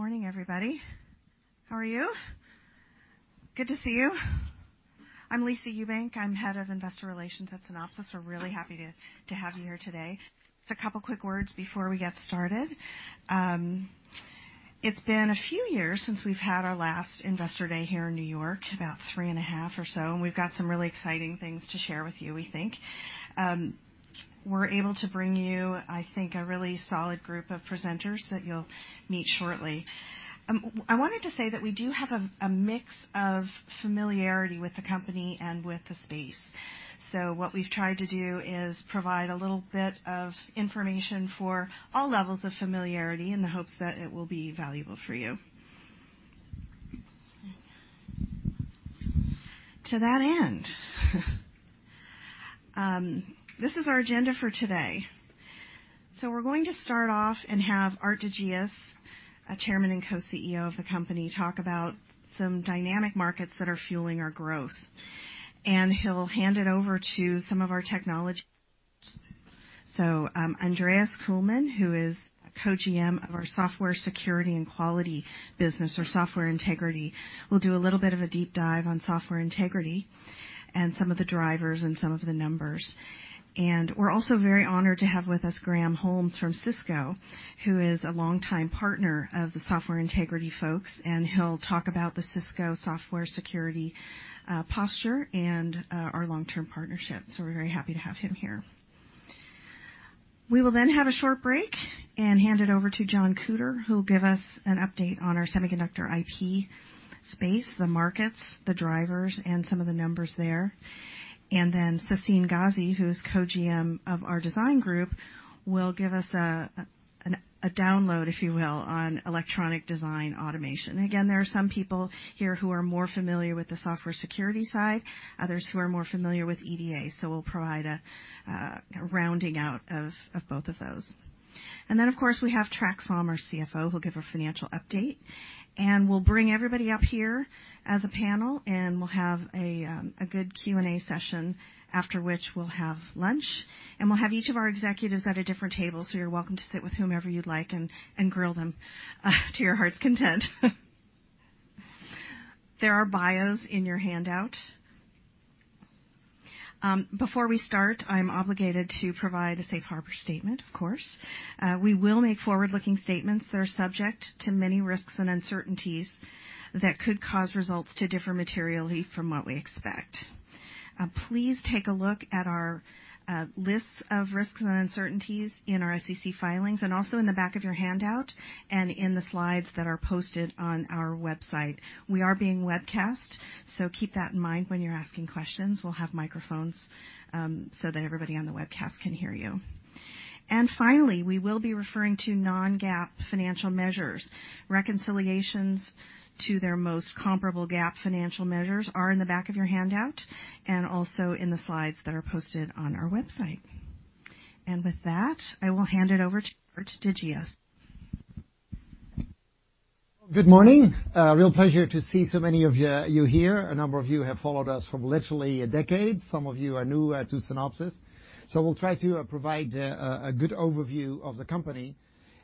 Morning, everybody. How are you? Good to see you. I'm Lisa Ewbank, I'm Head of Investor Relations at Synopsys. We're really happy to have you here today. Just a couple quick words before we get started. It's been a few years since we've had our last investor day here in New York, about three and a half or so. We've got some really exciting things to share with you, we think. We're able to bring you, I think, a really solid group of presenters that you'll meet shortly. I wanted to say that we do have a mix of familiarity with the company and with the space. What we've tried to do is provide a little bit of information for all levels of familiarity in the hopes that it will be valuable for you. To that end, this is our agenda for today. We're going to start off and have Aart de Geus, Chairman and Co-CEO of the company, talk about some dynamic markets that are fueling our growth. He'll hand it over to some of our technology. Andreas Kuehlmann, who is a Co-GM of our Software Security and Quality business, or Software Integrity, will do a little bit of a deep dive on Software Integrity and some of the drivers and some of the numbers. We're also very honored to have with us Graham Holmes from Cisco, who is a longtime partner of the Software Integrity folks, and he'll talk about the Cisco software security posture and our long-term partnership. We're very happy to have him here. We will then have a short break and hand it over to John Koeter, who'll give us an update on our semiconductor IP space, the markets, the drivers, and some of the numbers there. Sassine Ghazi, who's Co-GM of our design group, will give us a download, if you will, on electronic design automation. Again, there are some people here who are more familiar with the software security side, others who are more familiar with EDA, so we'll provide a rounding out of both of those. Of course, we have Trac Pham, our CFO, who'll give a financial update, and we'll bring everybody up here as a panel, and we'll have a good Q&A session, after which we'll have lunch. We'll have each of our executives at a different table, so you're welcome to sit with whomever you'd like and grill them to your heart's content. There are bios in your handout. Before we start, I'm obligated to provide a safe harbor statement, of course. We will make forward-looking statements that are subject to many risks and uncertainties that could cause results to differ materially from what we expect. Please take a look at our lists of risks and uncertainties in our SEC filings and also in the back of your handout and in the slides that are posted on our website. We are being webcast, so keep that in mind when you're asking questions. We'll have microphones so that everybody on the webcast can hear you. Finally, we will be referring to non-GAAP financial measures. Reconciliations to their most comparable GAAP financial measures are in the back of your handout and also in the slides that are posted on our website. With that, I will hand it over to Aart de Geus. Good morning. A real pleasure to see so many of you here. A number of you have followed us for literally a decade. Some of you are new to Synopsys. We'll try to provide a good overview of the company.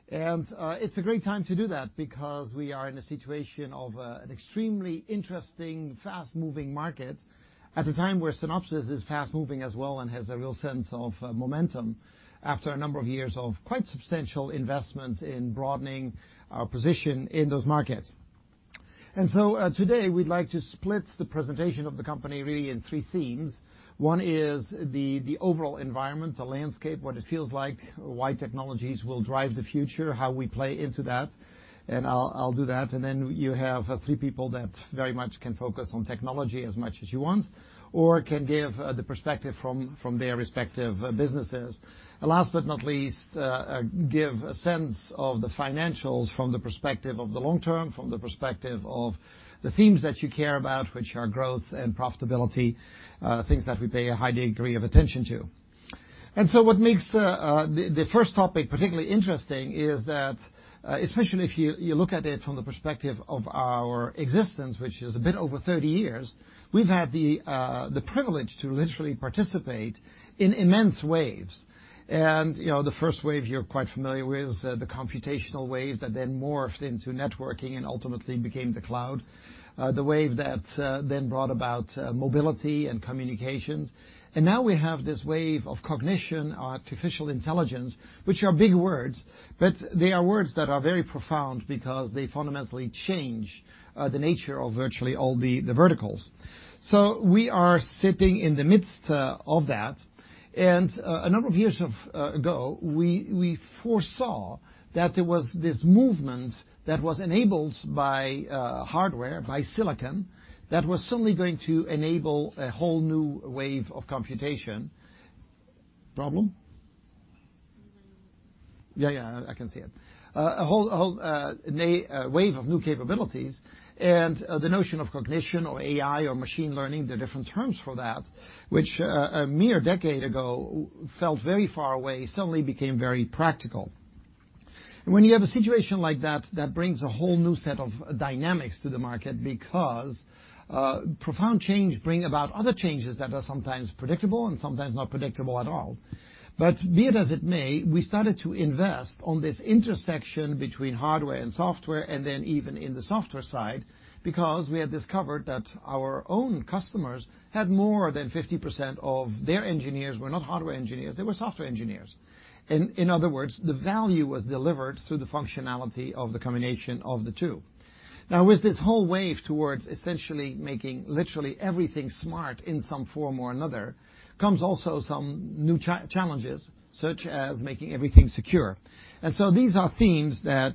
It's a great time to do that because we are in a situation of an extremely interesting, fast-moving market at a time where Synopsys is fast-moving as well and has a real sense of momentum after a number of years of quite substantial investments in broadening our position in those markets. Today, we'd like to split the presentation of the company really in three themes. One is the overall environment, the landscape, what it feels like, why technologies will drive the future, how we play into that. I'll do that, and then you have three people that very much can focus on technology as much as you want or can give the perspective from their respective businesses. Last but not least, give a sense of the financials from the perspective of the long term, from the perspective of the themes that you care about, which are growth and profitability, things that we pay a high degree of attention to. What makes the first topic particularly interesting is that, especially if you look at it from the perspective of our existence, which is a bit over 30 years, we've had the privilege to literally participate in immense waves. The first wave you're quite familiar with, the computational wave that then morphed into networking and ultimately became the cloud. The wave that then brought about mobility and communications. Now we have this wave of cognition, artificial intelligence, which are big words, but they are words that are very profound because they fundamentally change the nature of virtually all the verticals. We are sitting in the midst of that, and a number of years ago, we foresaw that there was this movement that was enabled by hardware, by silicon, that was suddenly going to enable a whole new wave of computation. Problem? Yeah, I can see it. A whole wave of new capabilities and the notion of cognition or AI or machine learning, there are different terms for that, which a mere decade ago felt very far away, suddenly became very practical. When you have a situation like that brings a whole new set of dynamics to the market because profound change bring about other changes that are sometimes predictable and sometimes not predictable at all. Be it as it may, we started to invest on this intersection between hardware and software, and then even in the software side, because we had discovered that our own customers had more than 50% of their engineers were not hardware engineers, they were software engineers. In other words, the value was delivered through the functionality of the combination of the two. With this whole wave towards essentially making literally everything smart in some form or another, comes also some new challenges, such as making everything secure. These are themes that,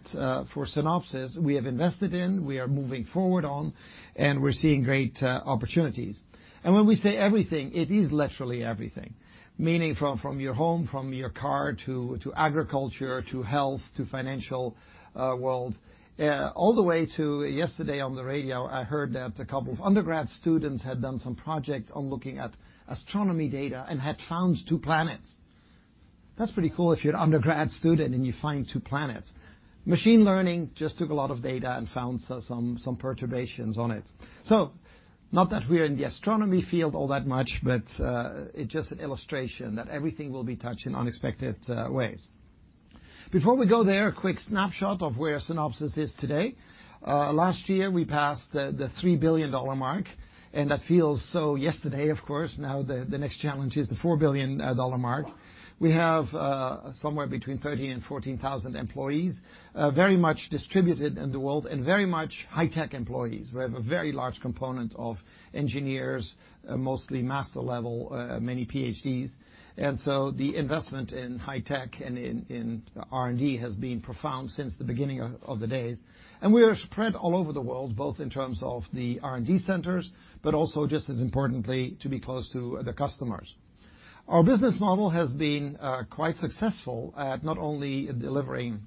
for Synopsys, we have invested in, we are moving forward on, and we're seeing great opportunities. When we say everything, it is literally everything. Meaning from your home, from your car, to agriculture, to health, to financial world, all the way to yesterday on the radio, I heard that a couple of undergrad students had done some project on looking at astronomy data and had found two planets. That's pretty cool if you're an undergrad student and you find two planets. Machine learning just took a lot of data and found some perturbations on it. Not that we're in the astronomy field all that much, but it's just an illustration that everything will be touched in unexpected ways. Before we go there, a quick snapshot of where Synopsys is today. Last year, we passed the $3 billion mark, and that feels so yesterday, of course. The next challenge is the $4 billion mark. We have somewhere between 13,000 and 14,000 employees, very much distributed in the world and very much high tech employees. We have a very large component of engineers, mostly master level, many PhDs. The investment in high tech and in R&D has been profound since the beginning of the days. We are spread all over the world, both in terms of the R&D centers, but also just as importantly, to be close to the customers. Our business model has been quite successful at not only delivering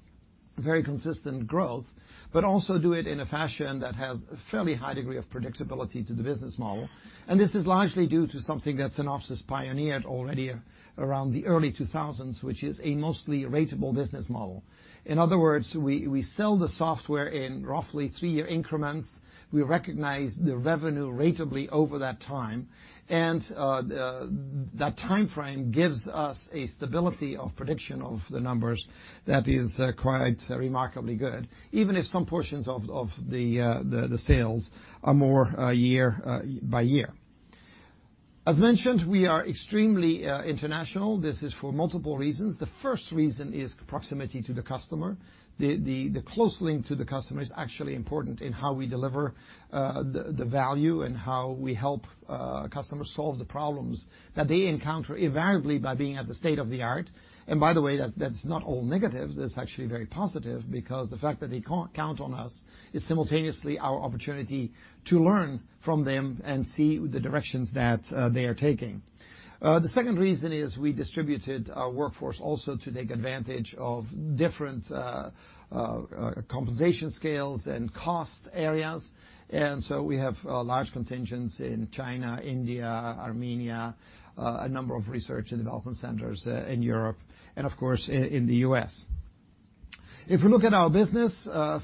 very consistent growth, but also do it in a fashion that has a fairly high degree of predictability to the business model. This is largely due to something that Synopsys pioneered already around the early 2000s, which is a mostly ratable business model. In other words, we sell the software in roughly three-year increments. We recognize the revenue ratably over that time. That timeframe gives us a stability of prediction of the numbers that is quite remarkably good, even if some portions of the sales are more year by year. As mentioned, we are extremely international. This is for multiple reasons. The first reason is proximity to the customer. The close link to the customer is actually important in how we deliver the value and how we help customers solve the problems that they encounter invariably by being at the state-of-the-art. By the way, that's not all negative. That's actually very positive because the fact that they count on us is simultaneously our opportunity to learn from them and see the directions that they are taking. The second reason is we distributed our workforce also to take advantage of different compensation scales and cost areas. We have large contingents in China, India, Armenia, a number of research and development centers in Europe, and of course, in the U.S. If we look at our business,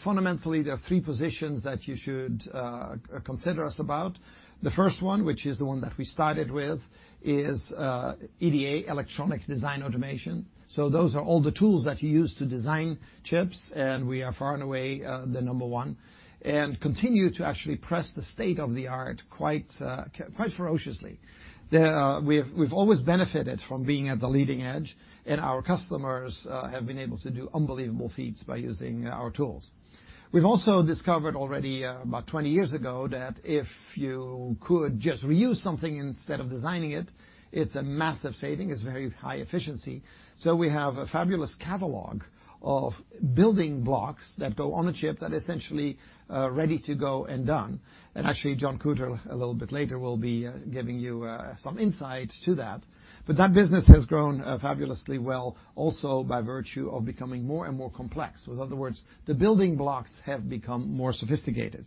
fundamentally, there are three positions that you should consider us about. The first one, which is the one that we started with, is EDA, Electronic Design Automation. Those are all the tools that you use to design chips, we are far and away the number one, and continue to actually press the state-of-the-art quite ferociously. We've always benefited from being at the leading edge, our customers have been able to do unbelievable feats by using our tools. We've also discovered already about 20 years ago that if you could just reuse something instead of designing it's a massive saving. It's very high efficiency. We have a fabulous catalog of building blocks that go on a chip that essentially are ready to go and done. Actually, John Koeter, a little bit later, will be giving you some insight to that. That business has grown fabulously well also by virtue of becoming more and more complex. With other words, the building blocks have become more sophisticated.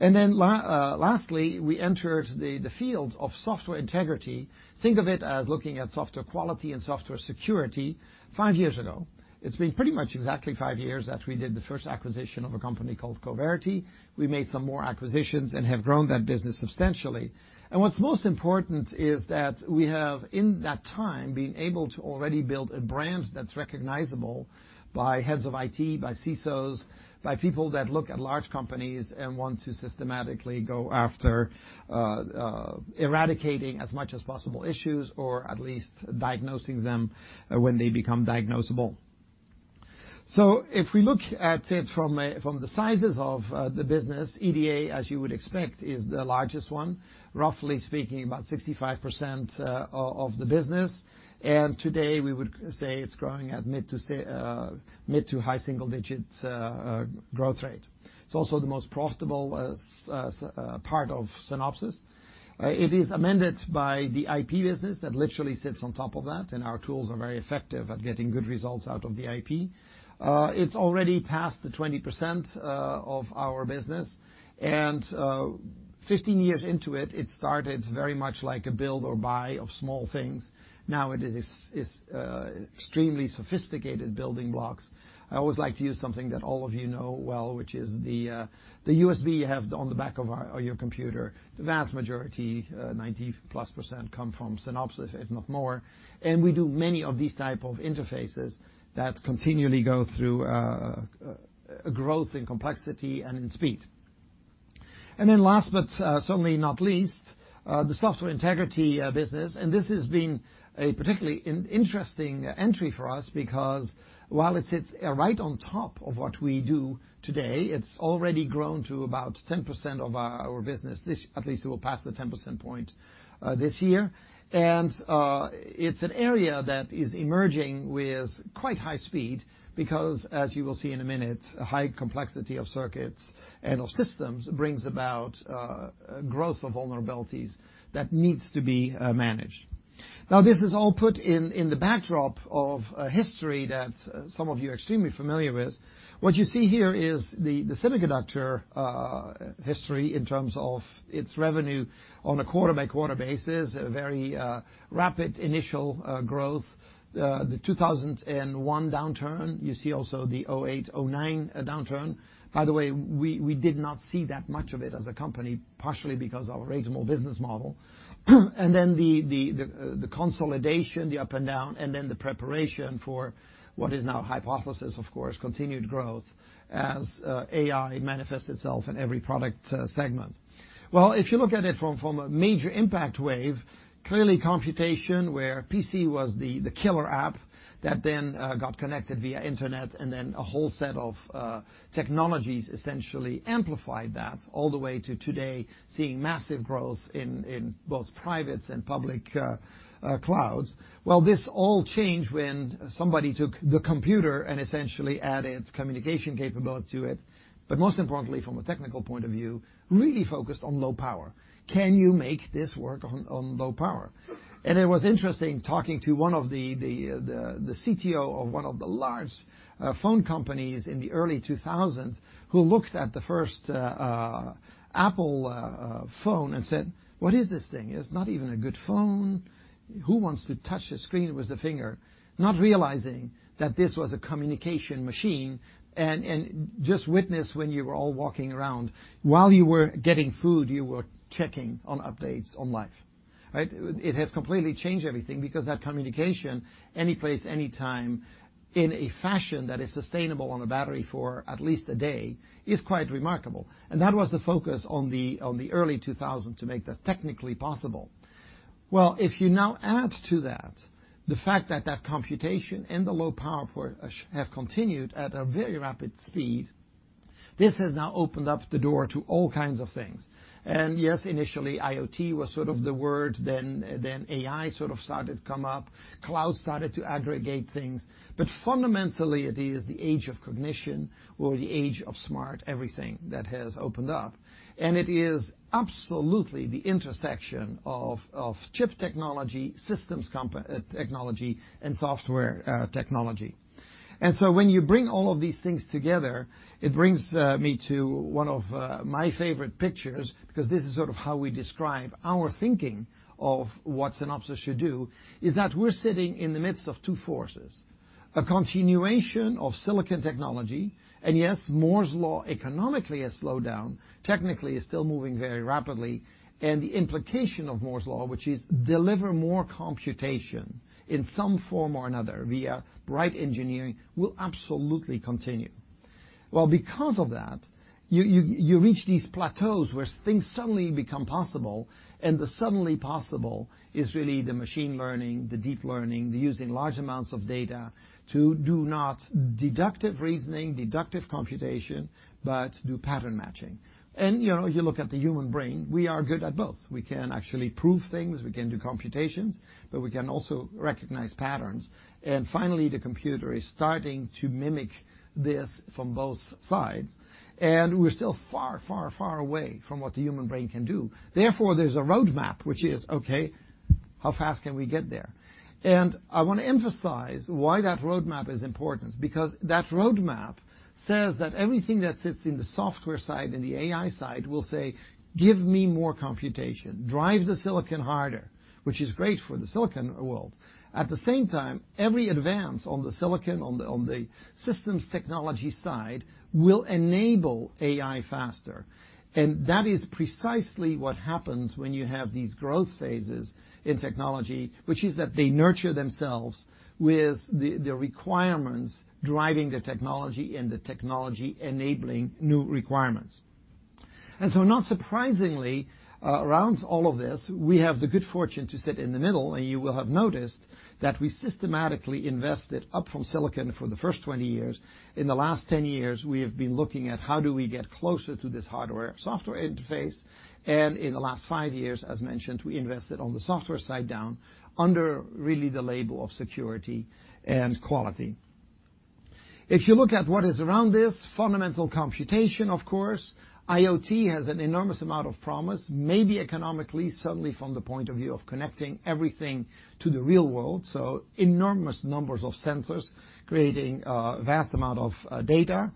Lastly, we entered the field of software integrity. Think of it as looking at software quality and software security five years ago. It's been pretty much exactly five years that we did the first acquisition of a company called Coverity. We made some more acquisitions and have grown that business substantially. What's most important is that we have, in that time, been able to already build a brand that's recognizable by heads of IT, by CISOs, by people that look at large companies and want to systematically go after eradicating as much as possible issues, or at least diagnosing them when they become diagnosable. If we look at it from the sizes of the business, EDA, as you would expect, is the largest one, roughly speaking, about 65% of the business. Today, we would say it's growing at mid to high single digits growth rate. It's also the most profitable part of Synopsys. It is amended by the IP business that literally sits on top of that, and our tools are very effective at getting good results out of the IP. It's already past the 20% of our business. 15 years into it started very much like a build or buy of small things. Now it is extremely sophisticated building blocks. I always like to use something that all of you know well, which is the USB you have on the back of your computer. The vast majority, 90+%, come from Synopsys, if not more. We do many of these type of interfaces that continually go through a growth in complexity and in speed. Last but certainly not least, the software integrity business. This has been a particularly interesting entry for us because while it sits right on top of what we do today, it's already grown to about 10% of our business. At least it will pass the 10% point this year. It's an area that is emerging with quite high speed because, as you will see in a minute, a high complexity of circuits and of systems brings about growth of vulnerabilities that needs to be managed. This is all put in the backdrop of a history that some of you are extremely familiar with. What you see here is the semiconductor history in terms of its revenue on a quarter-by-quarter basis, a very rapid initial growth. The 2001 downturn. You see also the 2008, 2009 downturn. By the way, we did not see that much of it as a company, partially because of our reasonable business model. The consolidation, the up and down, and then the preparation for what is now hypothesis, of course, continued growth as AI manifests itself in every product segment. If you look at it from a major impact wave, clearly computation, where PC was the killer app that then got connected via Internet and then a whole set of technologies essentially amplified that all the way to today, seeing massive growth in both privates and public clouds. This all changed when somebody took the computer and essentially added communication capability to it. Most importantly, from a technical point of view, really focused on low power. Can you make this work on low power? It was interesting talking to one of the CTO of one of the large phone companies in the early 2000s, who looked at the first Apple phone and said, "What is this thing? It's not even a good phone. Who wants to touch the screen with a finger?" Not realizing that this was a communication machine, and just witness when you were all walking around. While you were getting food, you were checking on updates on life, right? It has completely changed everything because that communication, any place, any time, in a fashion that is sustainable on a battery for at least a day, is quite remarkable. That was the focus on the early 2000s to make that technically possible. If you now add to that the fact that computation and the low power have continued at a very rapid speed, this has now opened up the door to all kinds of things. Yes, initially, IoT was sort of the word, then AI sort of started to come up. Cloud started to aggregate things. Fundamentally, it is the age of cognition or the age of smart everything that has opened up. It is absolutely the intersection of chip technology, systems technology, and software technology. When you bring all of these things together, it brings me to one of my favorite pictures, because this is sort of how we describe our thinking of what Synopsys should do, is that we're sitting in the midst of two forces. A continuation of silicon technology. Yes, Moore's Law economically has slowed down, technically is still moving very rapidly. The implication of Moore's Law, which is deliver more computation in some form or another via bright engineering, will absolutely continue. Because of that, you reach these plateaus where things suddenly become possible, the suddenly possible is really the machine learning, the deep learning, the using large amounts of data to do not deductive reasoning, deductive computation, but do pattern matching. You look at the human brain, we are good at both. We can actually prove things. We can do computations, but we can also recognize patterns. Finally, the computer is starting to mimic this from both sides, and we're still far away from what the human brain can do. There's a roadmap, which is, okay, how fast can we get there? I want to emphasize why that roadmap is important, because that roadmap says that everything that sits in the software side and the AI side will say, "Give me more computation. Drive the silicon harder," which is great for the silicon world. At the same time, every advance on the silicon, on the systems technology side will enable AI faster. That is precisely what happens when you have these growth phases in technology, which is that they nurture themselves with the requirements driving the technology and the technology enabling new requirements. Not surprisingly, around all of this, we have the good fortune to sit in the middle. You will have noticed that we systematically invested up from silicon for the first 20 years. In the last 10 years, we have been looking at how do we get closer to this hardware-software interface. In the last five years, as mentioned, we invested on the software side down under really the label of security and quality. If you look at what is around this, fundamental computation, of course. IoT has an enormous amount of promise, maybe economically, certainly from the point of view of connecting everything to the real world. Enormous numbers of sensors creating a vast amount of data.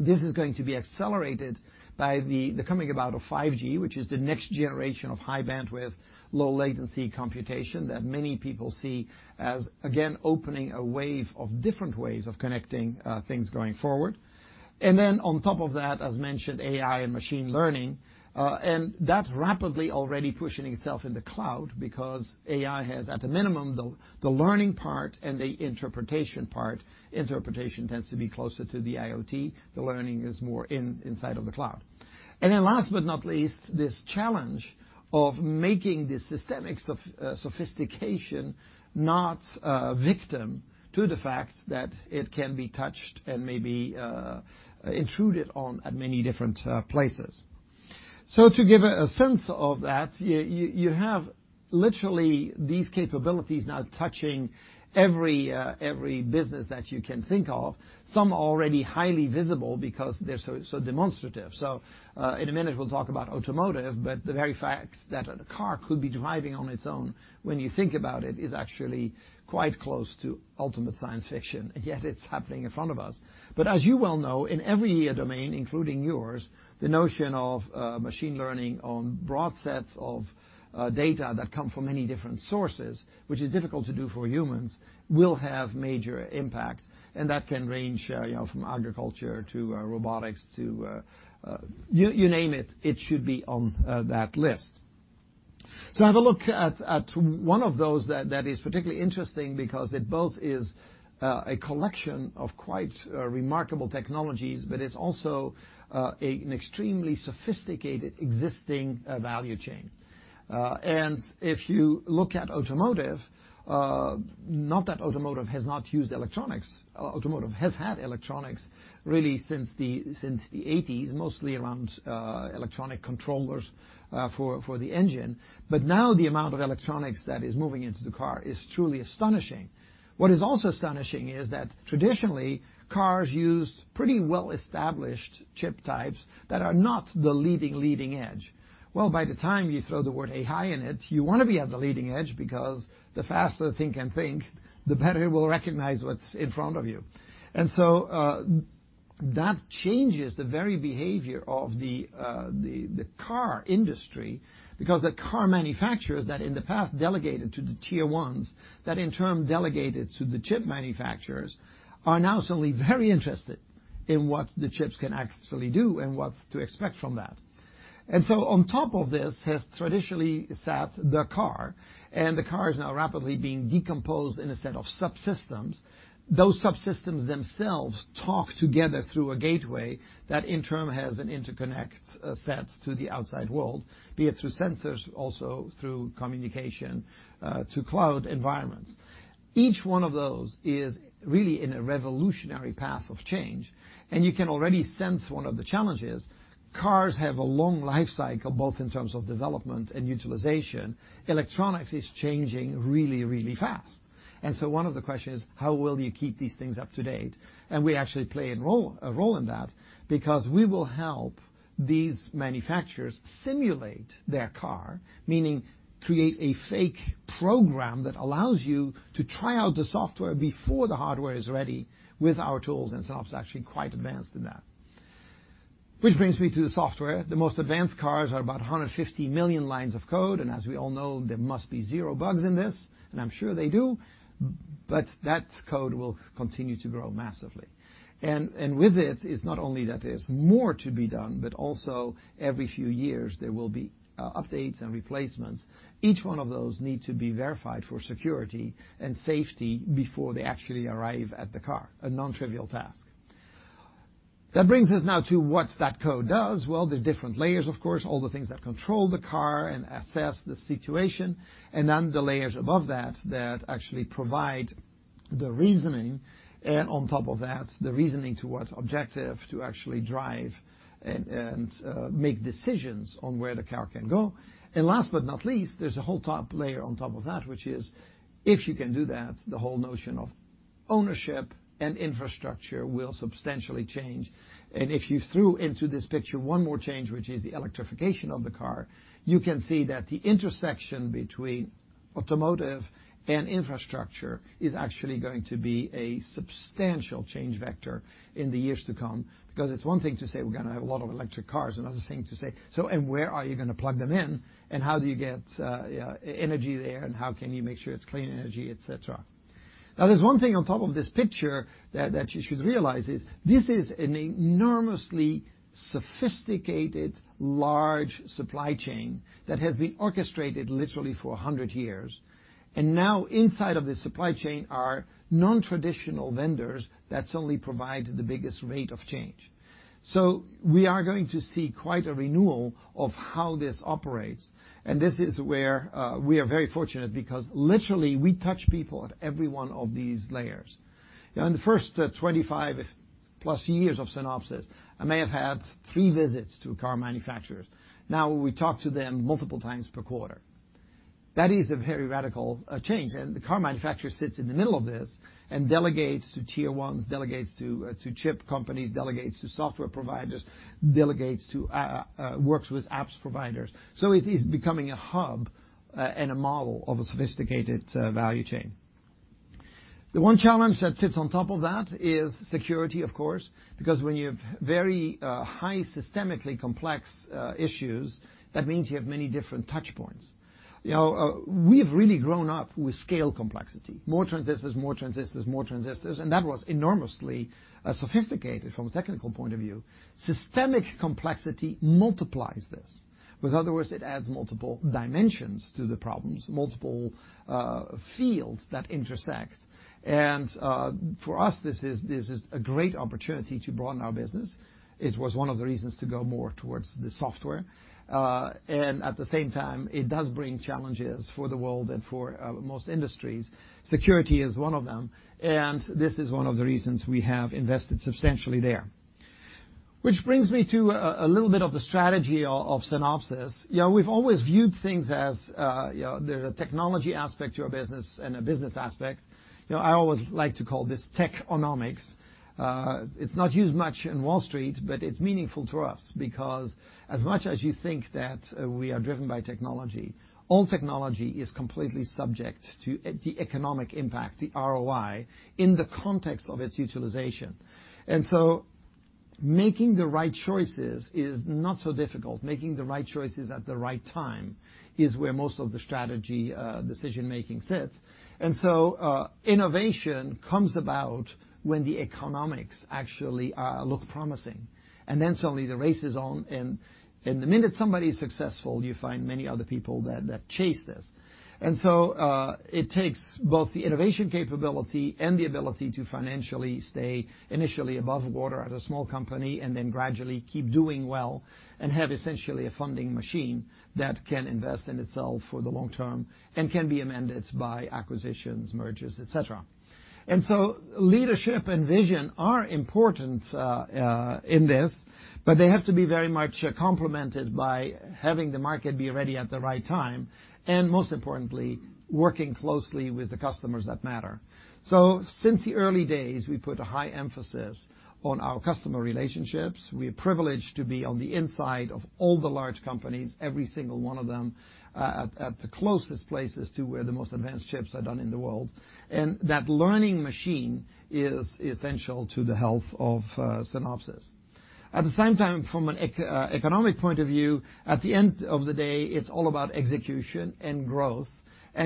This is going to be accelerated by the coming about of 5G, which is the next generation of high bandwidth, low latency computation that many people see as, again, opening a wave of different ways of connecting things going forward. Then on top of that, as mentioned, AI and machine learning. That rapidly already pushing itself in the cloud because AI has, at a minimum, the learning part and the interpretation part. Interpretation tends to be closer to the IoT. The learning is more inside of the cloud. Last but not least, this challenge of making the systemic sophistication not victim to the fact that it can be touched and maybe intruded on at many different places. To give a sense of that, you have literally these capabilities now touching every business that you can think of, some already highly visible because they're so demonstrative. In a minute we'll talk about automotive, the very fact that a car could be driving on its own, when you think about it, is actually quite close to ultimate science fiction, and yet it's happening in front of us. As you well know, in every domain, including yours, the notion of machine learning on broad sets of data that come from many different sources, which is difficult to do for humans, will have major impact. That can range from agriculture to robotics to you name it should be on that list. Have a look at one of those that is particularly interesting because it both is a collection of quite remarkable technologies, but it's also an extremely sophisticated existing value chain. If you look at automotive, not that automotive has not used electronics, automotive has had electronics really since the '80s, mostly around electronic controllers for the engine. Now the amount of electronics that is moving into the car is truly astonishing. What is also astonishing is that traditionally, cars used pretty well-established chip types that are not the leading edge. By the time you throw the word AI in it, you want to be at the leading edge because the faster a thing can think, the better it will recognize what's in front of you. That changes the very behavior of the car industry because the car manufacturers that in the past delegated to the tier 1s, that in turn delegated to the chip manufacturers, are now suddenly very interested in what the chips can actually do and what to expect from that. On top of this has traditionally sat the car, and the car is now rapidly being decomposed in a set of subsystems. Those subsystems themselves talk together through a gateway that in turn has an interconnect set to the outside world, be it through sensors, also through communication, to cloud environments. Each one of those is really in a revolutionary path of change, and you can already sense one of the challenges. Cars have a long life cycle, both in terms of development and utilization. Electronics is changing really, really fast. One of the questions, how will you keep these things up to date? We actually play a role in that because we will help these manufacturers simulate their car, meaning create a fake program that allows you to try out the software before the hardware is ready with our tools, and Synopsys is actually quite advanced in that. Which brings me to the software. The most advanced cars are about 150 million lines of code, and as we all know, there must be zero bugs in this, and I'm sure they do. That code will continue to grow massively. With it's not only that there's more to be done, but also every few years there will be updates and replacements. Each one of those need to be verified for security and safety before they actually arrive at the car, a nontrivial task. That brings us now to what that code does. Well, there are different layers, of course, all the things that control the car and assess the situation, and then the layers above that that actually provide the reasoning. On top of that, the reasoning towards objective to actually drive and make decisions on where the car can go. Last but not least, there's a whole top layer on top of that, which is, if you can do that, the whole notion of ownership and infrastructure will substantially change. If you threw into this picture one more change, which is the electrification of the car, you can see that the intersection between automotive and infrastructure is actually going to be a substantial change vector in the years to come. It's one thing to say we're going to have a lot of electric cars, another thing to say, where are you going to plug them in? How do you get energy there? How can you make sure it's clean energy, et cetera? There's one thing on top of this picture that you should realize is this is an enormously sophisticated, large supply chain that has been orchestrated literally for 100 years. Inside of this supply chain are non-traditional vendors that suddenly provide the biggest rate of change. We are going to see quite a renewal of how this operates, and this is where we are very fortunate because literally we touch people at every one of these layers. In the first 25 plus years of Synopsys, I may have had three visits to car manufacturers. We talk to them multiple times per quarter. That is a very radical change, the car manufacturer sits in the middle of this and delegates to tier 1s, delegates to chip companies, delegates to software providers, delegates to works with apps providers. It is becoming a hub and a model of a sophisticated value chain. The one challenge that sits on top of that is security, of course, because when you have very high systemically complex issues, that means you have many different touchpoints. We've really grown up with scale complexity. More transistors, more transistors, more transistors, and that was enormously sophisticated from a technical point of view. Systemic complexity multiplies this. With other words, it adds multiple dimensions to the problems, multiple fields that intersect. For us, this is a great opportunity to broaden our business. It was one of the reasons to go more towards the software. At the same time, it does bring challenges for the world and for most industries. Security is one of them, and this is one of the reasons we have invested substantially there. Which brings me to a little bit of the strategy of Synopsys. We've always viewed things as there's a technology aspect to our business and a business aspect. I always like to call this tech-onomics. It's not used much in Wall Street, but it's meaningful to us because as much as you think that we are driven by technology, all technology is completely subject to the economic impact, the ROI, in the context of its utilization. Making the right choices is not so difficult. Making the right choices at the right time is where most of the strategy decision-making sits. Innovation comes about when the economics actually look promising. Suddenly the race is on, the minute somebody's successful, you find many other people that chase this. It takes both the innovation capability and the ability to financially stay initially above water at a small company and then gradually keep doing well and have essentially a funding machine that can invest in itself for the long term and can be amended by acquisitions, mergers, et cetera. Leadership and vision are important in this, they have to be very much complemented by having the market be ready at the right time, most importantly, working closely with the customers that matter. Since the early days, we put a high emphasis on our customer relationships. We are privileged to be on the inside of all the large companies, every single one of them, at the closest places to where the most advanced chips are done in the world. That learning machine is essential to the health of Synopsys. At the same time, from an economic point of view, at the end of the day, it's all about execution and growth.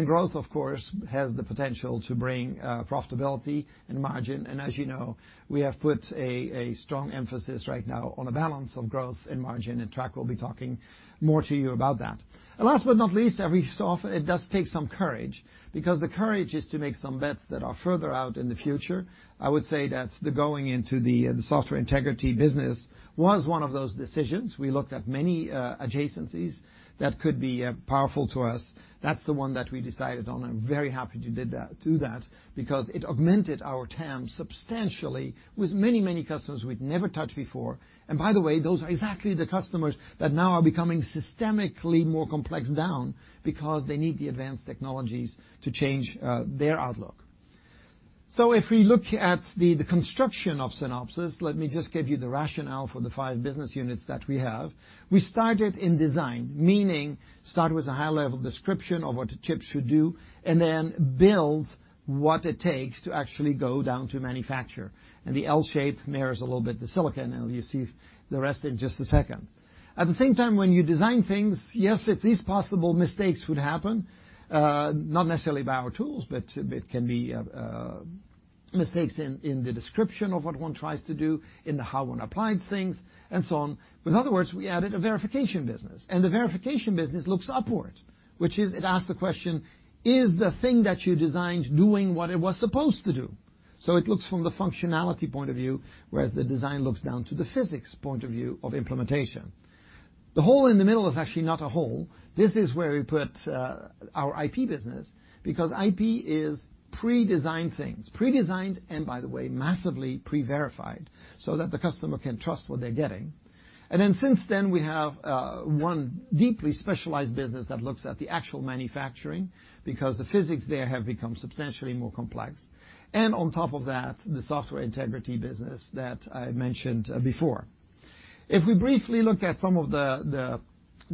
Growth, of course, has the potential to bring profitability and margin. As you know, we have put a strong emphasis right now on a balance of growth and margin, and Trac will be talking more to you about that. Last but not least, it does take some courage because the courage is to make some bets that are further out in the future. I would say that the going into the software integrity business was one of those decisions. We looked at many adjacencies that could be powerful to us. That's the one that we decided on. I'm very happy to do that because it augmented our TAM substantially with many customers we'd never touched before. By the way, those are exactly the customers that now are becoming systemically more complex down because they need the advanced technologies to change their outlook. If we look at the construction of Synopsys, let me just give you the rationale for the five business units that we have. We started in design, meaning start with a high-level description of what a chip should do and then build what it takes to actually go down to manufacture. The L shape mirrors a little bit the silicon. You'll see the rest in just a second. At the same time, when you design things, yes, if these possible mistakes would happen, not necessarily by our tools, but it can be mistakes in the description of what one tries to do, in how one applied things, and so on. In other words, we added a verification business, and the verification business looks upward. Which is it asks the question, "Is the thing that you designed doing what it was supposed to do?" It looks from the functionality point of view, whereas the design looks down to the physics point of view of implementation. The hole in the middle is actually not a hole. This is where we put our IP business because IP is pre-designed things, pre-designed and, by the way, massively pre-verified so that the customer can trust what they're getting. Since then, we have one deeply specialized business that looks at the actual manufacturing because the physics there have become substantially more complex. On top of that, the software integrity business that I mentioned before. If we briefly look at some of the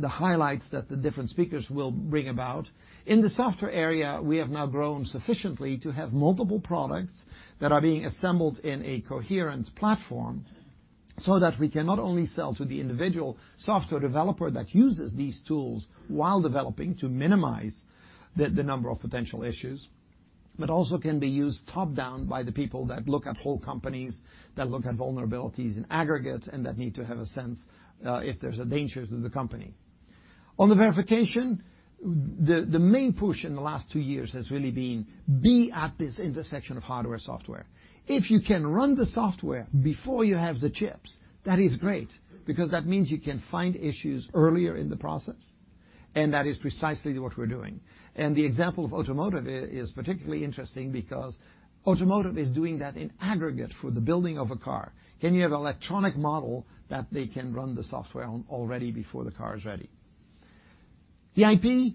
highlights that the different speakers will bring about, in the software area, we have now grown sufficiently to have multiple products that are being assembled in a coherent platform so that we can not only sell to the individual software developer that uses these tools while developing to minimize the number of potential issues, but also can be used top-down by the people that look at whole companies, that look at vulnerabilities in aggregate, and that need to have a sense if there's a danger to the company. On the verification, the main push in the last two years has really been at this intersection of hardware, software. If you can run the software before you have the chips, that is great because that means you can find issues earlier in the process, and that is precisely what we're doing. The example of automotive is particularly interesting because automotive is doing that in aggregate for the building of a car. Can you have an electronic model that they can run the software on already before the car is ready? The IP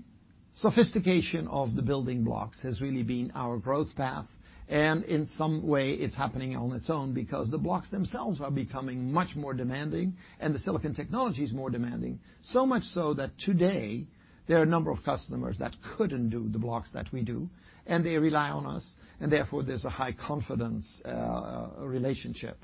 sophistication of the building blocks has really been our growth path, and in some way, it's happening on its own because the blocks themselves are becoming much more demanding, and the silicon technology is more demanding. Much so that today there are a number of customers that couldn't do the blocks that we do, and they rely on us, and therefore, there's a high-confidence relationship.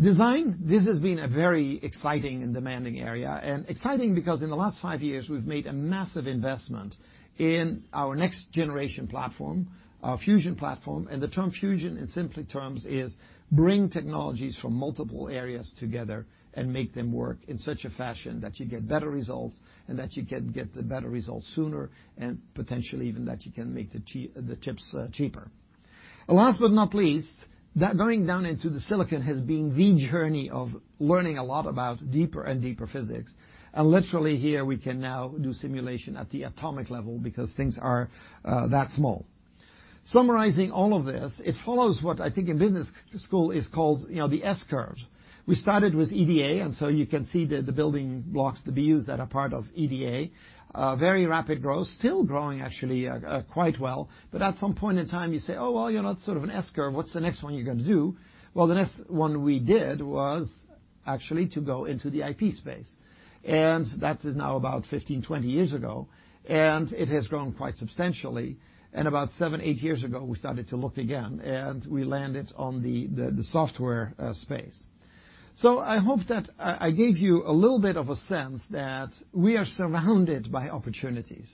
Design. This has been a very exciting and demanding area. Exciting because in the last five years, we've made a massive investment in our next-generation platform, our fusion platform, and the term fusion in simple terms is bring technologies from multiple areas together and make them work in such a fashion that you get better results and that you can get the better results sooner and potentially even that you can make the chips cheaper. Last but not least, that going down into the silicon has been the journey of learning a lot about deeper and deeper physics. Literally here we can now do simulation at the atomic level because things are that small. Summarizing all of this, it follows what I think in business school is called the S curve. We started with EDA, so you can see the building blocks, the BUs that are part of EDA. Very rapid growth. Still growing actually quite well, but at some point in time, you say, "Oh, well, you're not sort of an S curve. What's the next one you're going to do?" Well, the next one we did was actually to go into the IP space, and that is now about 15, 20 years ago, and about seven, eight years ago, we started to look again, and we landed on the software space. I hope that I gave you a little bit of a sense that we are surrounded by opportunities.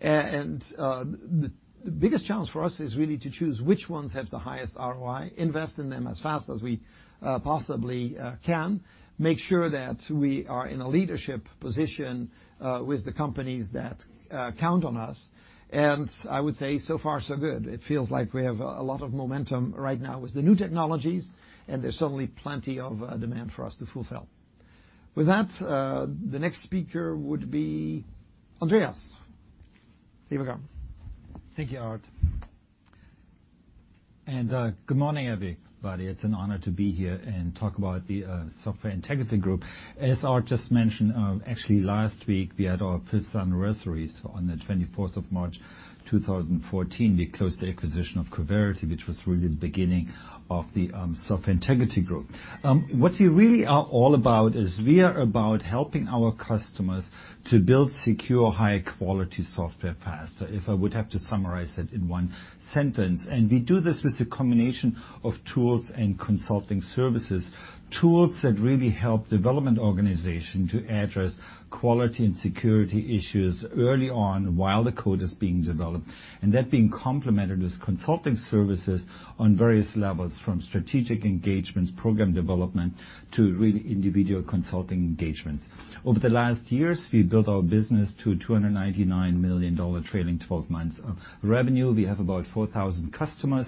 The biggest challenge for us is really to choose which ones have the highest ROI, invest in them as fast as we possibly can, make sure that we are in a leadership position with the companies that count on us. I would say, so far so good. It feels like we have a lot of momentum right now with the new technologies, and there's certainly plenty of demand for us to fulfill. With that, the next speaker would be Andreas. Here we go. Thank you, Aart. Good morning, everybody. It's an honor to be here and talk about the Software Integrity Group. As Aart just mentioned, actually last week, we had our fifth anniversary. On the 24th of March 2014, we closed the acquisition of Coverity, which was really the beginning of the Software Integrity Group. What we really are all about is we are about helping our customers to build secure, high-quality software faster, if I would have to summarize it in one sentence. We do this with a combination of tools and consulting services, tools that really help development organization to address quality and security issues early on while the code is being developed, and that being complemented with consulting services on various levels, from strategic engagements, program development, to really individual consulting engagements. Over the last years, we've built our business to $299 million trailing 12 months of revenue. We have about 4,000 customers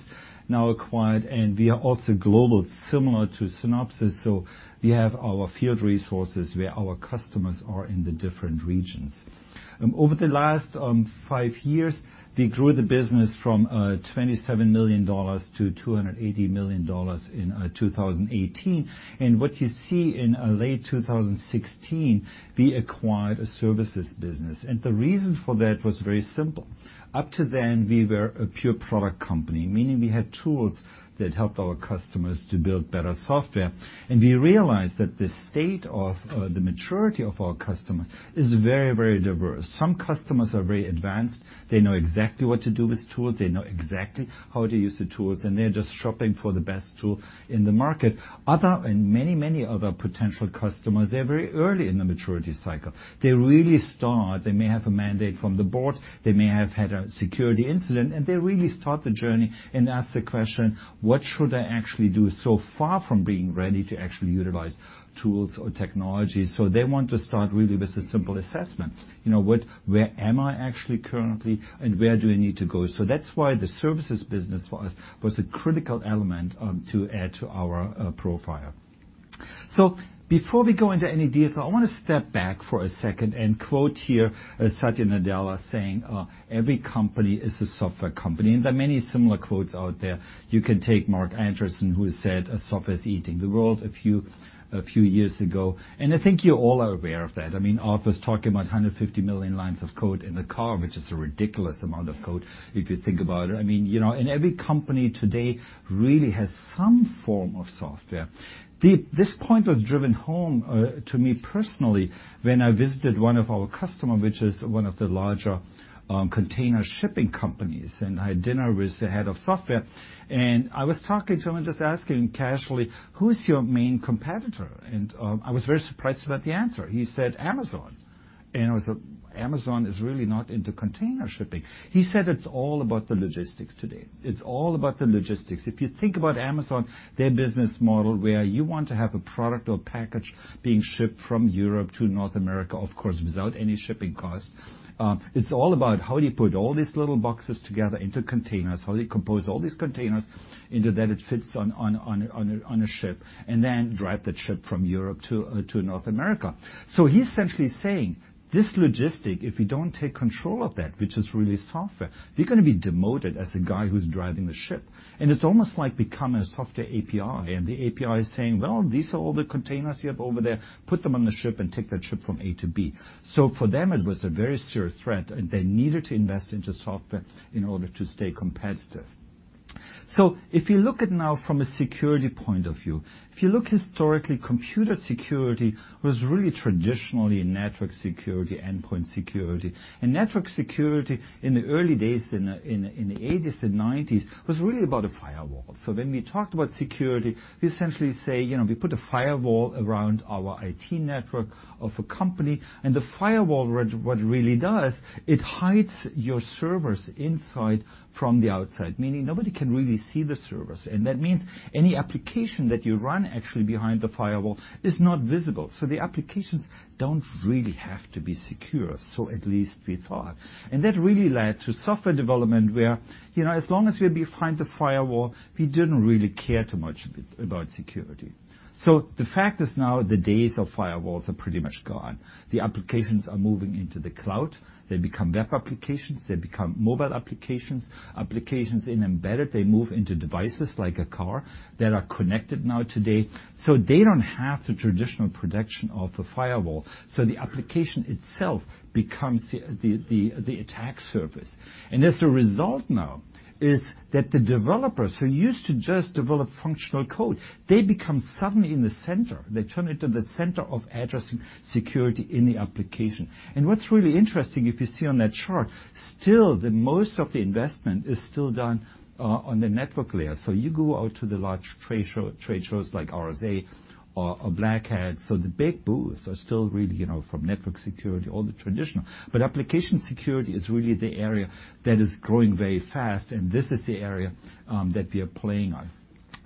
now acquired, and we are also global, similar to Synopsys. We have our field resources where our customers are in the different regions. Over the last five years, we grew the business from $27 million to $280 million in 2018. What you see in late 2016, we acquired a services business, and the reason for that was very simple. Up to then, we were a pure product company, meaning we had tools that helped our customers to build better software, and we realized that the state of the maturity of our customers is very, very diverse. Some customers are very advanced. They know exactly what to do with tools. They know exactly how to use the tools, and they're just shopping for the best tool in the market. Other and many other potential customers, they're very early in the maturity cycle. They really start. They may have a mandate from the board. They may have had a security incident, and they really start the journey and ask the question, "What should I actually do?" Far from being ready to actually utilize tools or technologies. They want to start really with a simple assessment. Where am I actually currently, and where do I need to go? That's why the services business for us was a critical element to add to our profile. Before we go into any detail, I want to step back for a second and quote here Satya Nadella saying, "Every company is a software company." There are many similar quotes out there. You can take Marc Andreessen, who said software is eating the world a few years ago. I think you all are aware of that. Aart was talking about 150 million lines of code in a car, which is a ridiculous amount of code if you think about it. Every company today really has some form of software. This point was driven home to me personally when I visited one of our customer, which is one of the larger container shipping companies, and I had dinner with the head of software. I was talking to him and just asking casually, "Who's your main competitor?" I was very surprised about the answer. He said Amazon. I was like, "Amazon is really not into container shipping." He said it's all about the logistics today. It's all about the logistics. If you think about Amazon, their business model where you want to have a product or package being shipped from Europe to North America, of course, without any shipping cost. It's all about how do you put all these little boxes together into containers, how do you compose all these containers into that it fits on a ship, and then drive that ship from Europe to North America. He's essentially saying, this logistic, if you don't take control of that, which is really software, you're going to be demoted as a guy who's driving the ship. It's almost like becoming a software API, and the API is saying, "Well, these are all the containers you have over there. Put them on the ship and take that ship from A to B." For them, it was a very serious threat, and they needed to invest into software in order to stay competitive. If you look at now from a security point of view, if you look historically, computer security was really traditionally network security, endpoint security. Network security in the early days in the '80s and '90s was really about a firewall. When we talk about security, we essentially say we put a firewall around our IT network of a company, and the firewall, what it really does, it hides your servers inside from the outside, meaning nobody can really see the servers. That means any application that you run actually behind the firewall is not visible. The applications don't really have to be secure, so at least we thought. That really led to software development where, as long as we're behind the firewall, we didn't really care too much about security. The fact is now the days of firewalls are pretty much gone. The applications are moving into the cloud. They become web applications. They become mobile applications in embedded, they move into devices like a car that are connected now today. They don't have the traditional protection of a firewall. The application itself becomes the attack surface. As a result now is that the developers who used to just develop functional code, they become suddenly in the center. They turn into the center of addressing security in the application. What's really interesting, if you see on that chart, still the most of the investment is still done on the network layer. You go out to the large trade shows like RSA or Black Hat. The big booths are still really from network security, all the traditional. Application security is really the area that is growing very fast, and this is the area that we are playing on.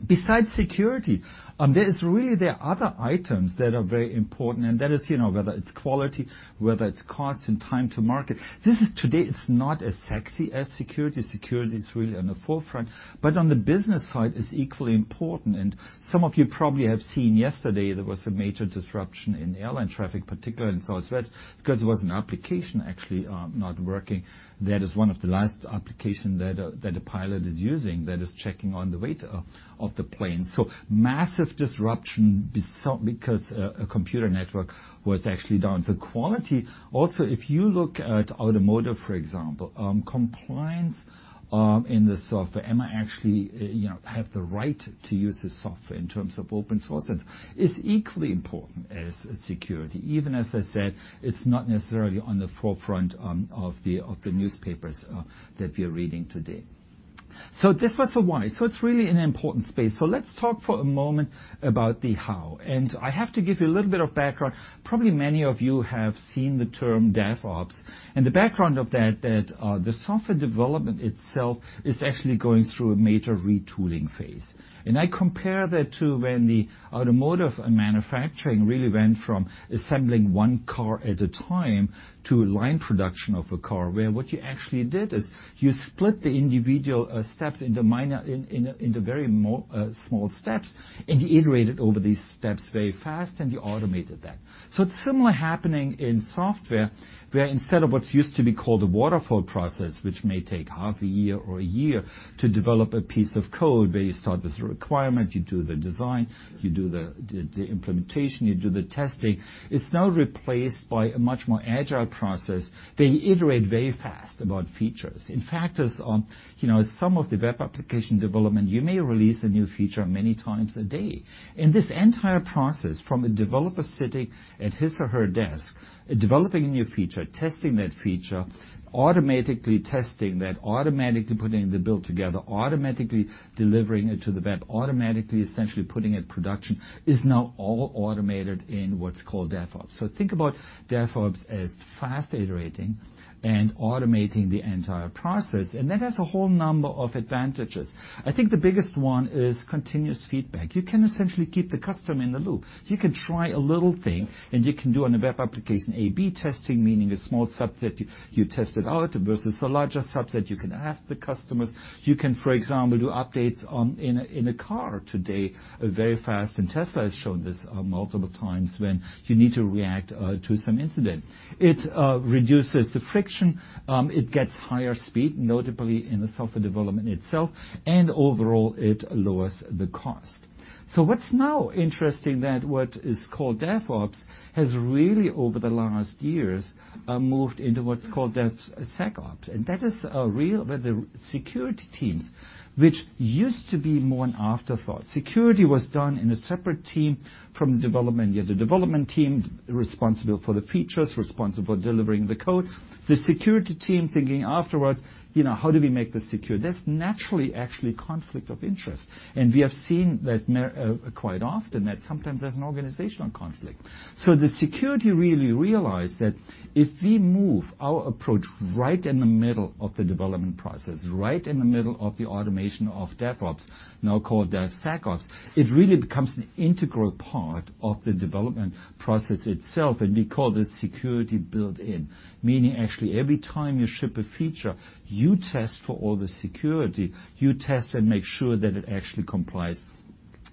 Besides security, there are other items that are very important, and that is whether it's quality, whether it's cost and time to market. This is today, it's not as sexy as security. Security is really on the forefront, but on the business side is equally important. Some of you probably have seen yesterday there was a major disruption in airline traffic, particularly in Southwest, because there was an application actually not working. That is one of the last application that the pilot is using that is checking on the weight of the plane. Massive disruption because a computer network was actually down. Quality, also, if you look at automotive, for example, compliance in the software, am I actually have the right to use this software in terms of open source? It's equally important as security, even as I said, it's not necessarily on the forefront of the newspapers that we're reading today. This was the why. It's really an important space. Let's talk for a moment about the how, and I have to give you a little bit of background. Probably many of you have seen the term DevOps, and the background of that the software development itself is actually going through a major retooling phase. I compare that to when the automotive manufacturing really went from assembling one car at a time to line production of a car, where what you actually did is you split the individual steps into very small steps, and you iterated over these steps very fast, and you automated that. It's similar happening in software, where instead of what used to be called a waterfall process, which may take half a year or a year to develop a piece of code, where you start with the requirement, you do the design, you do the implementation, you do the testing. It's now replaced by a much more agile process. They iterate very fast about features. In fact, as some of the web application development, you may release a new feature many times a day. This entire process from a developer sitting at his or her desk, developing a new feature, testing that feature, automatically testing that, automatically putting the build together, automatically delivering it to the web, automatically essentially putting it production, is now all automated in what's called DevOps. Think about DevOps as fast iterating and automating the entire process, and that has a whole number of advantages. I think the biggest one is continuous feedback. You can essentially keep the customer in the loop. You can try a little thing, and you can do on a web application A/B testing, meaning a small subset you tested out versus a larger subset. You can ask the customers. You can, for example, do updates in a car today very fast, and Tesla has shown this multiple times when you need to react to some incident. It reduces the friction, it gets higher speed, notably in the software development itself, and overall, it lowers the cost. What's now interesting that what is called DevOps has really over the last years, moved into what's called DevSecOps. That is where the security teams, which used to be more an afterthought. Security was done in a separate team from the development. You had the development team responsible for the features, responsible for delivering the code. The security team thinking afterwards, how do we make this secure? That's naturally actually conflict of interest. We have seen that quite often, that sometimes there's an organizational conflict. The security really realized that if we move our approach right in the middle of the development process, right in the middle of the automation of DevOps, now called DevSecOps, it really becomes an integral part of the development process itself, and we call this security built in. Meaning, actually, every time you ship a feature, you test for all the security. You test and make sure that it actually complies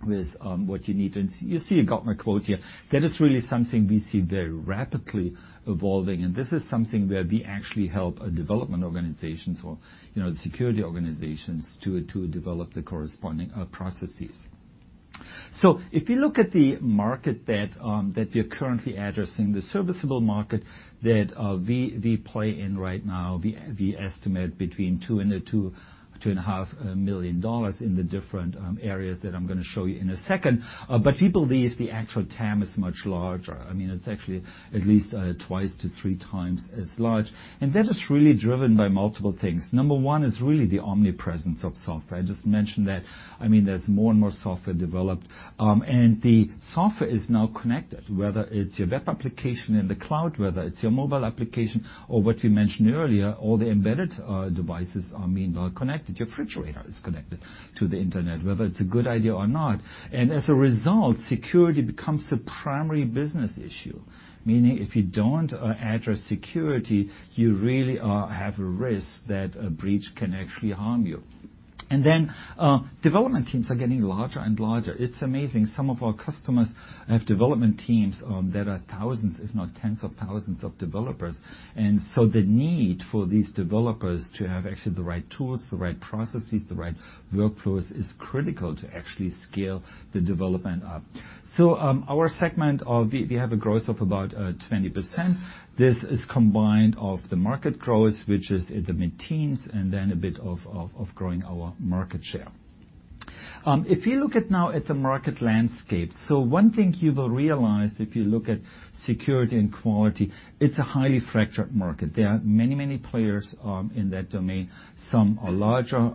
with what you need. You see a Gartner quote here. That is really something we see very rapidly evolving, and this is something where we actually help development organizations or the security organizations to develop the corresponding processes. If you look at the market that we are currently addressing, the serviceable market that we play in right now, we estimate between $2 billion and $2.5 billion in the different areas that I'm going to show you in a second. Believe the actual TAM is much larger. It's actually at least twice to three times as large. That is really driven by multiple things. Number 1 is really the omnipresence of software. I just mentioned that there's more and more software developed. The software is now connected, whether it's your web application in the cloud, whether it's your mobile application or what we mentioned earlier, all the embedded devices are now connected. Your refrigerator is connected to the internet, whether it's a good idea or not. As a result, security becomes a primary business issue, meaning if you don't address security, you really have a risk that a breach can actually harm you. Development teams are getting larger and larger. It's amazing. Some of our customers have development teams that are thousands, if not tens of thousands, of developers. The need for these developers to have actually the right tools, the right processes, the right workflows is critical to actually scale the development up. Our segment, we have a growth of about 20%. This is combined of the market growth, which is in the mid-teens, and then a bit of growing our market share. If you look at now at the market landscape, one thing you will realize if you look at security and quality, it's a highly fractured market. There are many players in that domain. Some are larger,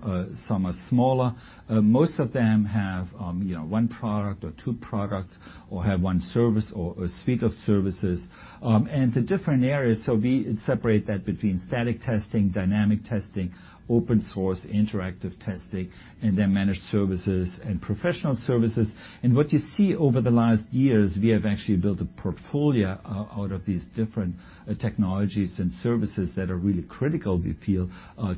some are smaller. Most of them have one product or two products, or have one service or a suite of services. The different areas, we separate that between static testing, dynamic testing, open source, interactive testing, and then managed services and professional services. What you see over the last years, we have actually built a portfolio out of these different technologies and services that are really critical, we feel,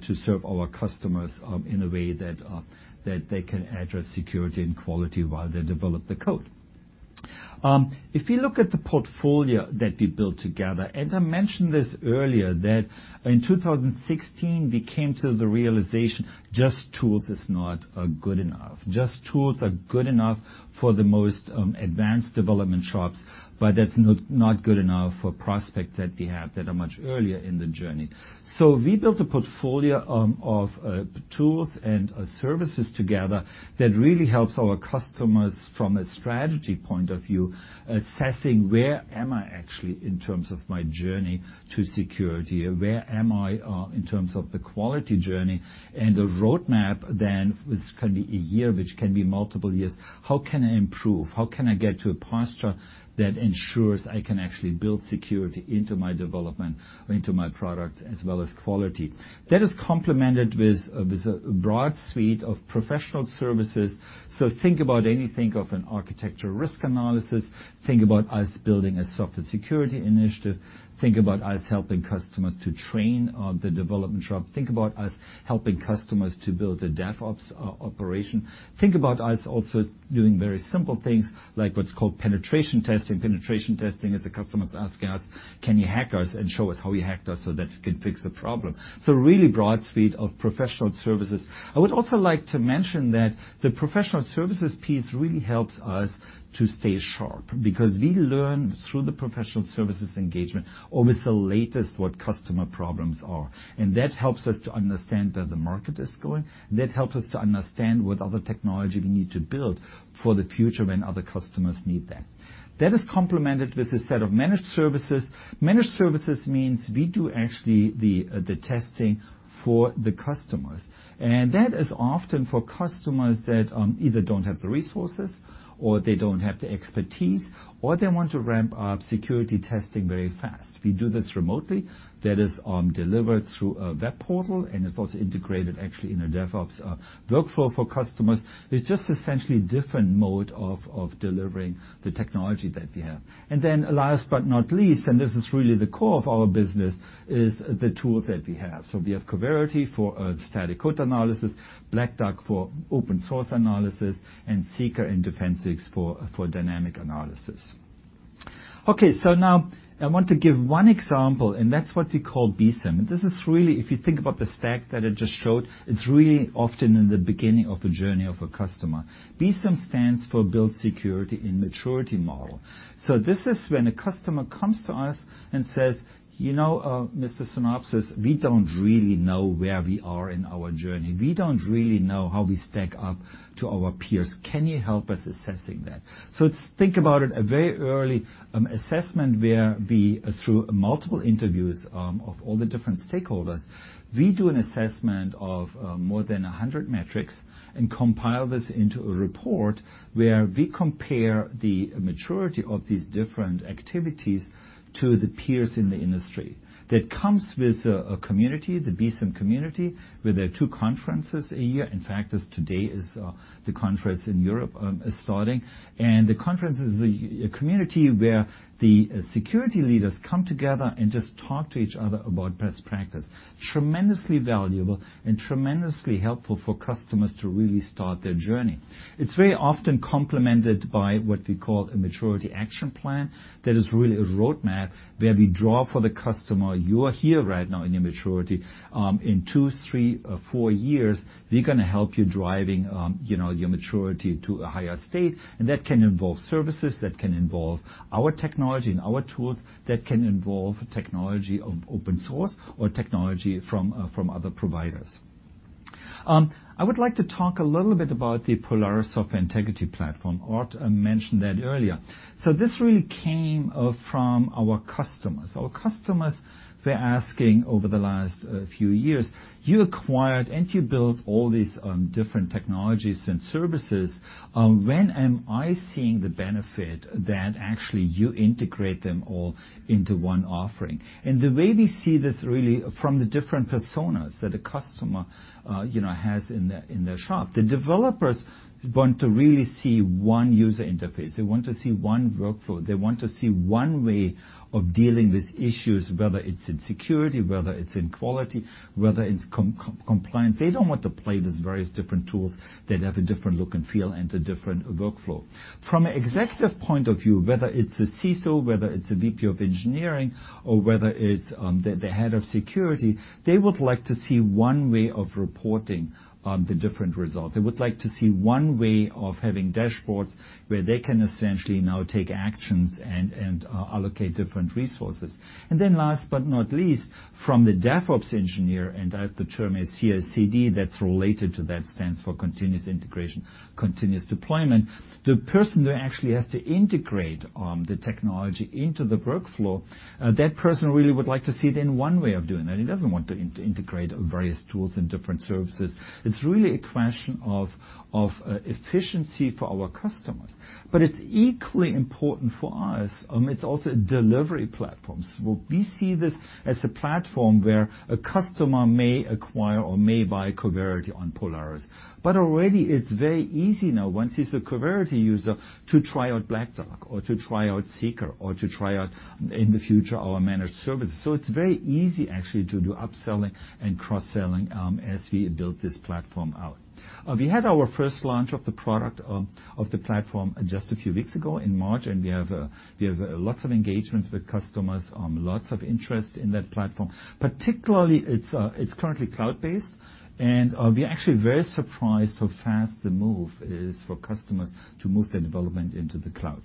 to serve our customers in a way that they can address security and quality while they develop the code. If you look at the portfolio that we built together, I mentioned this earlier, that in 2016, we came to the realization, just tools is not good enough. Just tools are good enough for the most advanced development shops, that's not good enough for prospects that we have that are much earlier in the journey. We built a portfolio of tools and services together that really helps our customers from a strategy point of view, assessing where am I actually in terms of my journey to security? Where am I in terms of the quality journey? A roadmap then, which can be a year, which can be multiple years, how can I improve? How can I get to a posture that ensures I can actually build security into my development or into my product as well as quality? That is complemented with a broad suite of professional services. Think about anything of an architecture risk analysis. Think about us building a software security initiative. Think about us helping customers to train the development shop. Think about us helping customers to build a DevOps operation. Think about us also doing very simple things like what's called penetration testing. Penetration testing is the customers asking us, "Can you hack us and show us how you hacked us so that we can fix the problem?" Really broad suite of professional services. I would also like to mention that the professional services piece really helps us to stay sharp because we learn through the professional services engagement, always the latest what customer problems are. That helps us to understand where the market is going. That helps us to understand what other technology we need to build for the future when other customers need that. That is complemented with a set of managed services. Managed services means we do actually the testing for the customers. That is often for customers that either don't have the resources or they don't have the expertise, or they want to ramp up security testing very fast. We do this remotely. That is delivered through a web portal, and it's also integrated actually in a DevOps workflow for customers. It's just essentially a different mode of delivering the technology that we have. Last but not least, and this is really the core of our business, is the tools that we have. We have Coverity for static code analysis, Black Duck for open source analysis, and Seeker and Defensics for dynamic analysis. Now I want to give one example, and that's what we call BSIMM. This is really, if you think about the stack that I just showed, it's really often in the beginning of the journey of a customer. BSIMM stands for Building Security In Maturity Model. This is when a customer comes to us and says, "Mr. Synopsys, we don't really know where we are in our journey. We don't really know how we stack up to our peers. Can you help us assessing that?" Think about it, a very early assessment where we, through multiple interviews of all the different stakeholders, we do an assessment of more than 100 metrics and compile this into a report where we compare the maturity of these different activities to the peers in the industry. That comes with a community, the BSIMM community, where there are two conferences a year. In fact, as today is the conference in Europe is starting. The conference is a community where the security leaders come together and just talk to each other about best practice. Tremendously valuable and tremendously helpful for customers to really start their journey. It's very often complemented by what we call a maturity action plan. That is really a roadmap where we draw for the customer, you are here right now in your maturity. In two, three, or four years, we're going to help you driving your maturity to a higher state. That can involve services, that can involve our technology and our tools, that can involve technology of open source or technology from other providers. I would like to talk a little bit about the Polaris Software Integrity Platform. Aart mentioned that earlier. This really came from our customers. Our customers were asking over the last few years, "You acquired and you built all these different technologies and services. When am I seeing the benefit that actually you integrate them all into one offering?" The way we see this really from the different personas that a customer has in their shop, the developers want to really see one user interface. They want to see one workflow. They want to see one way of dealing with issues, whether it's in security, whether it's in quality, whether it's compliance. They don't want to play with various different tools that have a different look and feel and a different workflow. From an executive point of view, whether it's a CISO, whether it's a VP of engineering, or whether it's the head of security, they would like to see one way of reporting the different results. They would like to see one way of having dashboards where they can essentially now take actions and allocate different resources. Then last but not least, from the DevOps engineer and the term is CI/CD, that's related to that, stands for continuous integration, continuous deployment. The person who actually has to integrate the technology into the workflow, that person really would like to see it in one way of doing that. He doesn't want to integrate various tools and different services. It's really a question of efficiency for our customers, but it's equally important for us. It's also a delivery platform. We see this as a platform where a customer may acquire or may buy Coverity on Polaris, but already it's very easy now, once he's a Coverity user, to try out Black Duck or to try out Seeker or to try out in the future our managed services. It's very easy actually to do upselling and cross-selling as we build this platform out. We had our first launch of the product of the platform just a few weeks ago in March, and we have lots of engagement with customers, lots of interest in that platform. Particularly, it's currently cloud-based, and we are actually very surprised how fast the move is for customers to move their development into the cloud.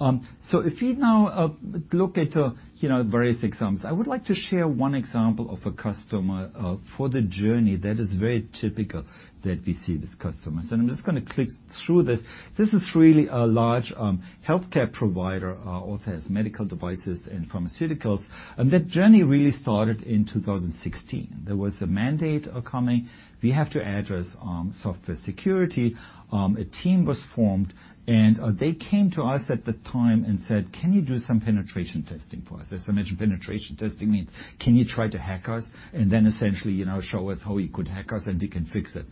If we now look at various examples, I would like to share one example of a customer for the journey that is very typical that we see with customers, and I'm just going to click through this. This is really a large healthcare provider, also has medical devices and pharmaceuticals, and that journey really started in 2016. There was a mandate coming. We have to address software security. A team was formed, and they came to us at the time and said, "Can you do some penetration testing for us?" As I mentioned, penetration testing means can you try to hack us and then essentially show us how you could hack us and we can fix it?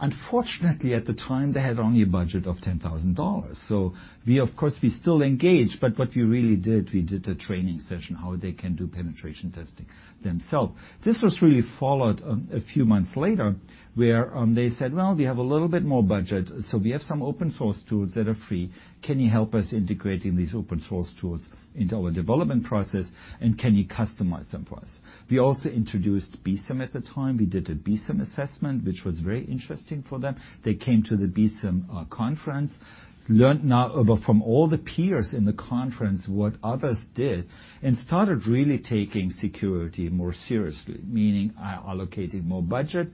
Unfortunately, at the time, they had only a budget of $10,000. We of course, we still engaged, what we really did, we did a training session, how they can do penetration testing themselves. This was really followed a few months later where they said, "Well, we have a little bit more budget, we have some open source tools that are free. Can you help us integrating these open source tools into our development process, and can you customize them for us?" We also introduced BSIMM at the time. We did a BSIMM assessment, which was very interesting for them. They came to the BSIMM conference, learned now from all the peers in the conference what others did, and started really taking security more seriously, meaning allocating more budget.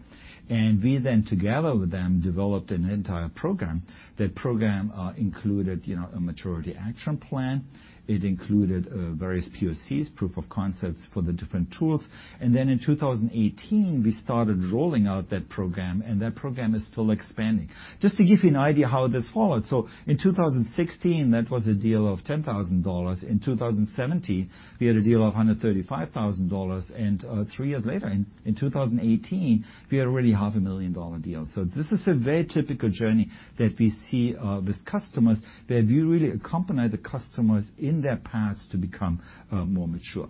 We then, together with them, developed an entire program. That program included a maturity action plan. It included various POCs, proof of concepts for the different tools. In 2018, we started rolling out that program, that program is still expanding. Just to give you an idea how this follows. In 2016, that was a deal of $10,000. In 2017, we had a deal of $135,000, three years later, in 2018, we had already half a million dollar deal. This is a very typical journey that we see with customers, where we really accompany the customers in their paths to become more mature.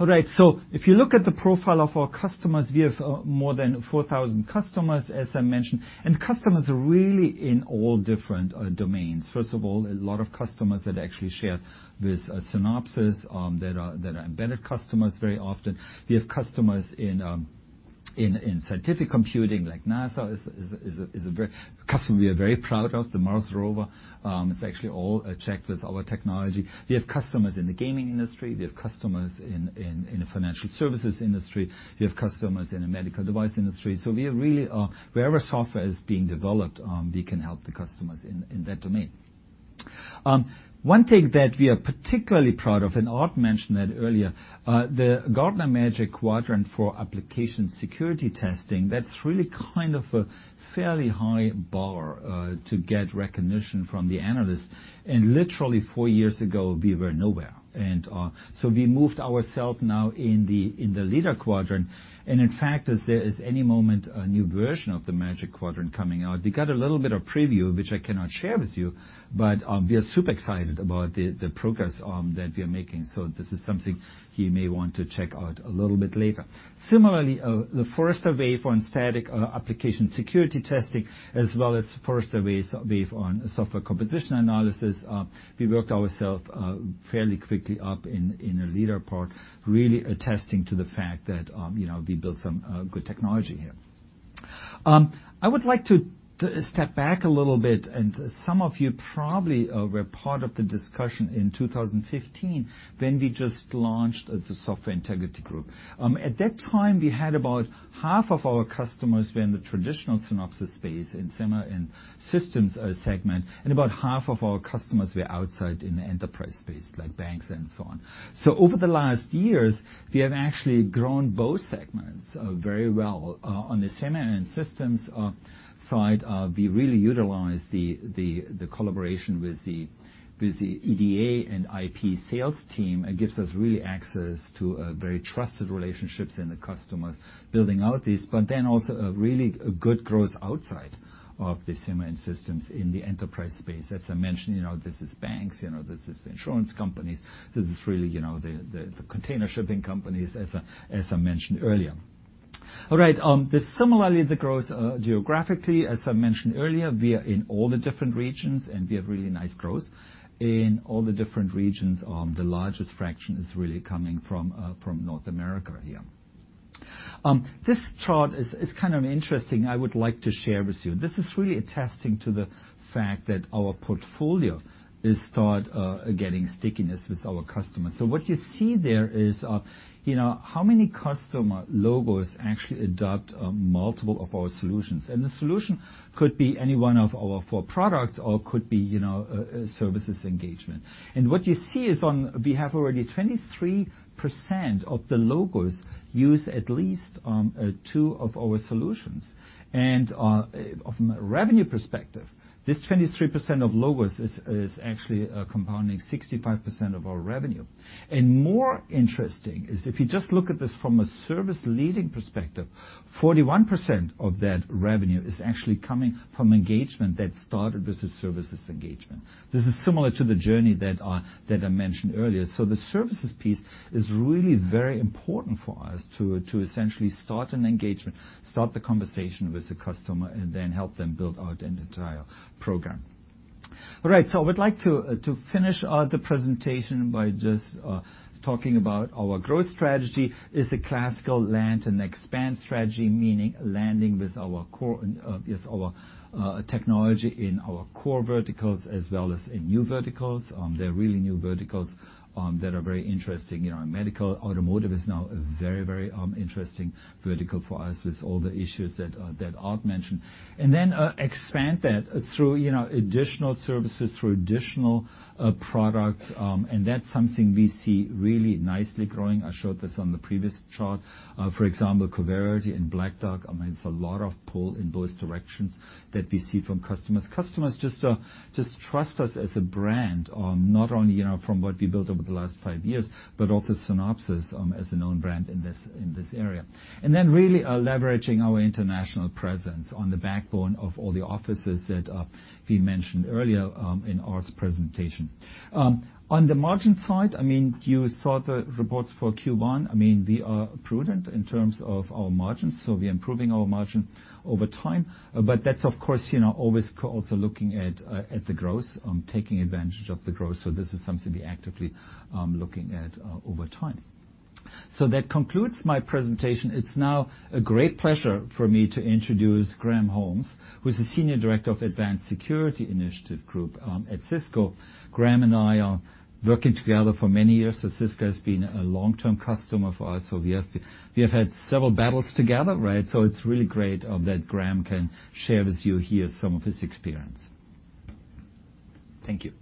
All right, if you look at the profile of our customers, we have more than 4,000 customers, as I mentioned, customers are really in all different domains. First of all, a lot of customers that actually share with Synopsys, that are embedded customers very often. We have customers in scientific computing, like NASA is a customer we are very proud of. The Mars Rover is actually all checked with our technology. We have customers in the gaming industry. We have customers in the financial services industry. We have customers in the medical device industry. Wherever software is being developed, we can help the customers in that domain. One thing that we are particularly proud of, Aart mentioned that earlier, the Gartner Magic Quadrant for application security testing, that's really kind of a fairly high bar to get recognition from the analysts. Literally four years ago, we were nowhere. We moved ourselves now in the Leader Quadrant, in fact, as there is any moment a new version of the Magic Quadrant coming out, we got a little bit of preview, which I cannot share with you, we are super excited about the progress that we are making. This is something you may want to check out a little bit later. Similarly, the Forrester Wave on static application security testing as well as Forrester Wave on software composition analysis, we worked ourselves fairly quickly up in the Leader part, really attesting to the fact that we built some good technology here. I would like to step back a little bit, and some of you probably were part of the discussion in 2015, when we just launched the Software Integrity Group. At that time, we had about half of our customers were in the traditional Synopsys space, in semi and systems segment, and about half of our customers were outside in the enterprise space, like banks and so on. Over the last years, we have actually grown both segments very well. On the semi and systems side, we really utilized the collaboration with the EDA and IP sales team. It gives us really access to very trusted relationships in the customers building out these, but then also a really good growth outside of the semi and systems in the enterprise space. As I mentioned, this is banks, this is insurance companies, this is really the container shipping companies, as I mentioned earlier. All right. Similarly, the growth geographically, as I mentioned earlier, we are in all the different regions, and we have really nice growth in all the different regions. The largest fraction is really coming from North America here. This chart is kind of interesting. I would like to share with you. This is really attesting to the fact that our portfolio is start getting stickiness with our customers. What you see there is how many customer logos actually adopt multiple of our solutions. The solution could be any one of our four products or could be a services engagement. What you see is we have already 23% of the logos use at least two of our solutions. From a revenue perspective, this 23% of logos is actually compounding 65% of our revenue. More interesting is if you just look at this from a service leading perspective, 41% of that revenue is actually coming from engagement that started with a services engagement. This is similar to the journey that I mentioned earlier. The services piece is really very important for us to essentially start an engagement, start the conversation with the customer, and then help them build out an entire program. All right. I would like to finish the presentation by just talking about our growth strategy is a classical land and expand strategy. Meaning landing with our technology in our core verticals, as well as in new verticals. There are really new verticals that are very interesting. Medical automotive is now a very interesting vertical for us with all the issues that Aart mentioned. Then expand that through additional services, through additional products, and that's something we see really nicely growing. I showed this on the previous chart. For example, Coverity and Black Duck, it's a lot of pull in both directions that we see from customers. Customers just trust us as a brand, not only from what we built over the last five years, but also Synopsys as a known brand in this area. Then really leveraging our international presence on the backbone of all the offices that we mentioned earlier in Aart's presentation. On the margin side, you saw the reports for Q1. We are prudent in terms of our margins, we are improving our margin over time. But that's of course, always also looking at the growth, taking advantage of the growth. This is something we actively looking at over time. That concludes my presentation. It's now a great pleasure for me to introduce Graham Holmes, who's the Senior Director of Advanced Security Initiatives Group at Cisco. Graham and I are working together for many years, Cisco has been a long-term customer of ours. We have had several battles together, right? It's really great that Graham can share with you here some of his experience. Thank you.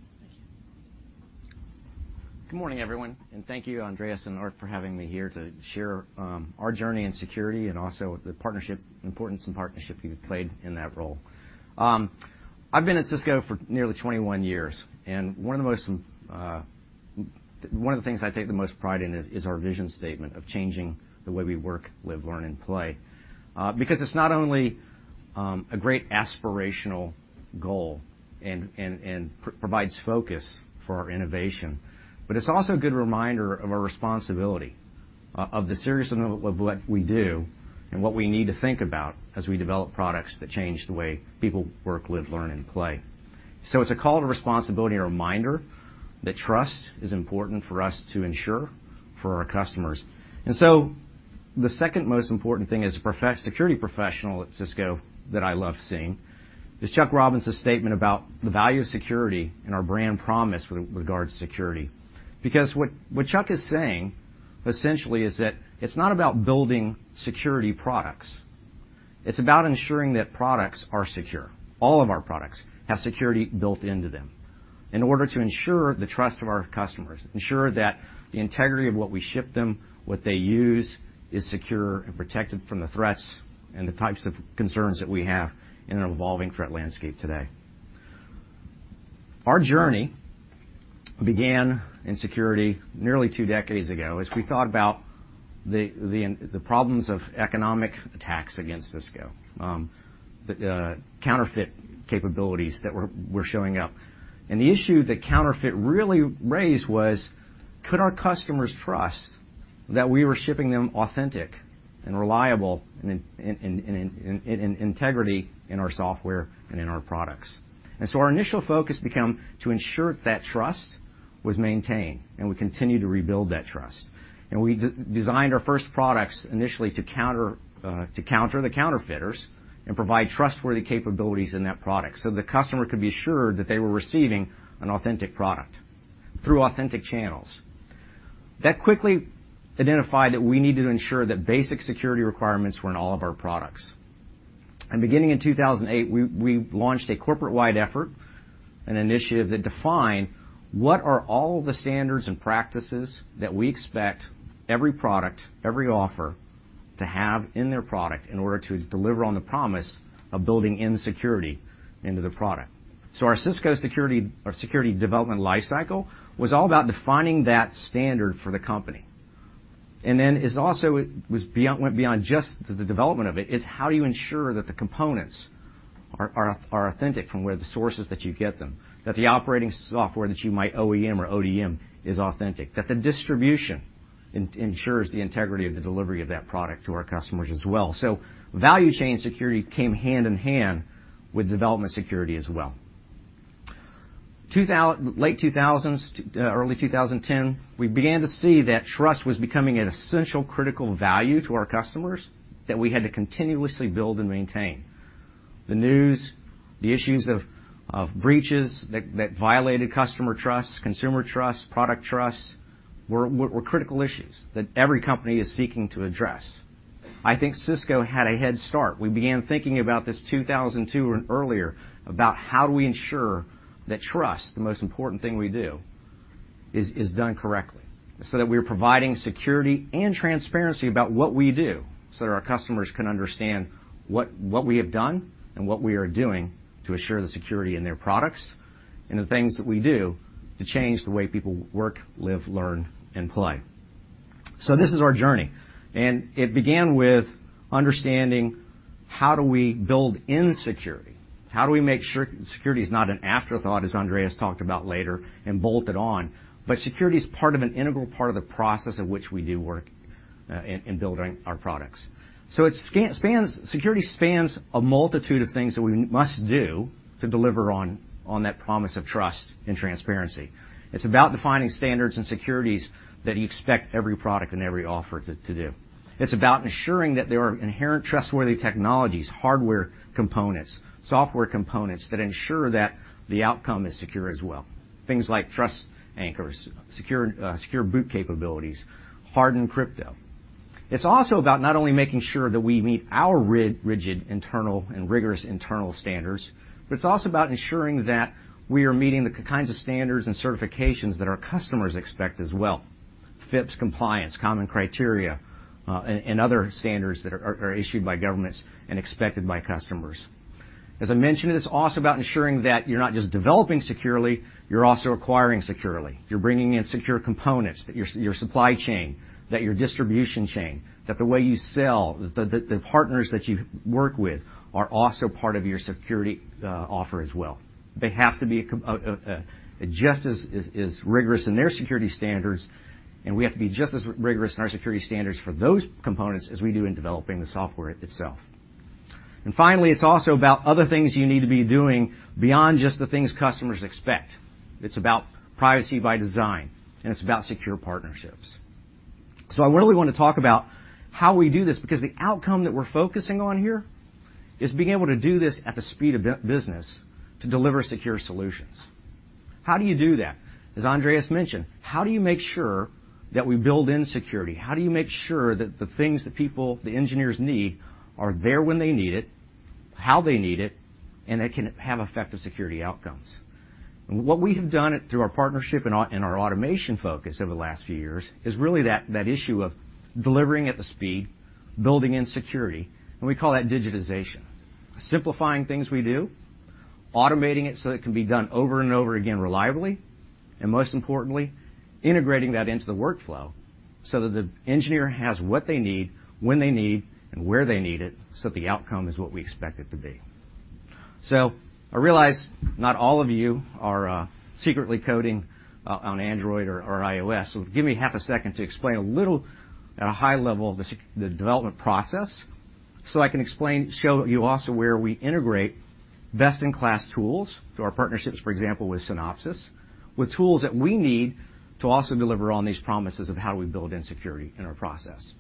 Good morning, everyone, and thank you, Andreas and Aart for having me here to share our journey in security and also the importance and partnership we've played in that role. I've been at Cisco for nearly 21 years, and one of the things I take the most pride in is our vision statement of changing the way we work, live, learn, and play. It's not only a great aspirational goal and provides focus for our innovation, but it's also a good reminder of our responsibility, of the seriousness of what we do and what we need to think about as we develop products that change the way people work, live, learn, and play. It's a call to responsibility and a reminder that trust is important for us to ensure for our customers. The second most important thing as a security professional at Cisco that I love seeing is Chuck Robbins' statement about the value of security and our brand promise with regard to security. What Chuck is saying, essentially, is that it's not about building security products. It's about ensuring that products are secure. All of our products have security built into them in order to ensure the trust of our customers, ensure that the integrity of what we ship them, what they use, is secure and protected from the threats and the types of concerns that we have in an evolving threat landscape today. Our journey began in security nearly two decades ago, as we thought about the problems of economic attacks against Cisco. The counterfeit capabilities that were showing up. The issue that counterfeit really raised was, could our customers trust that we were shipping them authentic and reliable, and integrity in our software and in our products? Our initial focus became to ensure that trust was maintained, and we continue to rebuild that trust. We designed our first products initially to counter the counterfeiters and provide trustworthy capabilities in that product, so the customer could be assured that they were receiving an authentic product through authentic channels. That quickly identified that we needed to ensure that basic security requirements were in all of our products. Beginning in 2008, we launched a corporate-wide effort, an initiative that defined what are all the standards and practices that we expect every product, every offer, to have in their product in order to deliver on the promise of building in security into the product. Our Cisco Secure Development Lifecycle was all about defining that standard for the company. It also went beyond just the development of it, is how do you ensure that the components are authentic from where the sources that you get them, that the operating software that you might OEM or ODM is authentic, that the distribution ensures the integrity of the delivery of that product to our customers as well. Value chain security came hand-in-hand with development security as well. Late 2000s, early 2010, we began to see that trust was becoming an essential critical value to our customers that we had to continuously build and maintain. The news, the issues of breaches that violated customer trust, consumer trust, product trust, were critical issues that every company is seeking to address. I think Cisco had a head start. We began thinking about this 2002 and earlier, about how do we ensure that trust, the most important thing we do, is done correctly, so that we are providing security and transparency about what we do, so that our customers can understand what we have done and what we are doing to assure the security in their products and the things that we do to change the way people work, live, learn, and play. This is our journey, and it began with understanding how do we build in security. How do we make sure security is not an afterthought, as Andreas talked about later, and bolted on, but security is part of an integral part of the process of which we do work in building our products. Security spans a multitude of things that we must do to deliver on that promise of trust and transparency. It's about defining standards and securities that you expect every product and every offer to do. It's about ensuring that there are inherent trustworthy technologies, hardware components, software components, that ensure that the outcome is secure as well. Things like trust anchors, secure boot capabilities, hardened crypto. It's also about not only making sure that we meet our rigid internal and rigorous internal standards, but it's also about ensuring that we are meeting the kinds of standards and certifications that our customers expect as well, FIPS compliance, Common Criteria, and other standards that are issued by governments and expected by customers. As I mentioned, it's also about ensuring that you're not just developing securely, you're also acquiring securely. You're bringing in secure components, that your supply chain, that your distribution chain, that the way you sell, the partners that you work with, are also part of your security offer as well. They have to be just as rigorous in their security standards, and we have to be just as rigorous in our security standards for those components as we do in developing the software itself. Finally, it's also about other things you need to be doing beyond just the things customers expect. It's about privacy by design, and it's about secure partnerships. I really want to talk about how we do this, because the outcome that we're focusing on here is being able to do this at the speed of business to deliver secure solutions. How do you do that? As Andreas mentioned, how do you make sure that we build in security? How do you make sure that the things that people, the engineers need, are there when they need it, how they need it, and they can have effective security outcomes? What we have done through our partnership and our automation focus over the last few years is really that issue of delivering at the speed, building in security, and we call that digitization. Simplifying things we do, automating it so that it can be done over and over again reliably, and most importantly, integrating that into the workflow so that the engineer has what they need, when they need, and where they need it, so that the outcome is what we expect it to be. I realize not all of you are secretly coding on Android or iOS, give me half a second to explain a little at a high level, the development process, I can explain, show you also where we integrate best-in-class tools through our partnerships, for example, with Synopsys, with tools that we need to also deliver on these promises of how do we build in security in our process.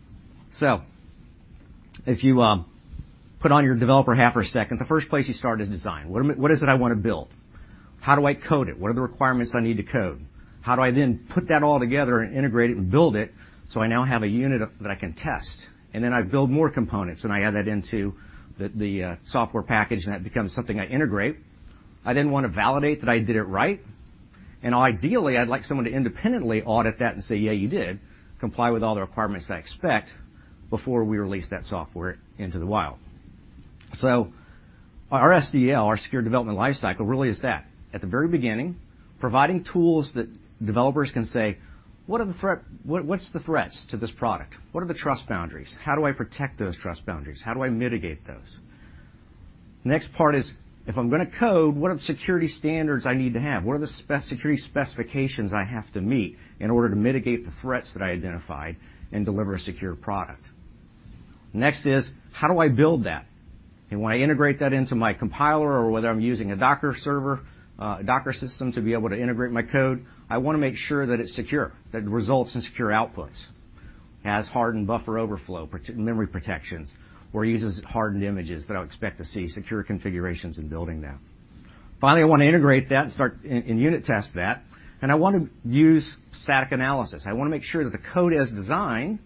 If you put on your developer hat for a second, the first place you start is design. What is it I want to build? How do I code it? What are the requirements I need to code? How do I then put that all together and integrate it and build it, so I now have a unit that I can test? I build more components, and I add that into the software package, and that becomes something I integrate. I then want to validate that I did it right. Ideally, I'd like someone to independently audit that and say, "Yeah, you did comply with all the requirements I expect," before we release that software into the wild. Our SDL, our secure development lifecycle, really is that. At the very beginning, providing tools that developers can say, "What's the threats to this product? What are the trust boundaries? How do I protect those trust boundaries? How do I mitigate those?" Next part is, if I'm going to code, what are the security standards I need to have? What are the security specifications I have to meet in order to mitigate the threats that I identified and deliver a secure product? Next is, how do I build that? When I integrate that into my compiler or whether I'm using a Docker server, a Docker system to be able to integrate my code, I want to make sure that it's secure, that it results in secure outputs, has hardened buffer overflow, memory protections, or uses hardened images that I'll expect to see secure configurations in building them. Finally, I want to integrate that and unit test that, and I want to use static analysis. I want to make sure that the code as designed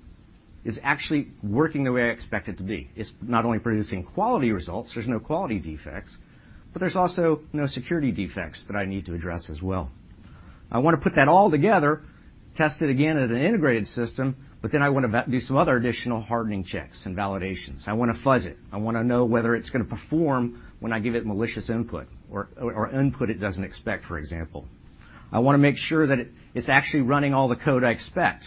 is actually working the way I expect it to be. It's not only producing quality results, there's no quality defects, but there's also no security defects that I need to address as well. I want to put that all together, test it again as an integrated system, I want to do some other additional hardening checks and validations. I want to fuzz it. I want to know whether it's going to perform when I give it malicious input or input it doesn't expect, for example. I want to make sure that it's actually running all the code I expect,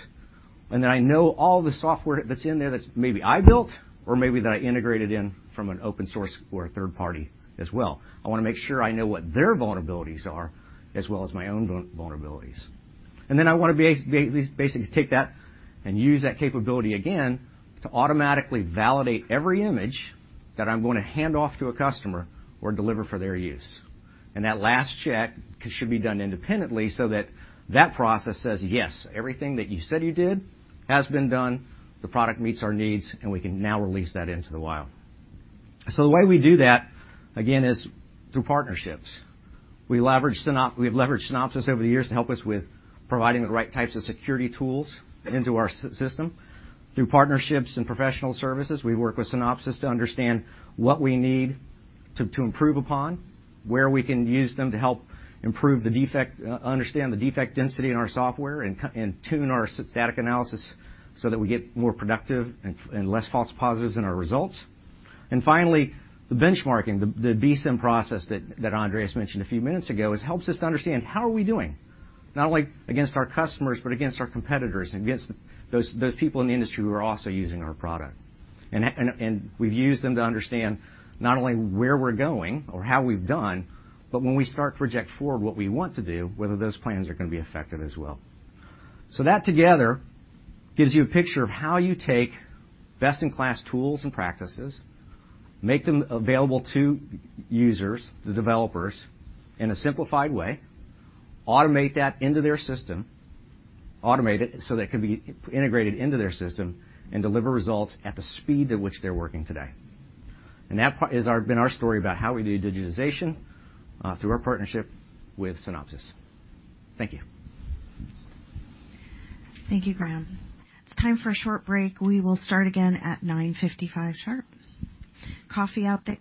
and that I know all the software that's in there that maybe I built or maybe that I integrated in from an open source or a third party as well. I want to make sure I know what their vulnerabilities are, as well as my own vulnerabilities. Then I want to basically take that and use that capability again to automatically validate every image that I'm going to hand off to a customer or deliver for their use. That last check should be done independently so that that process says, "Yes, everything that you said you did has been done, the product meets our needs, and we can now release that into the wild." The way we do that, again, is through partnerships. We've leveraged Synopsys over the years to help us with providing the right types of security tools into our system. Through partnerships and professional services, we work with Synopsys to understand what we need to improve upon, where we can use them to help understand the defect density in our software, and tune our static analysis so that we get more productive and less false positives in our results. Finally, the benchmarking, the BSIMM process that Andreas mentioned a few minutes ago, helps us to understand how are we doing, not only against our customers, but against our competitors and against those people in the industry who are also using our product. We've used them to understand not only where we're going or how we've done, but when we start to project forward what we want to do, whether those plans are going to be effective as well. That together gives you a picture of how you take best-in-class tools and practices, make them available to users, the developers, in a simplified way, automate that into their system, automate it so that it can be integrated into their system, and deliver results at the speed at which they're working today. That has been our story about how we do digitization through our partnership with Synopsys. Thank you. Thank you, Graham. It's time for a short break. We will start again at 9:55 sharp. Coffee out there.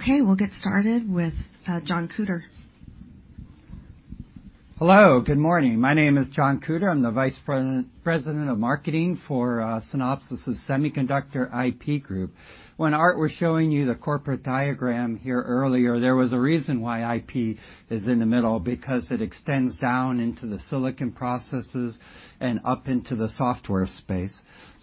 Okay, we'll get started with John Koeter. Hello. Good morning. My name is John Koeter. I'm the Vice President of marketing for Synopsys' Semiconductor IP Group. When Aart was showing you the corporate diagram here earlier, there was a reason why IP is in the middle, because it extends down into the silicon processes and up into the software space.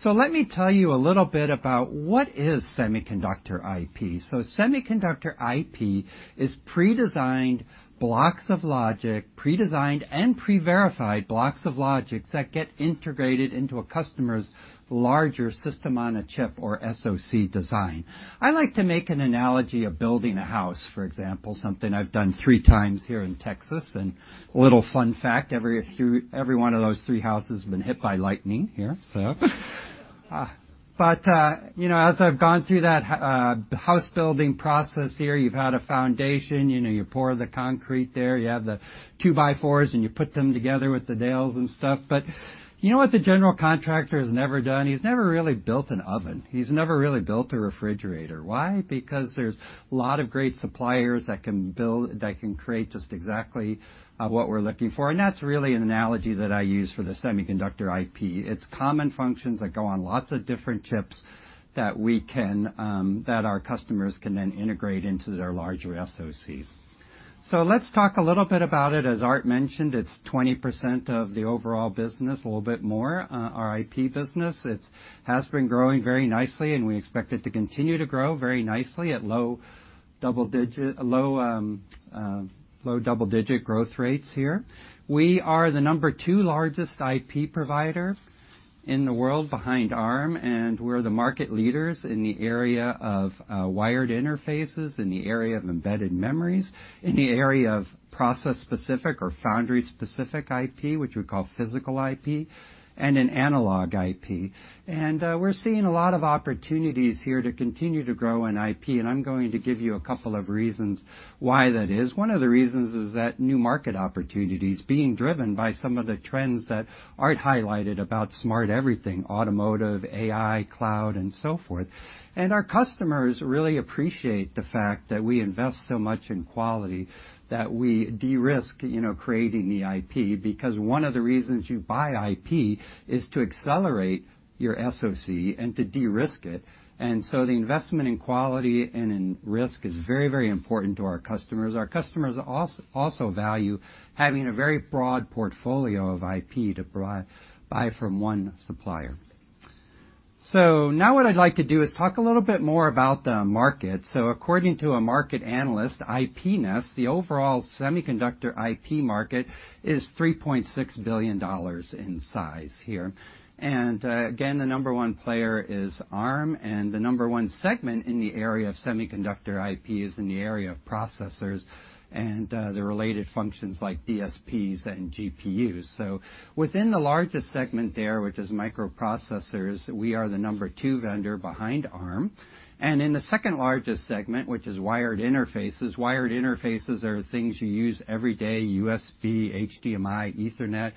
Let me tell you a little bit about, what is semiconductor IP? Semiconductor IP is pre-designed blocks of logic, pre-designed and pre-verified blocks of logics that get integrated into a customer's larger system-on-a-chip, or SoC design. I like to make an analogy of building a house, for example, something I've done three times here in Texas. A little fun fact, every one of those three houses has been hit by lightning here. As I've gone through that house-building process here, you've had a foundation, you pour the concrete there, you have the two by fours, and you put them together with the nails and stuff. You know what the general contractor has never done? He's never really built an oven. He's never really built a refrigerator. Why? Because there's a lot of great suppliers that can create just exactly what we're looking for. That's really an analogy that I use for the semiconductor IP. It's common functions that go on lots of different chips that our customers can then integrate into their larger SoCs. Let's talk a little bit about it. As Aart mentioned, it's 20% of the overall business, a little bit more, our IP business. It has been growing very nicely, we expect it to continue to grow very nicely at low double-digit growth rates here. We are the number 2 largest IP provider in the world behind Arm, we're the market leaders in the area of wired interfaces, in the area of embedded memories, in the area of process-specific or foundry-specific IP, which we call physical IP, and in analog IP. We're seeing a lot of opportunities here to continue to grow in IP, I'm going to give you a couple of reasons why that is. One of the reasons is that new market opportunities being driven by some of the trends that Aart highlighted about smart everything, automotive, AI, cloud, and so forth. Our customers really appreciate the fact that we invest so much in quality that we de-risk creating the IP, because one of the reasons you buy IP is to accelerate your SoC and to de-risk it. The investment in quality and in risk is very important to our customers. Our customers also value having a very broad portfolio of IP to buy from one supplier. So now what I'd like to do is talk a little bit more about the market. According to a market analyst, IPnest, the overall semiconductor IP market is $3.6 billion in size here. Again, the number one player is Arm, and the number one segment in the area of semiconductor IP is in the area of processors and the related functions like DSPs and GPUs. Within the largest segment there, which is microprocessors, we are the number two vendor behind Arm. In the second-largest segment, which is wired interfaces, wired interfaces are things you use every day, USB, HDMI, Ethernet,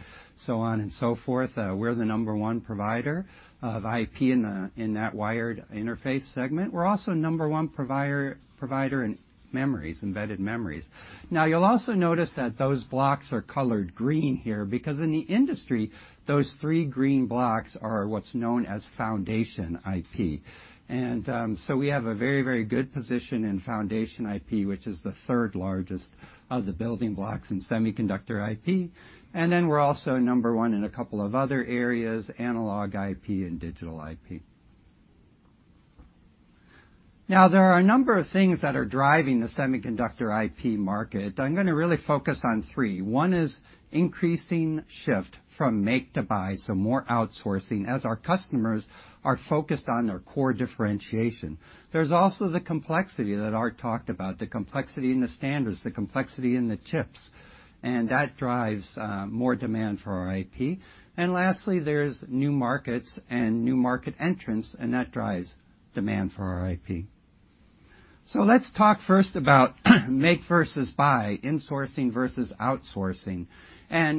so on and so forth, we're the number one provider of IP in that wired interface segment. We're also number one provider in memories, embedded memories. You'll also notice that those blocks are colored green here, because in the industry, those three green blocks are what's known as foundation IP. We have a very, very good position in foundation IP, which is the third largest of the building blocks in semiconductor IP. Then we're also number one in a couple of other areas, analog IP and digital IP. There are a number of things that are driving the semiconductor IP market. I'm going to really focus on three. One is increasing shift from make to buy, so more outsourcing, as our customers are focused on their core differentiation. There's also the complexity that Aart talked about, the complexity in the standards, the complexity in the chips, and that drives more demand for our IP. Lastly, there's new markets and new market entrants, and that drives demand for our IP. Let's talk first about make versus buy, insourcing versus outsourcing.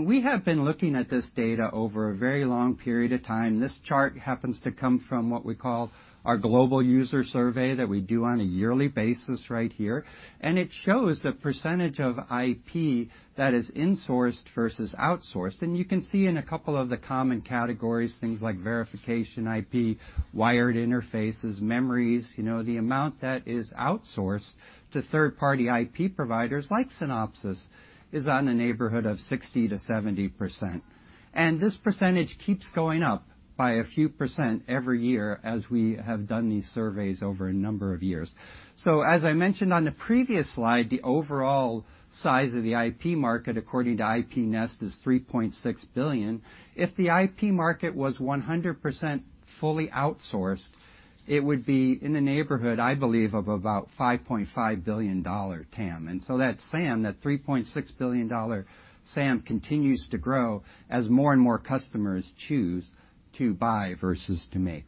We have been looking at this data over a very long period of time. This chart happens to come from what we call our global user survey that we do on a yearly basis right here, and it shows the % of IP that is insourced versus outsourced. You can see in a couple of the common categories, things like verification IP, wired interfaces, memories, the amount that is outsourced to third-party IP providers, like Synopsys, is on a neighborhood of 60%-70%. This % keeps going up by a few % every year as we have done these surveys over a number of years. As I mentioned on the previous slide, the overall size of the IP market according to IPnest is $3.6 billion. If the IP market was 100% fully outsourced, it would be in the neighborhood, I believe, of about $5.5 billion TAM. That SAM, that $3.6 billion SAM, continues to grow as more and more customers choose to buy versus to make.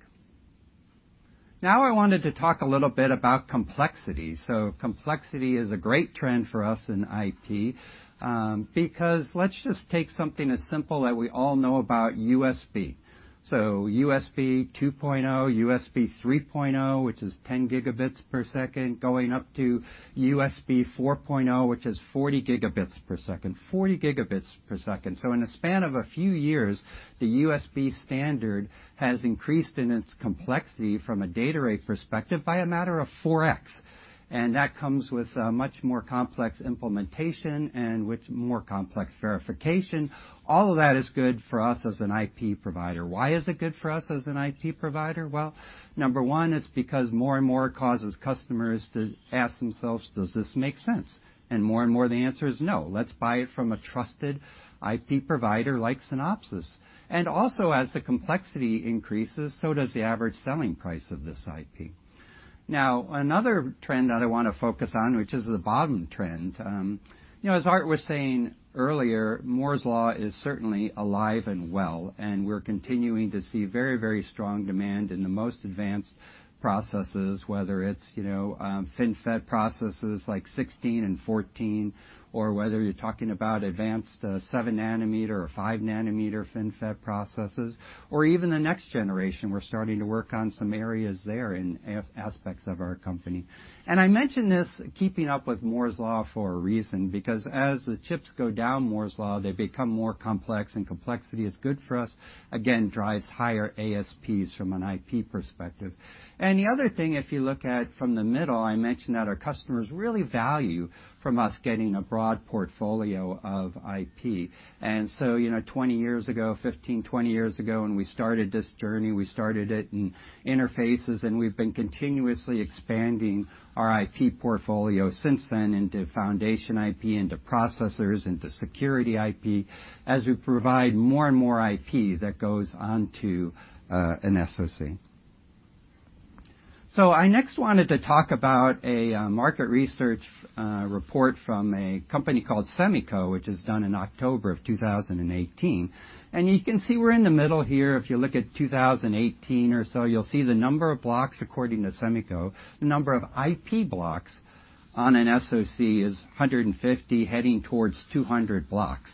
I wanted to talk a little bit about complexity. Complexity is a great trend for us in IP, because let's just take something as simple that we all know about, USB. USB 2.0, USB 3.0, which is 10 gigabits per second, going up to USB4, which is 40 gigabits per second. In the span of a few years, the USB standard has increased in its complexity from a data rate perspective by a matter of 4X. That comes with a much more complex implementation and with more complex verification. All of that is good for us as an IP provider. Why is it good for us as an IP provider? Well, number one, it's because more and more, it causes customers to ask themselves, "Does this make sense?" More and more, the answer is no. Let's buy it from a trusted IP provider like Synopsys. Also, as the complexity increases, so does the average selling price of this IP. Another trend that I want to focus on, which is the bottom trend. As Aart was saying earlier, Moore's Law is certainly alive and well, and we're continuing to see very, very strong demand in the most advanced processes, whether it's FinFET processes like 16 and 14, or whether you're talking about advanced 7 nanometer or 5 nanometer FinFET processes, or even the next generation. We're starting to work on some areas there in aspects of our company. I mention this keeping up with Moore's Law for a reason, because as the chips go down Moore's Law, they become more complex, and complexity is good for us. Again, drives higher ASPs from an IP perspective. The other thing, if you look at from the middle, I mentioned that our customers really value from us getting a broad portfolio of IP. 20 years ago, 15, 20 years ago, when we started this journey, we started it in interfaces, and we've been continuously expanding our IP portfolio since then into foundation IP, into processors, into security IP, as we provide more and more IP that goes onto an SoC. I next wanted to talk about a market research report from a company called SEMICO, which was done in October of 2018, and you can see we're in the middle here. If you look at 2018 or so, you'll see the number of blocks according to SEMICO, the number of IP blocks on an SoC is 150, heading towards 200 blocks.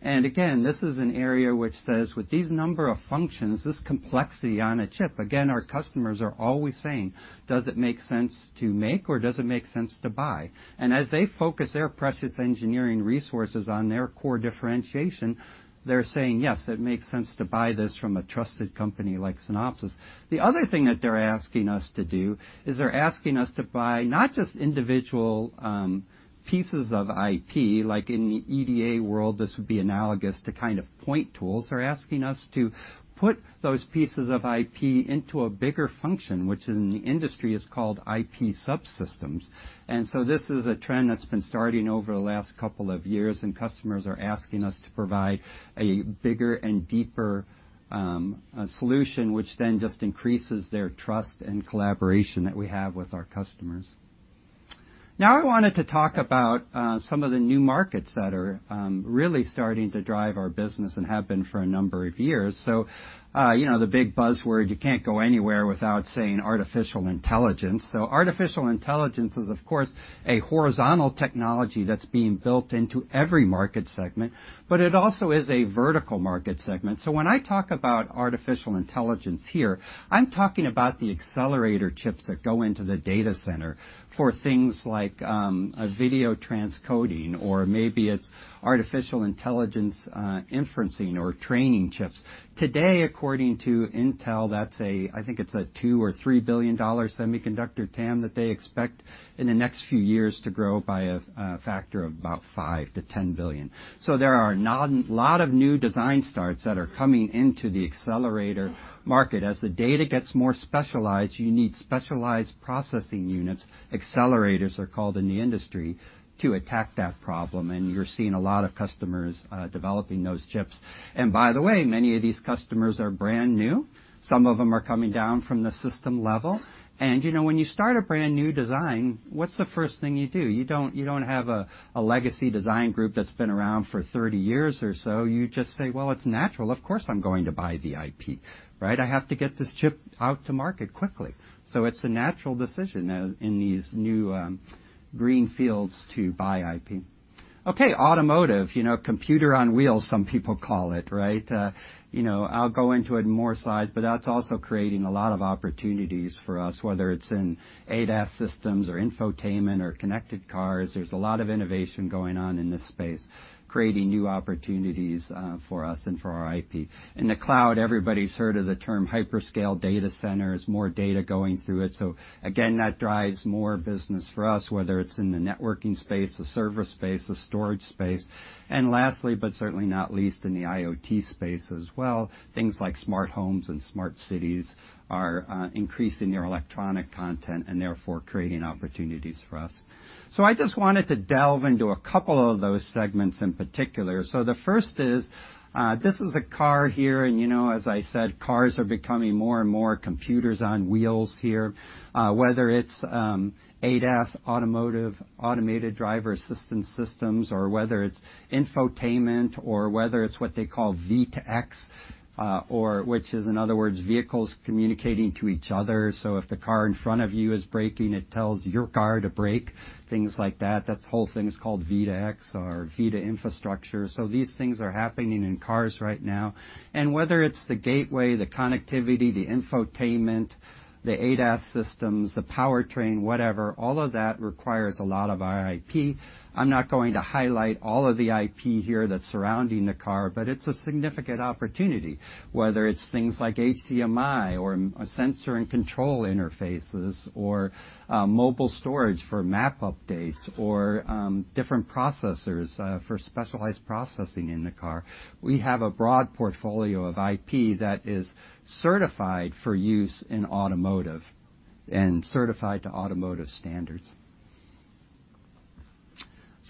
Again, this is an area which says with these number of functions, this complexity on a chip, again, our customers are always saying, "Does it make sense to make, or does it make sense to buy?" As they focus their precious engineering resources on their core differentiation, they're saying, "Yes, it makes sense to buy this from a trusted company like Synopsys." The other thing that they're asking us to do is they're asking us to buy not just individual pieces of IP, like in the EDA world, this would be analogous to point tools. They're asking us to put those pieces of IP into a bigger function, which in the industry is called IP subsystems. This is a trend that's been starting over the last couple of years, and customers are asking us to provide a bigger and deeper solution, which then just increases their trust and collaboration that we have with our customers. I wanted to talk about some of the new markets that are really starting to drive our business and have been for a number of years. The big buzzword, you can't go anywhere without saying Artificial Intelligence. Artificial Intelligence is, of course, a horizontal technology that's being built into every market segment, but it also is a vertical market segment. When I talk about Artificial Intelligence here, I'm talking about the accelerator chips that go into the data center for things like video transcoding, or maybe it's Artificial Intelligence inferencing or training chips. Today, according to Intel, I think it's a $2 billion or $3 billion semiconductor TAM that they expect in the next few years to grow by a factor of about $5 billion-$10 billion. There are a lot of new design starts that are coming into the accelerator market. As the data gets more specialized, you need specialized processing units, accelerators are called in the industry, to attack that problem, and you're seeing a lot of customers developing those chips. By the way, many of these customers are brand new. Some of them are coming down from the system level. When you start a brand-new design, what's the first thing you do? You don't have a legacy design group that's been around for 30 years or so. You just say, "Well, it's natural. Of course, I'm going to buy the IP." Right? I have to get this chip out to market quickly." It's a natural decision in these new green fields to buy IP. Okay, automotive, computer on wheels, some people call it, right? I'll go into it in more slides, but that's also creating a lot of opportunities for us, whether it's in ADAS systems or infotainment or connected cars. There's a lot of innovation going on in this space, creating new opportunities for us and for our IP. In the cloud, everybody's heard of the term hyperscale data centers, more data going through it. Again, that drives more business for us, whether it's in the networking space, the server space, the storage space, and lastly, but certainly not least, in the IoT space as well. Things like smart homes and smart cities are increasing their electronic content and therefore creating opportunities for us. I just wanted to delve into a couple of those segments in particular. The first is, this is a car here, and as I said, cars are becoming more and more computers on wheels here, whether it's ADAS, Automotive Automated Driver Assistance Systems, or whether it's infotainment, or whether it's what they call V2X, which is in other words, vehicles communicating to each other. If the car in front of you is braking, it tells your car to brake, things like that. That whole thing is called V2X or V to infrastructure. These things are happening in cars right now. Whether it's the gateway, the connectivity, the infotainment, the ADAS systems, the powertrain, whatever, all of that requires a lot of our IP. I'm not going to highlight all of the IP here that's surrounding the car, but it's a significant opportunity, whether it's things like HDMI or sensor and control interfaces or mobile storage for map updates or different processors for specialized processing in the car. We have a broad portfolio of IP that is certified for use in automotive and certified to automotive standards.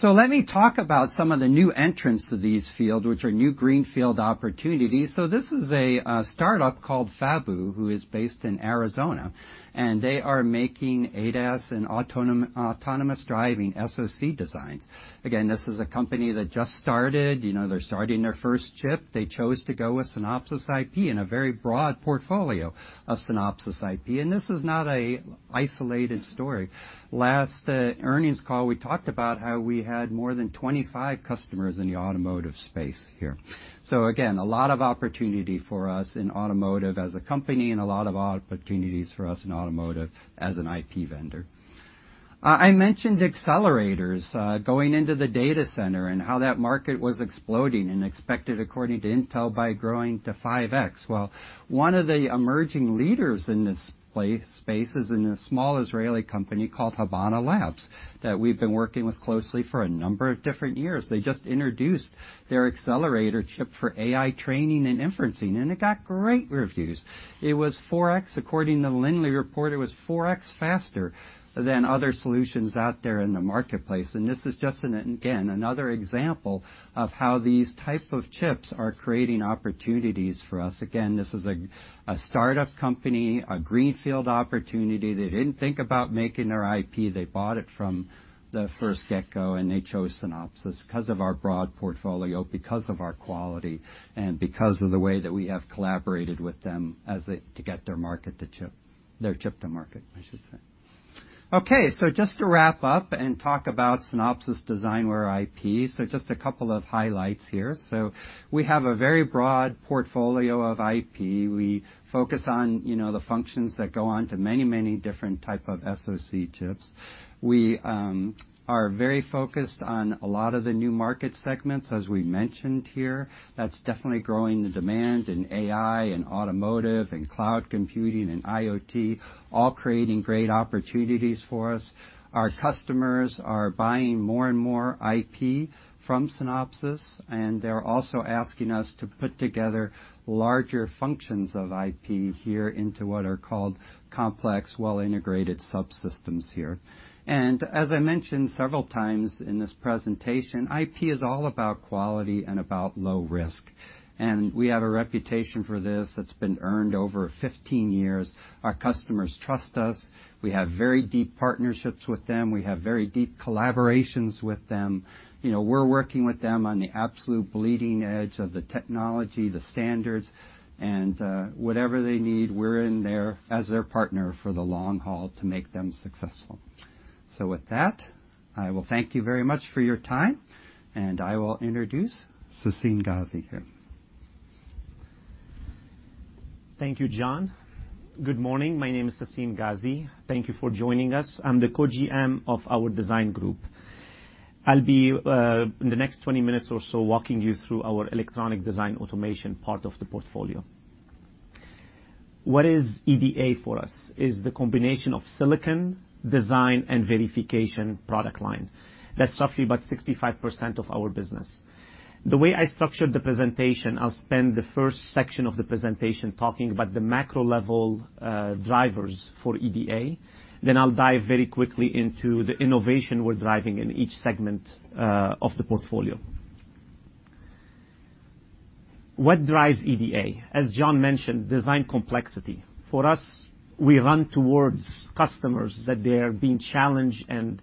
Let me talk about some of the new entrants to these fields, which are new greenfield opportunities. This is a startup called Fabu, who is based in Arizona, and they are making ADAS and autonomous driving SoC designs. Again, this is a company that just started. They're starting their first chip. They chose to go with Synopsys IP and a very broad portfolio of Synopsys IP. This is not a isolated story. Last earnings call, we talked about how we had more than 25 customers in the automotive space here. Again, a lot of opportunity for us in automotive as a company and a lot of opportunities for us in automotive as an IP vendor. I mentioned accelerators going into the data center and how that market was exploding and expected, according to Intel, by growing to 5X. Well, one of the emerging leaders in this space is in a small Israeli company called Habana Labs that we've been working with closely for a number of different years. They just introduced their accelerator chip for AI training and inferencing, and it got great reviews. According to the Linley report, it was 4X faster than other solutions out there in the marketplace. This is just, again, another example of how these type of chips are creating opportunities for us. Again, this is a startup company, a greenfield opportunity. They didn't think about making their IP. They bought it from the first get-go, and they chose Synopsys because of our broad portfolio, because of our quality, and because of the way that we have collaborated with them to get their chip to market, I should say. Okay, just to wrap up and talk about Synopsys DesignWare IP, just a couple of highlights here. We have a very broad portfolio of IP. We focus on the functions that go on to many, many different type of SoC chips. We are very focused on a lot of the new market segments, as we mentioned here. That's definitely growing the demand in AI and automotive and cloud computing and IoT, all creating great opportunities for us. Our customers are buying more and more IP from Synopsys, they're also asking us to put together larger functions of IP here into what are called complex, well-integrated subsystems here. As I mentioned several times in this presentation, IP is all about quality and about low risk. We have a reputation for this that's been earned over 15 years. Our customers trust us. We have very deep partnerships with them. We have very deep collaborations with them. We're working with them on the absolute bleeding edge of the technology, the standards, and whatever they need, we're in there as their partner for the long haul to make them successful. With that, I will thank you very much for your time, and I will introduce Sassine Ghazi here. Thank you, John. Good morning. My name is Sassine Ghazi. Thank you for joining us. I'm the co-GM of our design group. I'll be, in the next 20 minutes or so, walking you through our electronic design automation part of the portfolio. What is EDA for us? Is the combination of silicon, design, and verification product line. That's roughly about 65% of our business. The way I structured the presentation, I'll spend the first section of the presentation talking about the macro-level drivers for EDA. I'll dive very quickly into the innovation we're driving in each segment of the portfolio. What drives EDA? As John mentioned, design complexity. For us, we run towards customers that they are being challenged and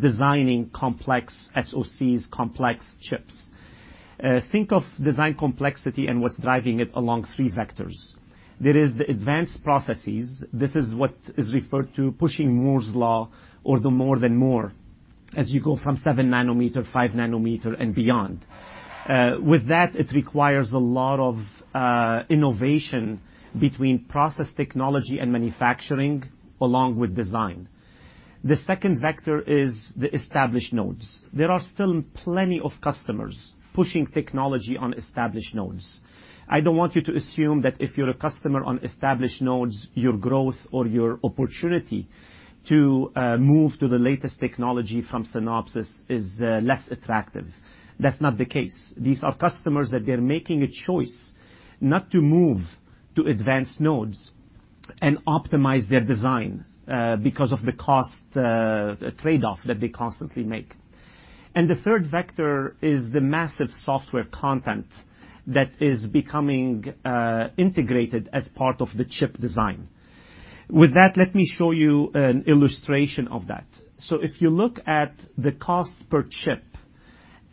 designing complex SoCs, complex chips. Think of design complexity and what's driving it along three vectors. There is the advanced processes. This is what is referred to pushing Moore's Law or the More than Moore as you go from seven nanometer, five nanometer, and beyond. It requires a lot of innovation between process technology and manufacturing, along with design. The second vector is the established nodes. There are still plenty of customers pushing technology on established nodes. I don't want you to assume that if you're a customer on established nodes, your growth or your opportunity to move to the latest technology from Synopsys is less attractive. That's not the case. These are customers that they're making a choice not to move to advanced nodes and optimize their design because of the cost trade-off that they constantly make. The third vector is the massive software content that is becoming integrated as part of the chip design. Let me show you an illustration of that. If you look at the cost per chip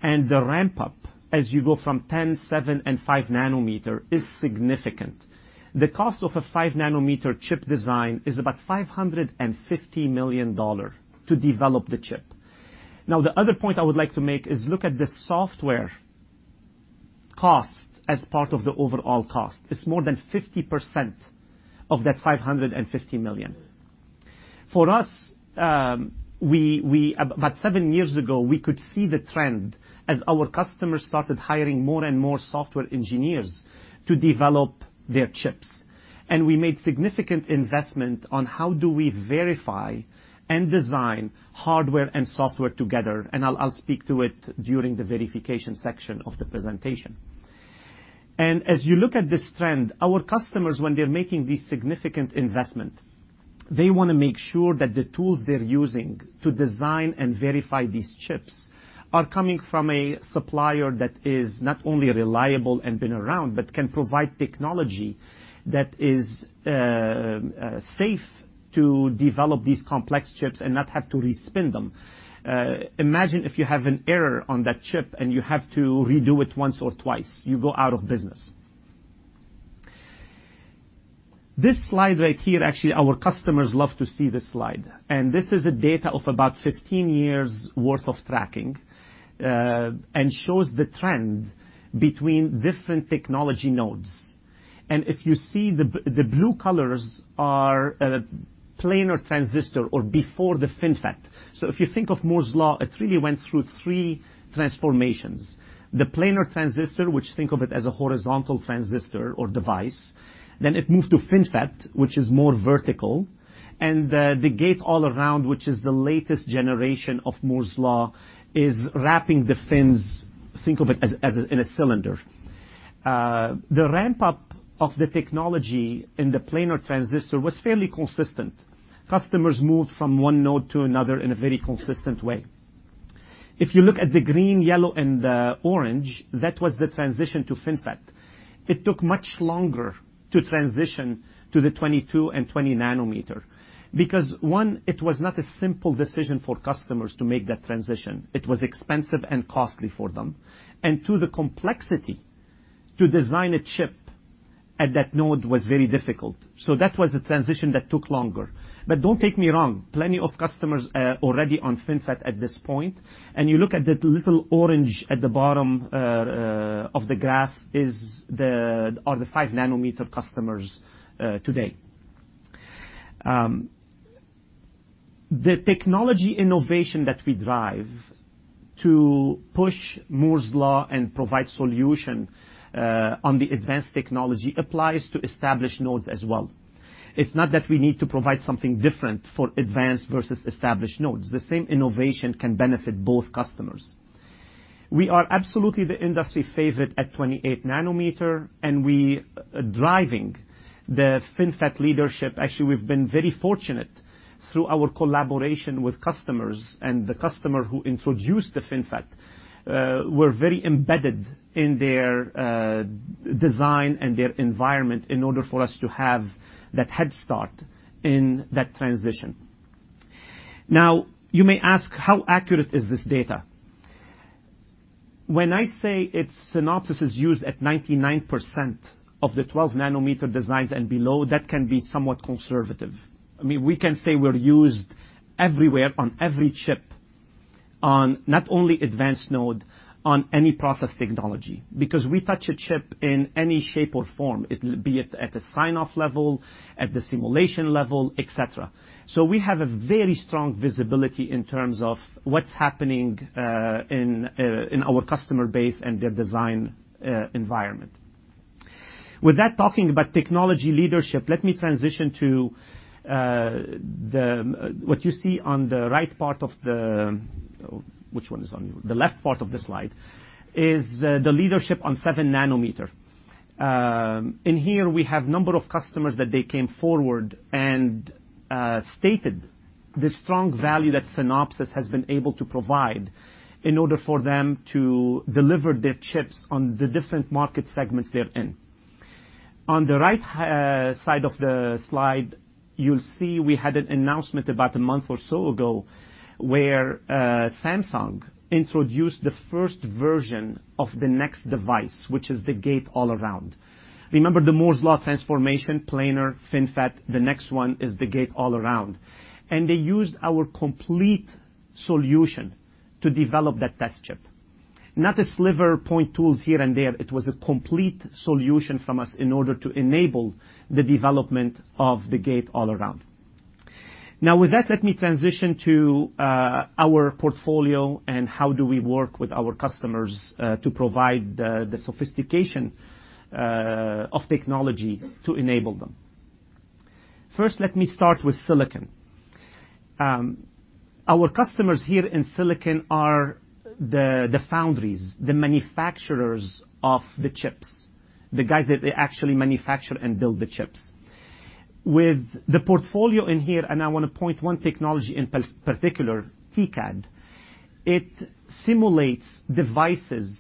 and the ramp-up as you go from 10, seven, and five nanometer is significant. The cost of a five nanometer chip design is about $550 million to develop the chip. The other point I would like to make is look at the software cost as part of the overall cost. It's more than 50% of that $550 million. For us, about seven years ago, we could see the trend as our customers started hiring more and more software engineers to develop their chips. We made significant investment on how do we verify and design hardware and software together, and I'll speak to it during the verification section of the presentation. As you look at this trend, our customers, when they're making these significant investment, they want to make sure that the tools they're using to design and verify these chips are coming from a supplier that is not only reliable and been around, but can provide technology that is safe to develop these complex chips and not have to respin them. Imagine if you have an error on that chip and you have to redo it once or twice. You go out of business. This slide right here, actually, our customers love to see this slide. This is a data of about 15 years' worth of tracking, and shows the trend between different technology nodes. If you see, the blue colors are a planar transistor or before the FinFET. If you think of Moore's Law, it really went through three transformations. The planar transistor, which think of it as a horizontal transistor or device, then it moved to FinFET, which is more vertical, and the gate-all-around, which is the latest generation of Moore's Law, is wrapping the fins. Think of it as in a cylinder. The ramp-up of the technology in the planar transistor was fairly consistent. Customers moved from one node to another in a very consistent way. If you look at the green, yellow, and orange, that was the transition to FinFET. It took much longer to transition to the 22 and 20 nanometer. One, it was not a simple decision for customers to make that transition. It was expensive and costly for them. Two, the complexity to design a chip at that node was very difficult. That was a transition that took longer. Don't take me wrong. Plenty of customers are already on FinFET at this point. You look at that little orange at the bottom of the graph are the five nanometer customers today. The technology innovation that we drive to push Moore's Law and provide solution on the advanced technology applies to established nodes as well. It's not that we need to provide something different for advanced versus established nodes. The same innovation can benefit both customers. We are absolutely the industry favorite at 28 nanometer, and we are driving the FinFET leadership. Actually, we've been very fortunate through our collaboration with customers and the customer who introduced the FinFET. We're very embedded in their design and their environment in order for us to have that head start in that transition. You may ask, how accurate is this data? When I say Synopsys is used at 99% of the 12 nanometer designs and below, that can be somewhat conservative. We can say we're used everywhere on every chip, on not only advanced node, on any process technology, because we touch a chip in any shape or form, be it at a sign-off level, at the simulation level, et cetera. We have a very strong visibility in terms of what's happening in our customer base and their design environment. With that, talking about technology leadership, let me transition to what you see on the right part of the Which one is on you? The left part of the slide, is the leadership on seven nanometer. In here, we have number of customers that they came forward and stated the strong value that Synopsys has been able to provide in order for them to deliver their chips on the different market segments they're in. On the right side of the slide, you'll see we had an announcement about a month or so ago, where Samsung introduced the first version of the next device, which is the gate-all-around. Remember the Moore's Law transformation, planar, FinFET, the next one is the gate-all-around. They used our complete solution to develop that test chip. Not a sliver point tools here and there. It was a complete solution from us in order to enable the development of the gate-all-around. With that, let me transition to our portfolio and how do we work with our customers, to provide the sophistication of technology to enable them. First, let me start with silicon. Our customers here in silicon are the foundries, the manufacturers of the chips, the guys that they actually manufacture and build the chips. With the portfolio in here, I want to point one technology in particular, TCAD. It simulates devices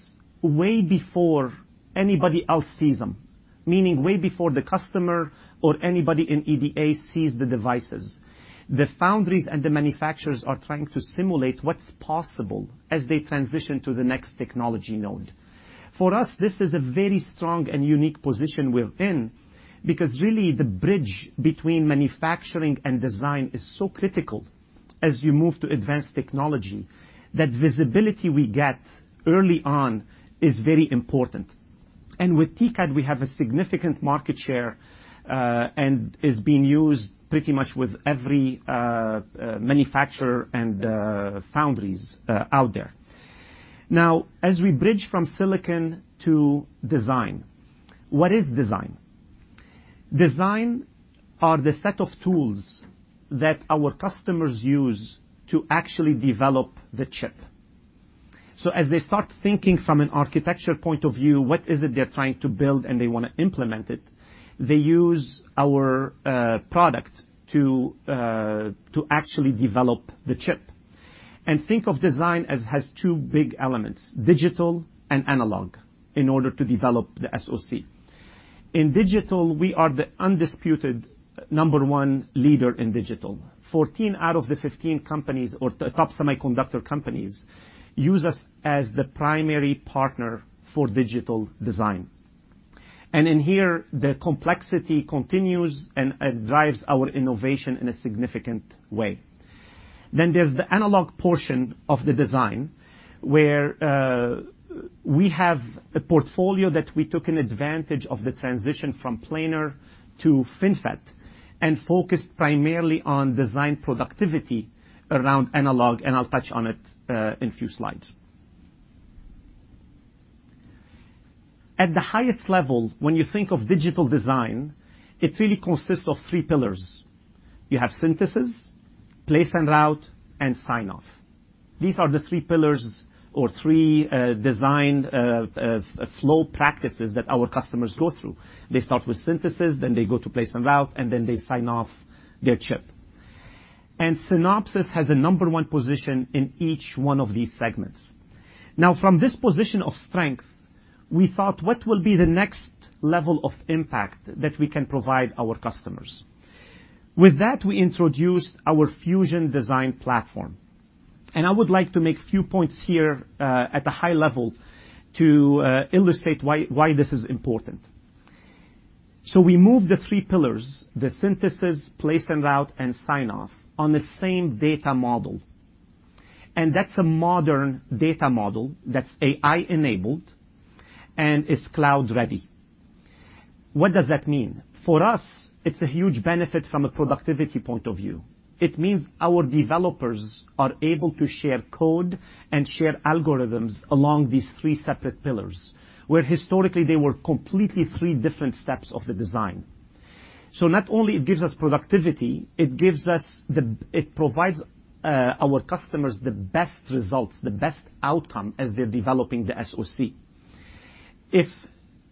way before anybody else sees them. Meaning way before the customer or anybody in EDA sees the devices. The foundries and the manufacturers are trying to simulate what's possible as they transition to the next technology node. For us, this is a very strong and unique position we're in, because really the bridge between manufacturing and design is so critical as you move to advanced technology, that visibility we get early on is very important. With TCAD, we have a significant market share, and is being used pretty much with every manufacturer and foundries out there. As we bridge from silicon to design, what is design? Design are the set of tools that our customers use to actually develop the chip. As they start thinking from an architecture point of view, what is it they're trying to build and they want to implement it, they use our product to actually develop the chip. Think of design as has two big elements, digital and analog, in order to develop the SoC. In digital, we are the undisputed number 1 leader in digital. 14 out of the 15 companies or top semiconductor companies use us as the primary partner for digital design. In here, the complexity continues and drives our innovation in a significant way. There's the analog portion of the design, where we have a portfolio that we took an advantage of the transition from planar to FinFET, and focused primarily on design productivity around analog, and I'll touch on it in few slides. At the highest level, when you think of digital design, it really consists of three pillars. You have synthesis, place and route, and sign-off. These are the three pillars or three design flow practices that our customers go through. They start with synthesis, then they go to place and route, and then they sign off their chip. Synopsys has a number 1 position in each one of these segments. From this position of strength, we thought, what will be the next level of impact that we can provide our customers? With that, we introduced our Fusion Design Platform. I would like to make a few points here, at a high level to illustrate why this is important. We moved the three pillars, the synthesis, place and route, and sign-off, on the same data model. That's a modern data model that's AI-enabled and is cloud-ready. What does that mean? For us, it's a huge benefit from a productivity point of view. It means our developers are able to share code and share algorithms along these three separate pillars, where historically, they were completely three different steps of the design. Not only it gives us productivity, it provides our customers the best results, the best outcome as they're developing the SoC. If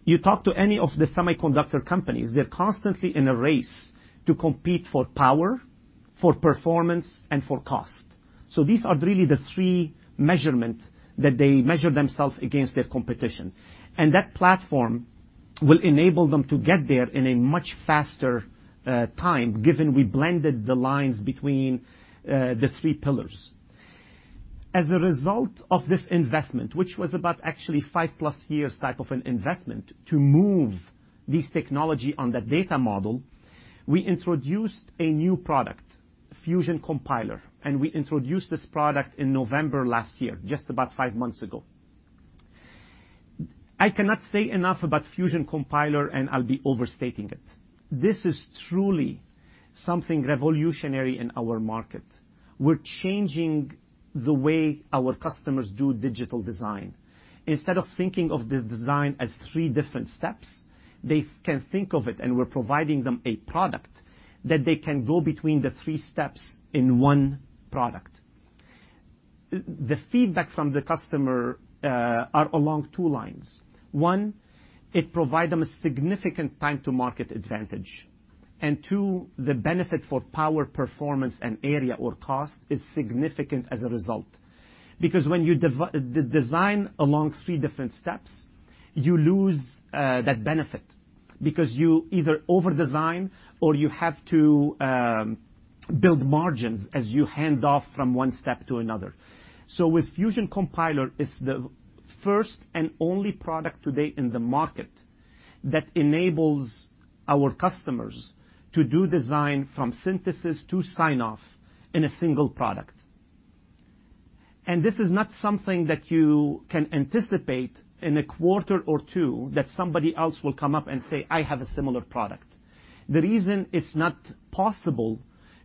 you talk to any of the semiconductor companies, they're constantly in a race to compete for power, for performance, and for cost. These are really the three measurements that they measure themselves against their competition. That platform will enable them to get there in a much faster time, given we blended the lines between the three pillars. As a result of this investment, which was about actually 5-plus years type of an investment to move this technology on that data model, we introduced a new product, Fusion Compiler, and we introduced this product in November last year, just about five months ago. I cannot say enough about Fusion Compiler, and I'll be overstating it. This is truly something revolutionary in our market. We're changing the way our customers do digital design. Instead of thinking of this design as three different steps, they can think of it, and we're providing them a product that they can go between the three steps in one product. The feedback from the customer are along two lines. One, it provide them a significant time to market advantage. Two, the benefit for power, performance, and area or cost is significant as a result. Because when you design along three different steps, you lose that benefit because you either overdesign or you have to build margins as you hand off from one step to another. With Fusion Compiler, it's the first and only product today in the market that enables our customers to do design from synthesis to sign-off in a single product. This is not something that you can anticipate in a quarter or two that somebody else will come up and say, "I have a similar product." The reason it's not possible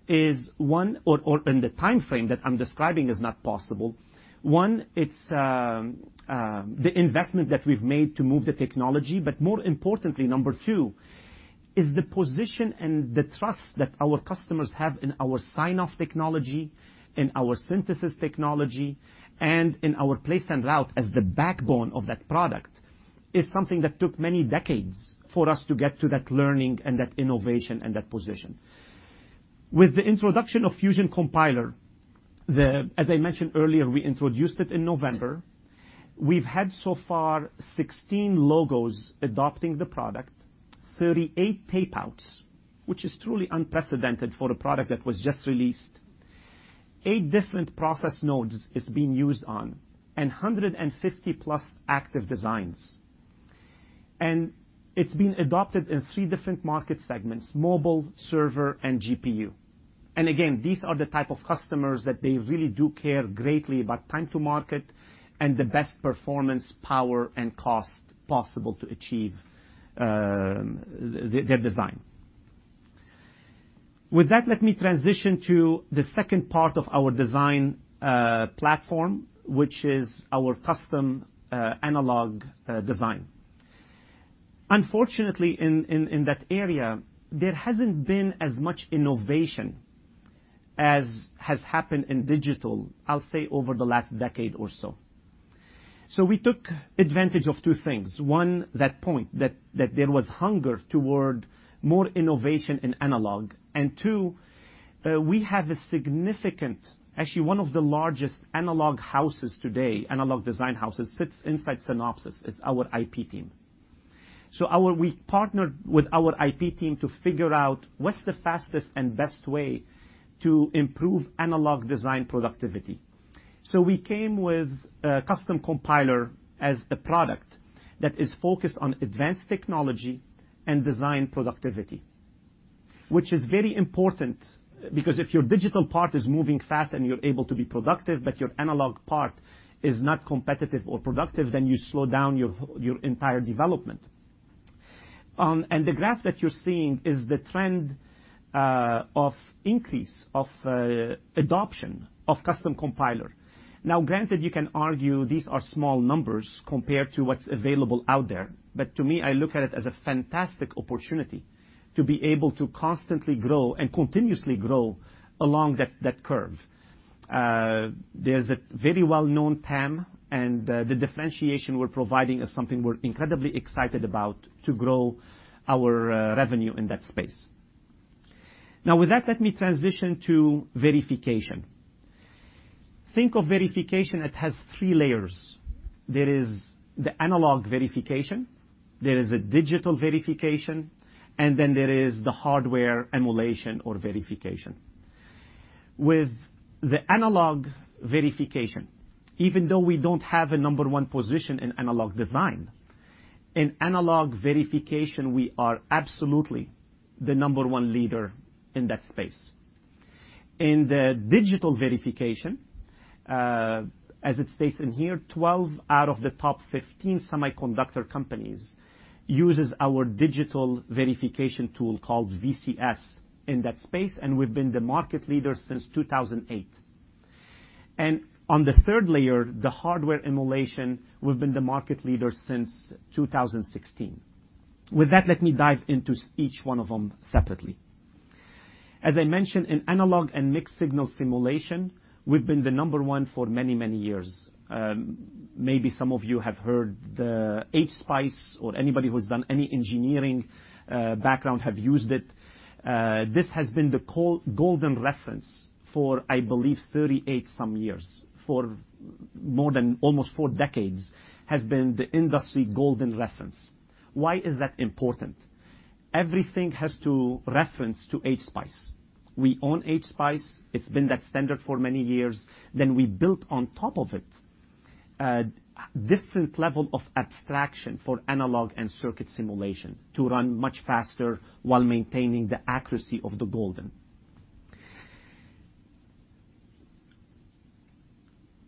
is, one, or in the time frame that I'm describing is not possible, one, it's the investment that we've made to move the technology, but more importantly, number 2, is the position and the trust that our customers have in our sign-off technology, in our synthesis technology, and in our place and route as the backbone of that product is something that took many decades for us to get to that learning and that innovation and that position. With the introduction of Fusion Compiler, as I mentioned earlier, we introduced it in November. We've had so far 16 logos adopting the product, 38 tape-outs, which is truly unprecedented for a product that was just released. Eight different process nodes it's being used on and 150-plus active designs. It's been adopted in three different market segments, mobile, server, and GPU. Again, these are the type of customers that they really do care greatly about time to market and the best performance, power, and cost possible to achieve their design. With that, let me transition to the second part of our design platform, which is our custom analog design. Unfortunately, in that area, there hasn't been as much innovation as has happened in digital, I'll say, over the last decade or so. We took advantage of two things. One, that point, that there was hunger toward more innovation in analog. Two, we have a significant, actually, one of the largest analog houses today, analog design houses, sits inside Synopsys, is our IP team. We partnered with our IP team to figure out what's the fastest and best way to improve analog design productivity. We came with a Custom Compiler as a product that is focused on advanced technology and design productivity, which is very important because if your digital part is moving fast and you're able to be productive, but your analog part is not competitive or productive, then you slow down your entire development. The graph that you're seeing is the trend of increase of adoption of Custom Compiler. Now, granted, you can argue these are small numbers compared to what's available out there. To me, I look at it as a fantastic opportunity to be able to constantly grow and continuously grow along that curve. There's a very well-known TAM, the differentiation we're providing is something we're incredibly excited about to grow our revenue in that space. With that, let me transition to verification. Think of verification that has 3 layers. There is the analog verification, there is a digital verification, and then there is the hardware emulation or verification. With the analog verification, even though we don't have a number 1 position in analog design, in analog verification, we are absolutely the number 1 leader in that space. In the digital verification, as it states in here, 12 out of the top 15 semiconductor companies uses our digital verification tool called VCS in that space, and we've been the market leader since 2008. On the third layer, the hardware emulation, we've been the market leader since 2016. With that, let me dive into each one of them separately. As I mentioned, in analog and mixed-signal simulation, we've been the number 1 for many, many years. Maybe some of you have heard the HSPICE or anybody who's done any engineering background have used it. This has been the golden reference for, I believe, 38 some years. More than almost four decades has been the industry golden reference. Why is that important? Everything has to reference to HSPICE. We own HSPICE. It's been that standard for many years. We built on top of it a different level of abstraction for analog and circuit simulation to run much faster while maintaining the accuracy of the golden.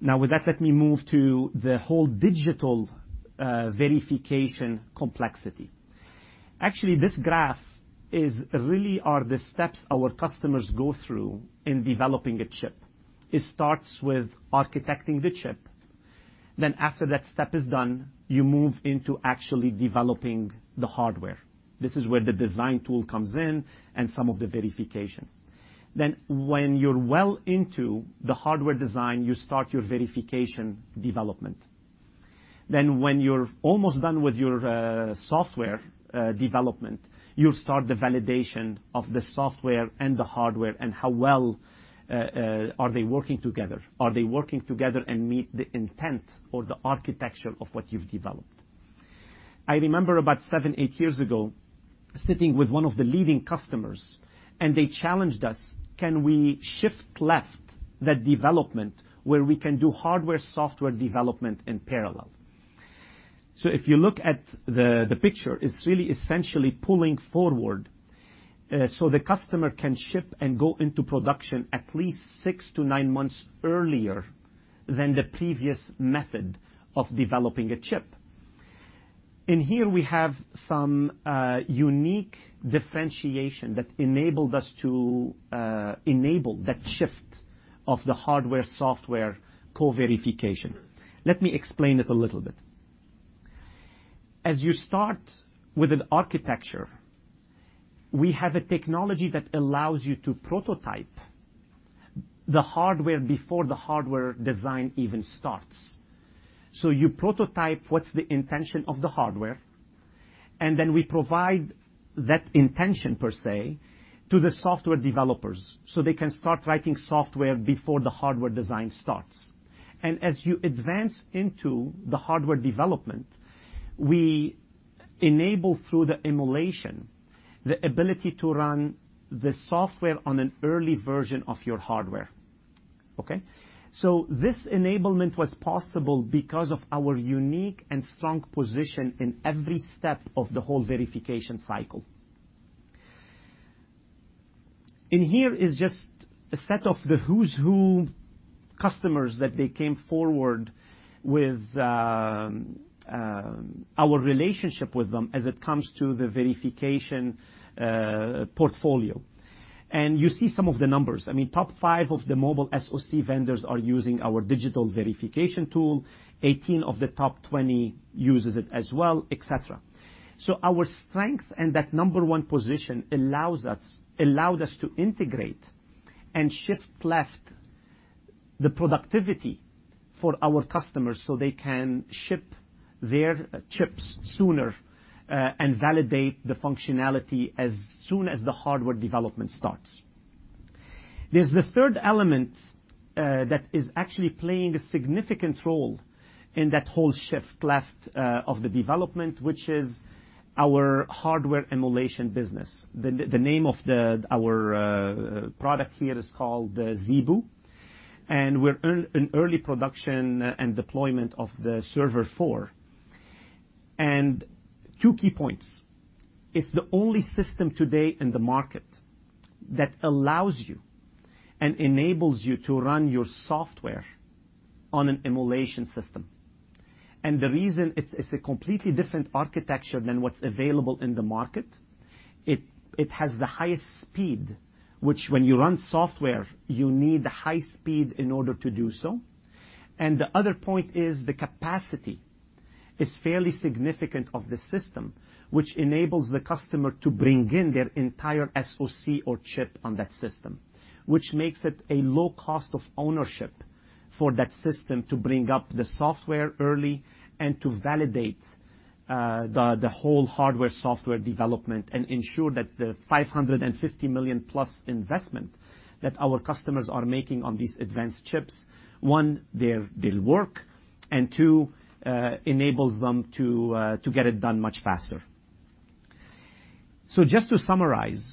With that, let me move to the whole digital verification complexity. Actually, this graph is really are the steps our customers go through in developing a chip. It starts with architecting the chip. After that step is done, you move into actually developing the hardware. This is where the design tool comes in and some of the verification. When you're well into the hardware design, you start your verification development. When you're almost done with your software development, you start the validation of the software and the hardware and how well are they working together. Are they working together and meet the intent or the architecture of what you've developed? I remember about seven, eight years ago, sitting with one of the leading customers, they challenged us, can we shift left that development where we can do hardware, software development in parallel? If you look at the picture, it's really essentially pulling forward so the customer can ship and go into production at least six to nine months earlier than the previous method of developing a chip. Here we have some unique differentiation that enabled us to enable that shift of the hardware, software co-verification. Let me explain it a little bit. As you start with an architecture, we have a technology that allows you to prototype the hardware before the hardware design even starts. You prototype what's the intention of the hardware, and then we provide that intention, per se, to the software developers so they can start writing software before the hardware design starts. As you advance into the hardware development, we enable through the emulation, the ability to run the software on an early version of your hardware. Okay? This enablement was possible because of our unique and strong position in every step of the whole verification cycle. Here is just a set of the who's who customers that they came forward with our relationship with them as it comes to the verification portfolio. You see some of the numbers. I mean, top 5 of the mobile SoC vendors are using our digital verification tool. 18 of the top 20 uses it as well, et cetera. Our strength and that number one position allowed us to integrate and shift left the productivity for our customers so they can ship their chips sooner and validate the functionality as soon as the hardware development starts. There's the third element that is actually playing a significant role in that whole shift left of the development, which is our hardware emulation business. The name of our product here is called ZeBu, and we're in early production and deployment of the Server-4. Two key points. It's the only system today in the market that allows you and enables you to run your software on an emulation system. The reason, it's a completely different architecture than what's available in the market. It has the highest speed, which when you run software, you need high speed in order to do so. The other point is the capacity is fairly significant of the system, which enables the customer to bring in their entire SoC or chip on that system. Which makes it a low cost of ownership for that system to bring up the software early and to validate the whole hardware, software development and ensure that the $550 million plus investment that our customers are making on these advanced chips, one, they'll work, and two, enables them to get it done much faster. Just to summarize,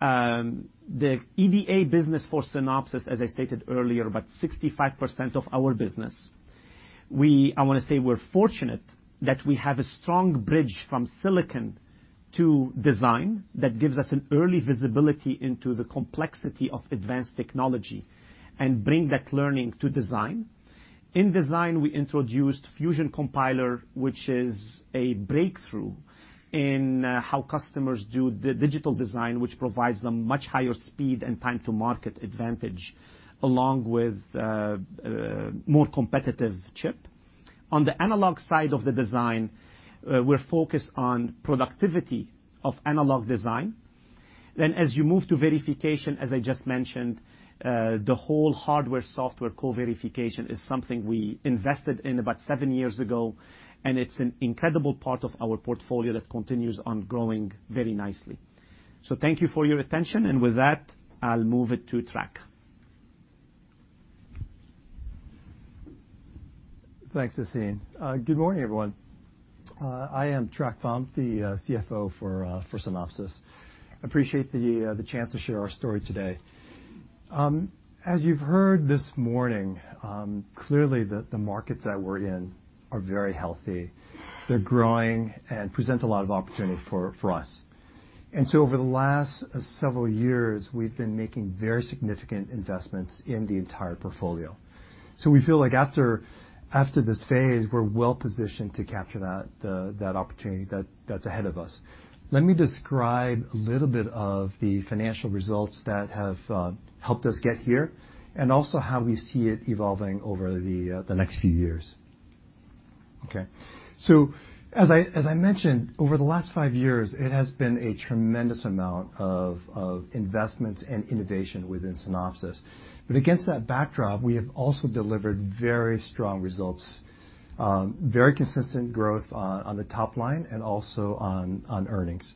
the EDA business for Synopsys, as I stated earlier, about 65% of our business. I want to say we're fortunate that we have a strong bridge from silicon to design that gives us an early visibility into the complexity of advanced technology and bring that learning to design. In design, we introduced Fusion Compiler, which is a breakthrough in how customers do the digital design, which provides them much higher speed and time to market advantage, along with a more competitive chip. On the analog side of the design, we're focused on productivity of analog design. As you move to verification, as I just mentioned, the whole hardware, software co-verification is something we invested in about seven years ago, and it's an incredible part of our portfolio that continues on growing very nicely. Thank you for your attention. With that, I'll move it to Trac. Thanks, Sassine. Good morning, everyone. I am Trac Pham, the CFO for Synopsys. Appreciate the chance to share our story today. As you've heard this morning, clearly, the markets that we're in are very healthy. They're growing and present a lot of opportunity for us. Over the last several years, we've been making very significant investments in the entire portfolio. We feel like after this phase, we're well-positioned to capture that opportunity that's ahead of us. Let me describe a little bit of the financial results that have helped us get here, and also how we see it evolving over the next few years. Okay. As I mentioned, over the last five years, it has been a tremendous amount of investments and innovation within Synopsys. Against that backdrop, we have also delivered very strong results, very consistent growth on the top line and also on earnings.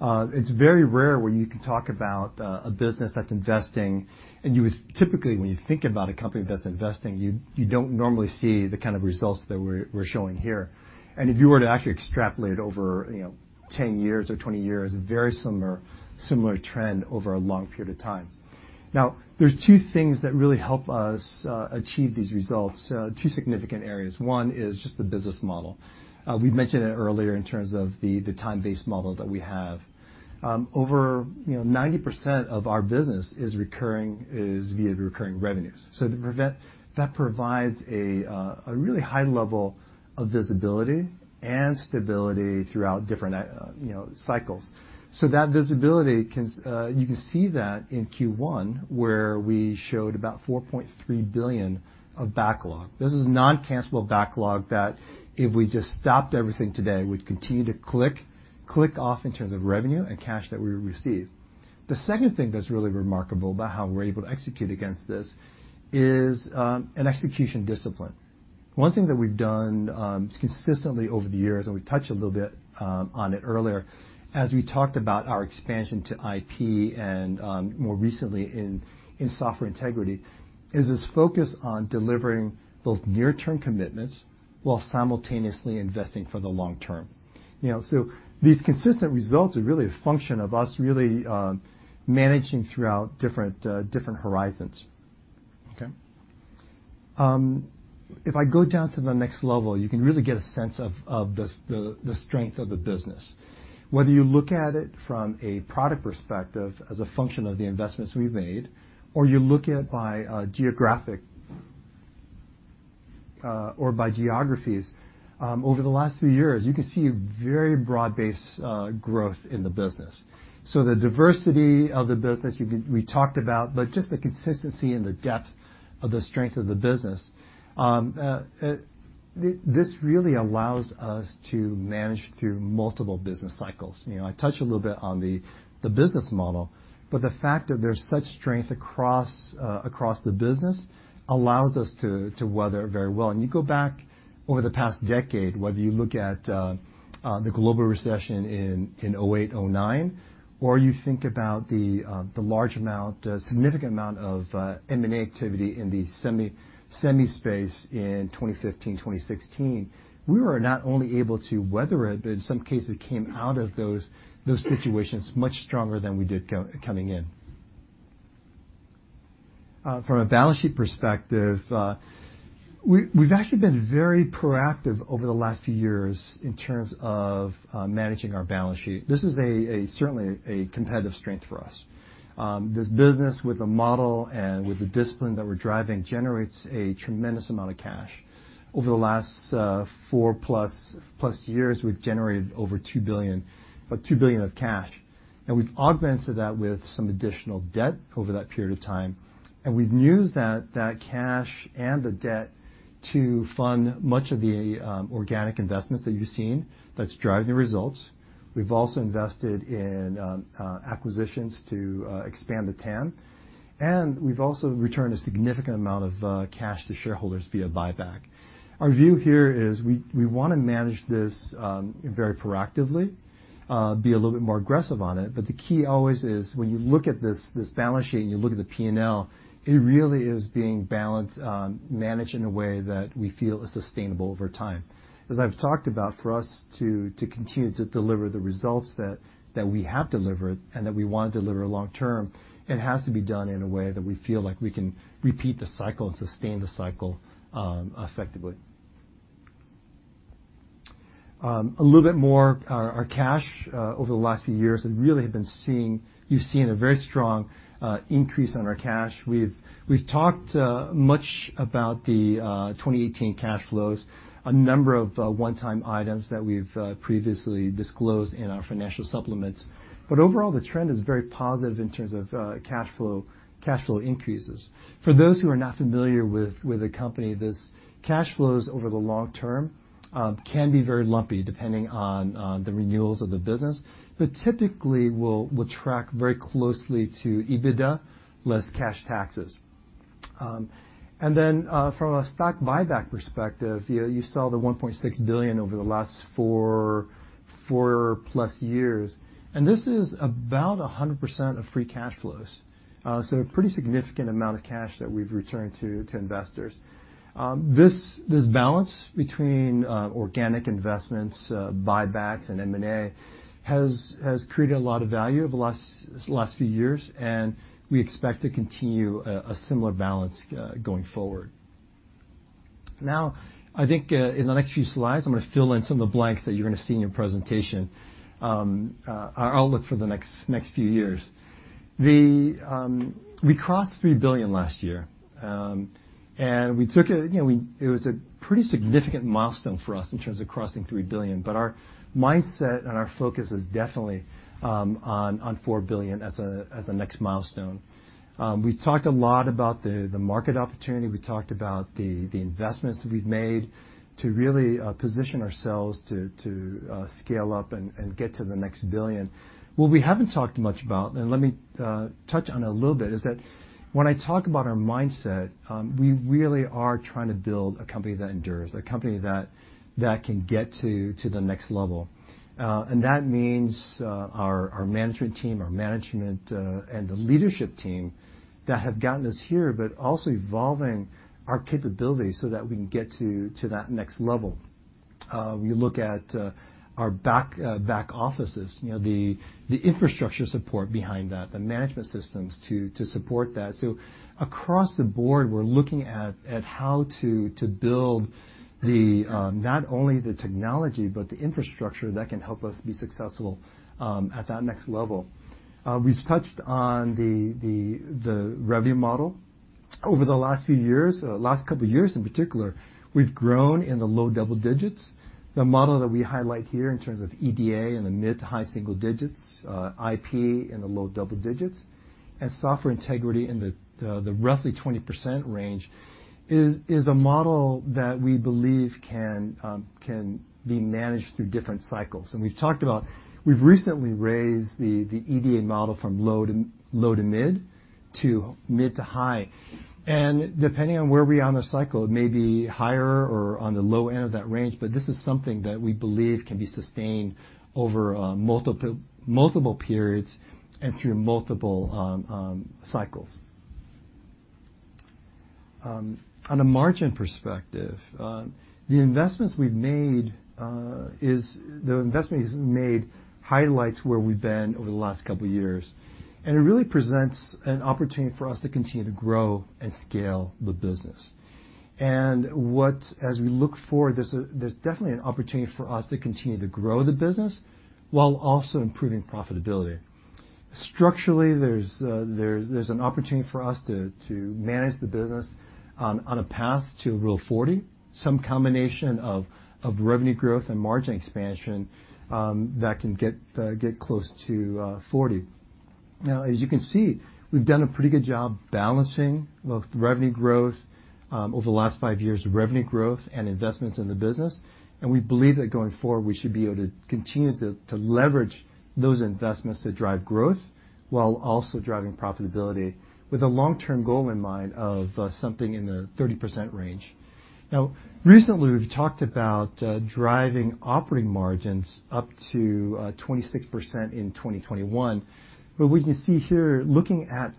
It's very rare when you can talk about a business that's investing, and typically, when you think about a company that's investing, you don't normally see the kind of results that we're showing here. If you were to actually extrapolate over 10 years or 20 years, a very similar trend over a long period of time. Now, there's two things that really help us achieve these results, two significant areas. One is just the business model. We mentioned it earlier in terms of the time-based model that we have. Over 90% of our business is via recurring revenues. That provides a really high level of visibility and stability throughout different cycles. That visibility, you can see that in Q1 where we showed about $4.3 billion of backlog. This is non-cancellable backlog that if we just stopped everything today, would continue to click off in terms of revenue and cash that we receive. The second thing that's really remarkable about how we're able to execute against this is an execution discipline. One thing that we've done consistently over the years, and we touched a little bit on it earlier as we talked about our expansion to IP and more recently in software integrity, is this focus on delivering both near-term commitments while simultaneously investing for the long term. These consistent results are really a function of us really managing throughout different horizons. Okay. If I go down to the next level, you can really get a sense of the strength of the business. Whether you look at it from a product perspective as a function of the investments we've made, or you look at it by geographies. Over the last few years, you can see a very broad-based growth in the business. The diversity of the business we talked about, but just the consistency and the depth of the strength of the business. This really allows us to manage through multiple business cycles. I touched a little bit on the business model, but the fact that there's such strength across the business allows us to weather very well. You go back over the past decade, whether you look at the global recession in 2008, 2009, or you think about the large amount, significant amount of M&A activity in the semi space in 2015, 2016. We were not only able to weather it, but in some cases, came out of those situations much stronger than we did coming in. From a balance sheet perspective, we've actually been very proactive over the last few years in terms of managing our balance sheet. This is certainly a competitive strength for us. This business with the model and with the discipline that we're driving generates a tremendous amount of cash. Over the last four plus years, we've generated over $2 billion of cash, and we've augmented that with some additional debt over that period of time, and we've used that cash and the debt to fund much of the organic investments that you've seen that's driving the results. We've also invested in acquisitions to expand the TAM. We've also returned a significant amount of cash to shareholders via buyback. Our view here is we want to manage this very proactively, be a little bit more aggressive on it. The key always is when you look at this balance sheet and you look at the P&L, it really is being balanced, managed in a way that we feel is sustainable over time. As I've talked about, for us to continue to deliver the results that we have delivered and that we want to deliver long term, it has to be done in a way that we feel like we can repeat the cycle and sustain the cycle effectively. A little bit more. Our cash over the last few years, you've seen a very strong increase on our cash. We've talked much about the 2018 cash flows, a number of one-time items that we've previously disclosed in our financial supplements. Overall, the trend is very positive in terms of cash flow increases. For those who are not familiar with the company, cash flows over the long term can be very lumpy depending on the renewals of the business, but typically will track very closely to EBITDA less cash taxes. From a stock buyback perspective, you saw the $1.6 billion over the last four plus years. This is about 100% of free cash flows. A pretty significant amount of cash that we've returned to investors. This balance between organic investments, buybacks, and M&A has created a lot of value over the last few years, and we expect to continue a similar balance going forward. I think, in the next few slides, I'm going to fill in some of the blanks that you're going to see in your presentation, our outlook for the next few years. We crossed $3 billion last year. It was a pretty significant milestone for us in terms of crossing $3 billion, but our mindset and our focus is definitely on $4 billion as the next milestone. We've talked a lot about the market opportunity. We talked about the investments we've made to really position ourselves to scale up and get to the next billion. What we haven't talked much about, let me touch on a little bit, is that when I talk about our mindset, we really are trying to build a company that endures, a company that can get to the next level. That means our management team, our management and the leadership team that have gotten us here, but also evolving our capabilities so that we can get to that next level. We look at our back offices, the infrastructure support behind that, the management systems to support that. Across the board, we're looking at how to build not only the technology but the infrastructure that can help us be successful at that next level. We've touched on the revenue model. Over the last few years, last couple of years in particular, we've grown in the low double digits. The model that we highlight here in terms of EDA in the mid to high single digits, IP in the low double digits, and Software Integrity in the roughly 20% range, is a model that we believe can be managed through different cycles. We've talked about, we've recently raised the EDA model from low to mid, to mid to high, and depending on where we are on the cycle, it may be higher or on the low end of that range, but this is something that we believe can be sustained over multiple periods and through multiple cycles. On a margin perspective, the investments we've made highlights where we've been over the last couple of years, and it really presents an opportunity for us to continue to grow and scale the business. As we look forward, there's definitely an opportunity for us to continue to grow the business while also improving profitability. Structurally, there's an opportunity for us to manage the business on a path to Rule of 40, some combination of revenue growth and margin expansion that can get close to 40%. As you can see, we've done a pretty good job balancing both revenue growth over the last 5 years of revenue growth and investments in the business. We believe that going forward, we should be able to continue to leverage those investments that drive growth while also driving profitability with a long-term goal in mind of something in the 30% range. Recently, we've talked about driving operating margins up to 26% in 2021. We can see here, looking at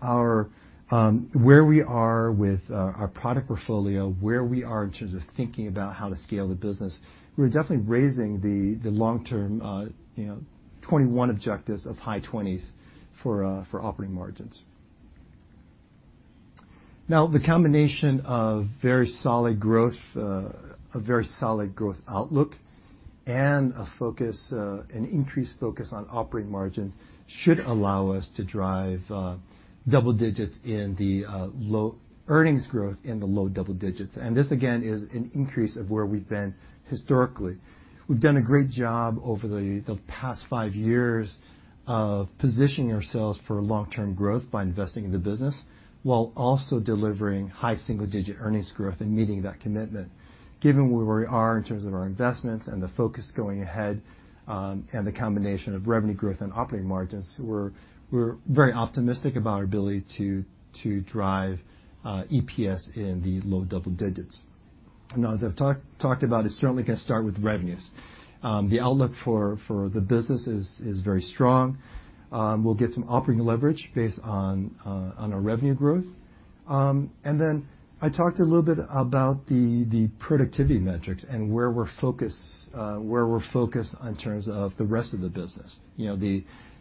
where we are with our product portfolio, where we are in terms of thinking about how to scale the business, we're definitely raising the long-term 2021 objectives of high 20s for operating margins. The combination of a very solid growth outlook and an increased focus on operating margins should allow us to drive earnings growth in the low double digits. This, again, is an increase of where we've been historically. We've done a great job over the past five years of positioning ourselves for long-term growth by investing in the business while also delivering high single-digit earnings growth and meeting that commitment. Given where we are in terms of our investments and the focus going ahead, and the combination of revenue growth and operating margins, we're very optimistic about our ability to drive EPS in the low double digits. As I've talked about, it's certainly going to start with revenues. The outlook for the business is very strong. We'll get some operating leverage based on our revenue growth. Then I talked a little bit about the productivity metrics and where we're focused on terms of the rest of the business.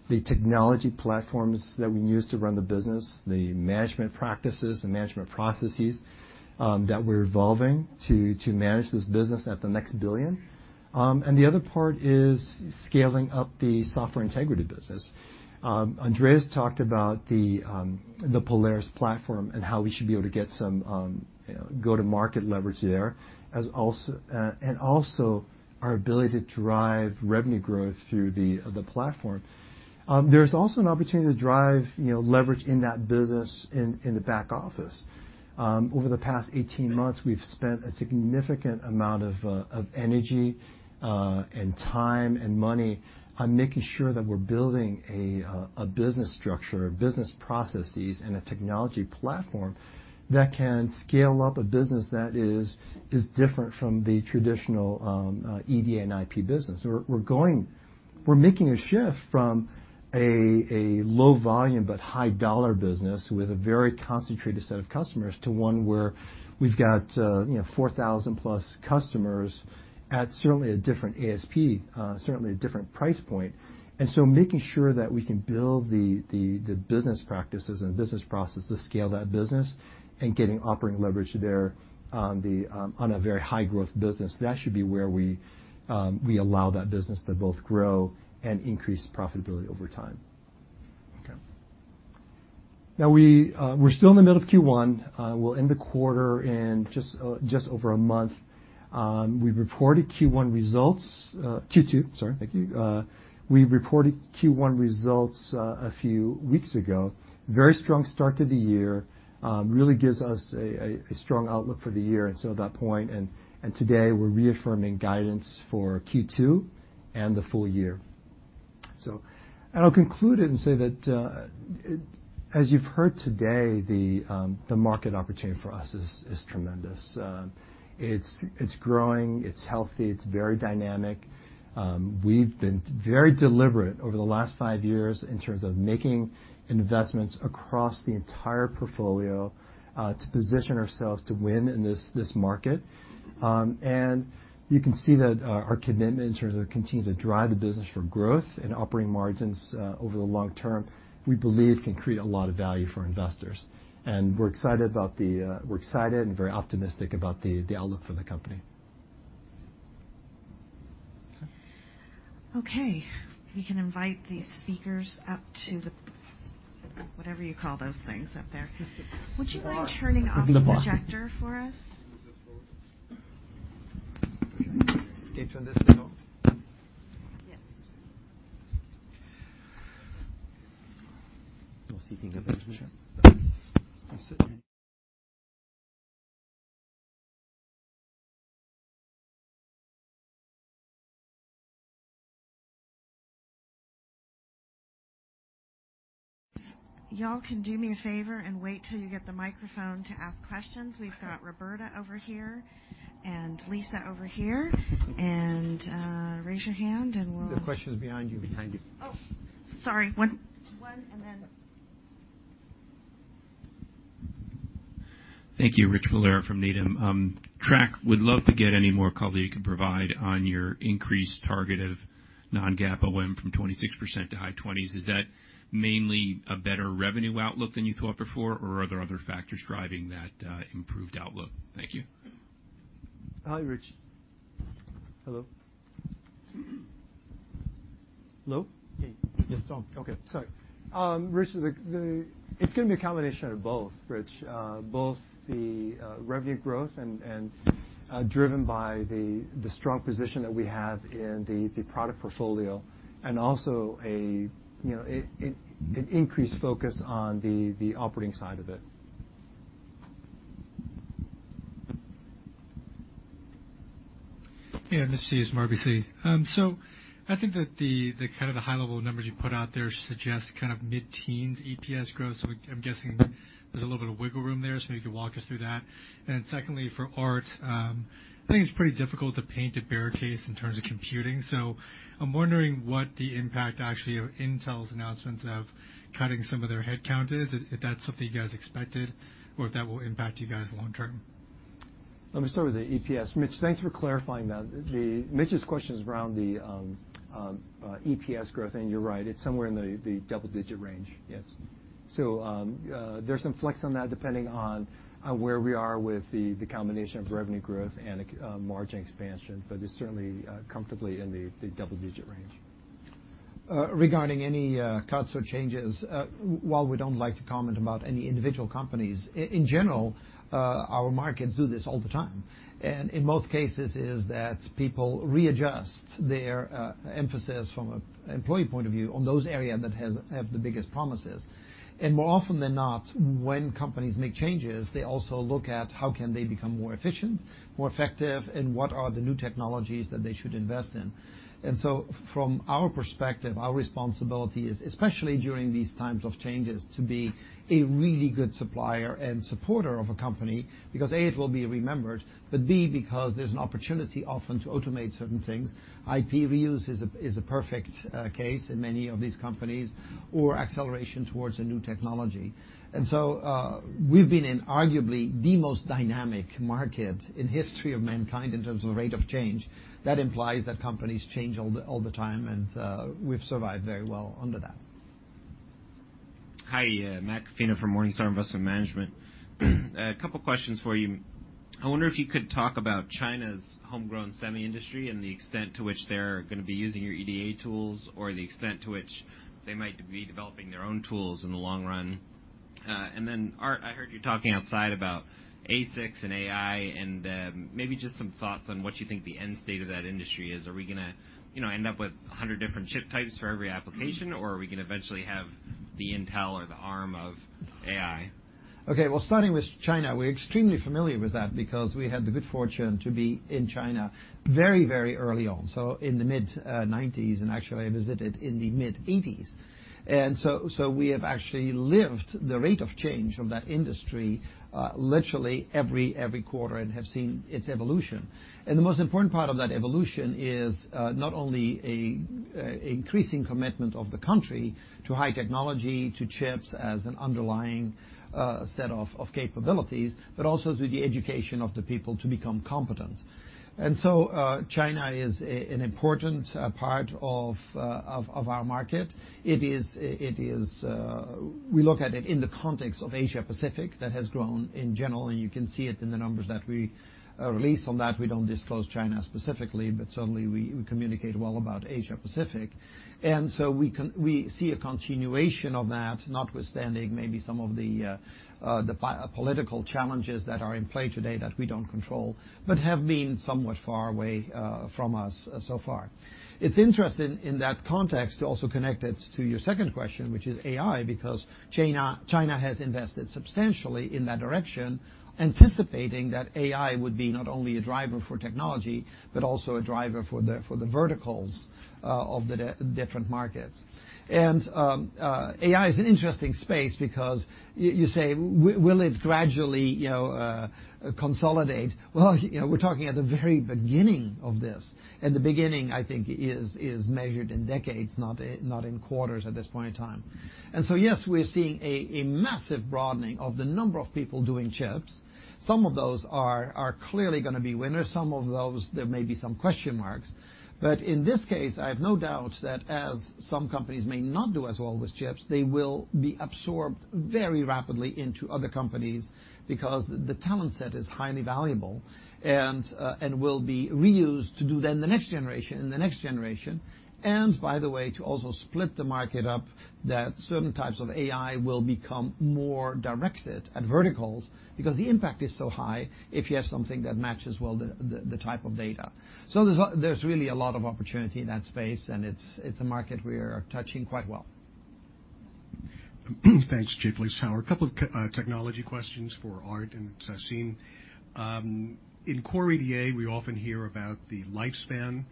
The technology platforms that we use to run the business, the management practices, the management processes that we're evolving to manage this business at the next billion. The other part is scaling up the Software Integrity business. Andreas talked about the Polaris platform and how we should be able to get some go-to-market leverage there, and also our ability to drive revenue growth through the platform. There's also an opportunity to drive leverage in that business in the back office. Over the past 18 months, we've spent a significant amount of energy and time and money on making sure that we're building a business structure, business processes, and a technology platform that can scale up a business that is different from the traditional EDA and IP business. We're making a shift from a low volume but high dollar business with a very concentrated set of customers to one where we've got 4,000 plus customers at certainly a different ASP, certainly a different price point. Making sure that we can build the business practices and business process to scale that business and getting operating leverage there on a very high growth business, that should be where we allow that business to both grow and increase profitability over time. We're still in the middle of Q1. We'll end the quarter in just over a month. We reported Q1 results, Q2, sorry. Thank you. We reported Q1 results a few weeks ago. Very strong start to the year, really gives us a strong outlook for the year and so at that point, and today we're reaffirming guidance for Q2 and the full year. I'll conclude it and say that, as you've heard today, the market opportunity for us is tremendous. It's growing, it's healthy, it's very dynamic. We've been very deliberate over the last five years in terms of making investments across the entire portfolio, to position ourselves to win in this market. You can see that our commitment in terms of continuing to drive the business for growth and operating margins over the long term, we believe can create a lot of value for investors. We're excited and very optimistic about the outlook for the company. Okay. We can invite the speakers up to the, whatever you call those things up there. Would you mind turning off the projector for us? Can you turn this thing off? Yes. No seating arrangement. You all can do me a favor and wait till you get the microphone to ask questions. We've got Roberta over here and Lisa over here. The question is behind you. Oh, sorry. One and then Thank you. Rich Valera from Needham. Trac, would love to get any more color you can provide on your increased target of non-GAAP OM from 26% to high 20s. Is that mainly a better revenue outlook than you thought before or are there other factors driving that improved outlook? Thank you. Hi, Rich. Hello? Hello? Yeah. It's on. Okay, sorry. Rich, it's going to be a combination of both, Rich, both the revenue growth and driven by the strong position that we have in the product portfolio and also an increased focus on the operating side of it. Hey, Mitch Steves, RBC. I think that the high level numbers you put out there suggest mid-teens EPS growth. I'm guessing there's a little bit of wiggle room there, so maybe you could walk us through that. Secondly, for Aart, I think it's pretty difficult to paint a bear case in terms of computing, so I'm wondering what the impact actually of Intel's announcements of cutting some of their headcount is, if that's something you guys expected or if that will impact you guys long term. Let me start with the EPS. Mitch, thanks for clarifying that. Mitch's question is around the EPS growth, you're right, it's somewhere in the double digit range. Yes. There's some flex on that depending on where we are with the combination of revenue growth and margin expansion. It's certainly comfortably in the double digit range. Regarding any cuts or changes, while we don't like to comment about any individual companies, in general, our markets do this all the time. In most cases, is that people readjust their emphasis from an employee point of view on those area that have the biggest promises. More often than not, when companies make changes, they also look at how can they become more efficient, more effective, and what are the new technologies that they should invest in. From our perspective, our responsibility is, especially during these times of changes, to be a really good supplier and supporter of a company because, A, it will be remembered, but B, because there's an opportunity often to automate certain things. IP reuse is a perfect case in many of these companies or acceleration towards a new technology. We've been in arguably the most dynamic market in history of mankind in terms of the rate of change. That implies that companies change all the time, and we've survived very well under that. Hi, Matt Coffina from Morningstar Investment Management. A couple questions for you. I wonder if you could talk about China's homegrown semi industry and the extent to which they're going to be using your EDA tools or the extent to which they might be developing their own tools in the long run. Aart, I heard you talking outside about ASICs and AI and maybe just some thoughts on what you think the end state of that industry is. Are we going to end up with 100 different chip types for every application or are we going to eventually have the Intel or the Arm of AI? Okay. Well, starting with China, we're extremely familiar with that because we had the good fortune to be in China very early on, so in the mid-'90s, and actually I visited in the mid-'80s. We have actually lived the rate of change of that industry literally every quarter and have seen its evolution. The most important part of that evolution is not only increasing commitment of the country to high technology, to chips as an underlying set of capabilities, but also to the education of the people to become competent. China is an important part of our market. We look at it in the context of Asia-Pacific, that has grown in general, and you can see it in the numbers that we release on that. We don't disclose China specifically, but certainly, we communicate well about Asia-Pacific. We see a continuation of that, notwithstanding maybe some of the political challenges that are in play today that we don't control, but have been somewhat far away from us so far. It's interesting in that context to also connect it to your second question, which is AI, because China has invested substantially in that direction, anticipating that AI would be not only a driver for technology, but also a driver for the verticals of the different markets. AI is an interesting space because you say, will it gradually consolidate? Well, we're talking at the very beginning of this, and the beginning, I think, is measured in decades, not in quarters at this point in time. Yes, we're seeing a massive broadening of the number of people doing chips. Some of those are clearly going to be winners. Some of those, there may be some question marks. In this case, I have no doubt that as some companies may not do as well with chips, they will be absorbed very rapidly into other companies because the talent set is highly valuable and will be reused to do then the next generation, the next generation. By the way, to also split the market up that certain types of AI will become more directed at verticals because the impact is so high if you have something that matches well the type of data. There's really a lot of opportunity in that space, and it's a market we are touching quite well. Thanks, [Liz Sauer]. A couple technology questions for Aart and Sassine. In Core EDA, we often hear about the lifespan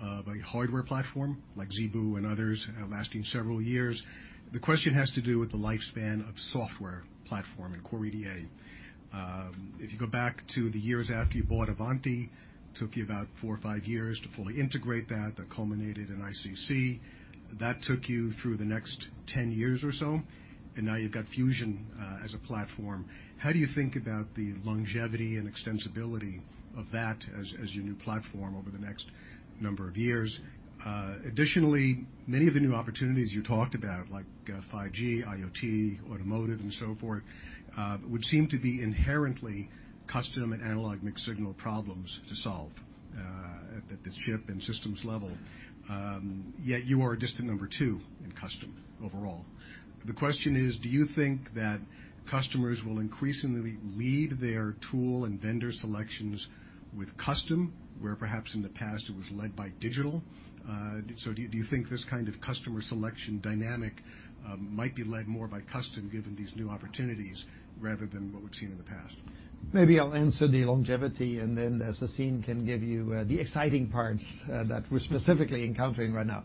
of a hardware platform like ZeBu and others lasting several years. The question has to do with the lifespan of software platform in Core EDA. If you go back to the years after you bought Avanti, took you about four or five years to fully integrate that. That culminated in ICC. That took you through the next 10 years or so, and now you've got Fusion as a platform. How do you think about the longevity and extensibility of that as your new platform over the next number of years? Additionally, many of the new opportunities you talked about, like 5G, IoT, automotive, and so forth, would seem to be inherently custom and analog mixed signal problems to solve at the chip and systems level. Yet you are a distant number 2 in custom overall. The question is: do you think that customers will increasingly lead their tool and vendor selections with custom, where perhaps in the past it was led by digital? Do you think this kind of customer selection dynamic might be led more by custom given these new opportunities rather than what we've seen in the past? Maybe I'll answer the longevity, then Sassine can give you the exciting parts that we're specifically encountering right now.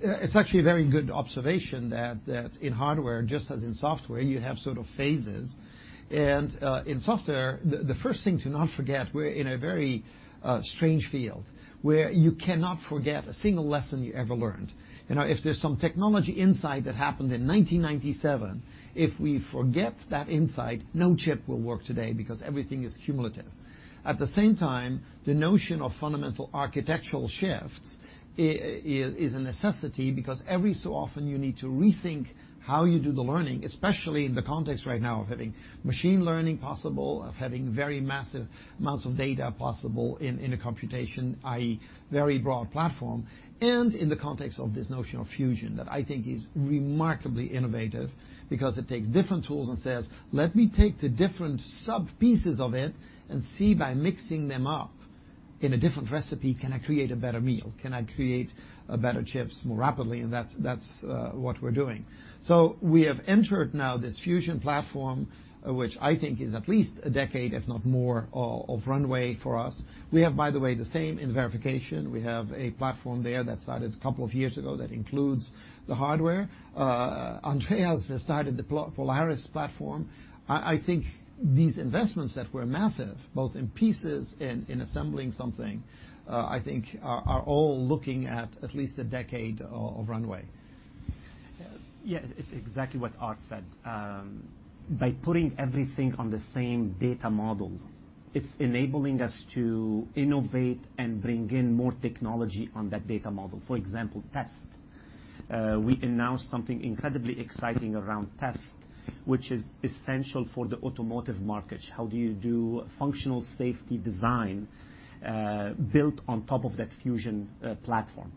It's actually a very good observation that in hardware, just as in software, you have sort of phases. In software, the first thing to not forget, we're in a very strange field where you cannot forget a single lesson you ever learned. If there's some technology insight that happened in 1997, if we forget that insight, no chip will work today because everything is cumulative. At the same time, the notion of fundamental architectural shifts is a necessity because every so often you need to rethink how you do the learning, especially in the context right now of having machine learning possible, of having very massive amounts of data possible in a computation, i.e., very broad platform, and in the context of this notion of fusion that I think is remarkably innovative because it takes different tools and says, "Let me take the different sub-pieces of it and see by mixing them up in a different recipe, can I create a better meal? Can I create better chips more rapidly?" That's what we're doing. We have entered now this Fusion platform, which I think is at least a decade, if not more, of runway for us. We have, by the way, the same in verification. We have a platform there that started a couple of years ago that includes the hardware. Andreas has started the Polaris platform. I think these investments that were massive, both in pieces and in assembling something, I think are all looking at least a decade of runway. Yeah, it's exactly what Aart said. By putting everything on the same data model, it's enabling us to innovate and bring in more technology on that data model. For example, test. We announced something incredibly exciting around test, which is essential for the automotive market. How do you do functional safety design, built on top of that Fusion platform?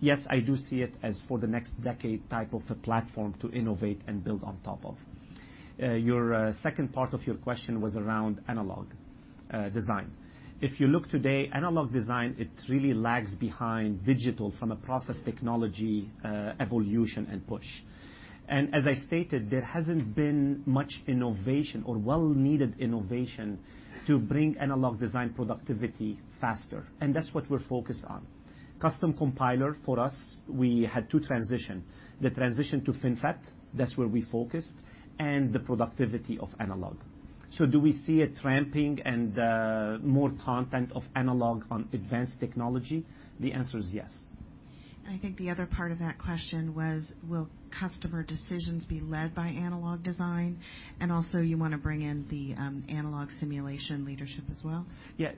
Yes, I do see it as for the next decade type of a platform to innovate and build on top of. Your second part of your question was around analog design. If you look today, analog design, it really lags behind digital from a process technology evolution and push. As I stated, there hasn't been much innovation or well-needed innovation to bring analog design productivity faster, and that's what we're focused on. Custom Compiler for us, we had to transition. The transition to FinFET, that's where we focused, and the productivity of analog. Do we see a ramping and more content of analog on advanced technology? The answer is yes. I think the other part of that question was, will customer decisions be led by analog design? Also you want to bring in the analog simulation leadership as well? Yeah.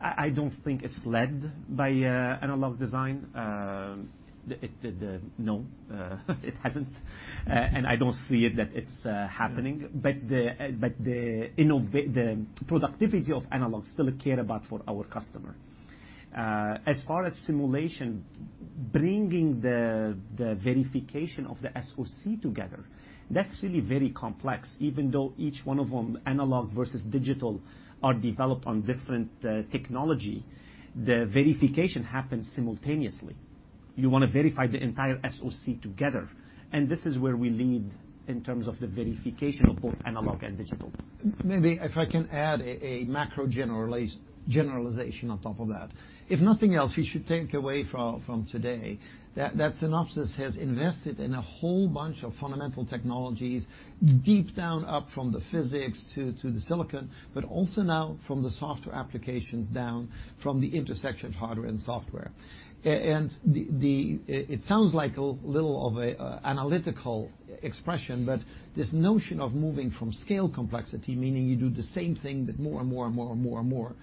I don't think it's led by analog design. No, it hasn't. I don't see it that it's happening. The productivity of analog still care about for our customer. As far as simulation, bringing the verification of the SoC together, that's really very complex. Even though each one of them, analog versus digital, are developed on different technology, the verification happens simultaneously. You want to verify the entire SoC together, this is where we lead in terms of the verification of both analog and digital. Maybe if I can add a macro generalization on top of that. If nothing else, you should take away from today, that Synopsys has invested in a whole bunch of fundamental technologies, deep down up from the physics to the silicon, but also now from the software applications down from the intersection of hardware and software. It sounds like a little of a analytical expression, but this notion of moving from scale complexity, meaning you do the same thing, but more and more and more and more and more,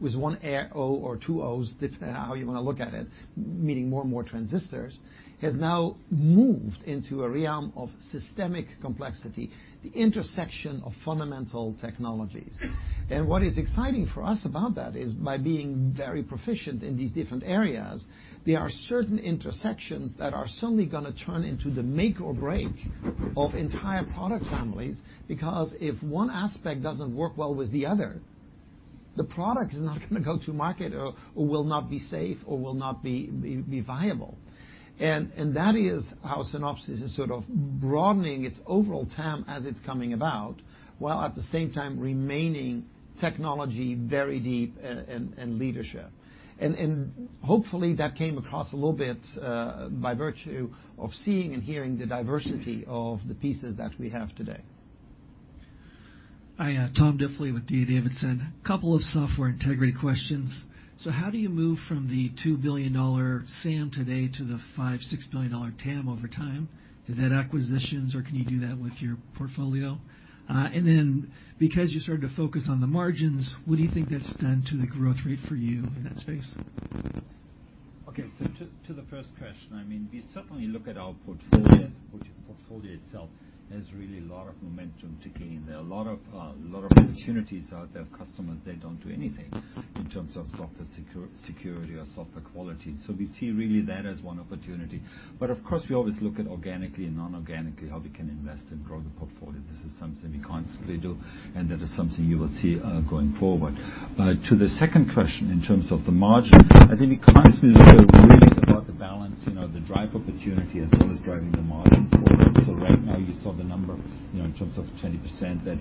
with one O or two Os, how you want to look at it, meaning more and more transistors, has now moved into a realm of systemic complexity, the intersection of fundamental technologies. What is exciting for us about that is by being very proficient in these different areas, there are certain intersections that are suddenly going to turn into the make or break of entire product families because if one aspect doesn't work well with the other, the product is not going to go to market or will not be safe or will not be viable. That is how Synopsys is sort of broadening its overall TAM as it's coming about, while at the same time remaining technology very deep and leadership. Hopefully, that came across a little bit, by virtue of seeing and hearing the diversity of the pieces that we have today. Hi, Tom Diffely with D.A. Davidson. Couple of software integrity questions. How do you move from the $2 billion SAM today to the $5 billion-$6 billion TAM over time? Is that acquisitions, or can you do that with your portfolio? Because you started to focus on the margins, what do you think that's done to the growth rate for you in that space? Okay. To the first question, we certainly look at our portfolio itself. There's really a lot of momentum to gain there. A lot of opportunities out there, customers that don't do anything in terms of software security or software quality. We see really that as one opportunity. Of course, we always look at organically and non-organically, how we can invest and grow the portfolio. This is something we constantly do, and that is something you will see going forward. To the second question, in terms of the margin, I think we constantly sort of really thought the balance, the drive opportunity as well as driving the margin forward. Right now, you saw the number in terms of 20% that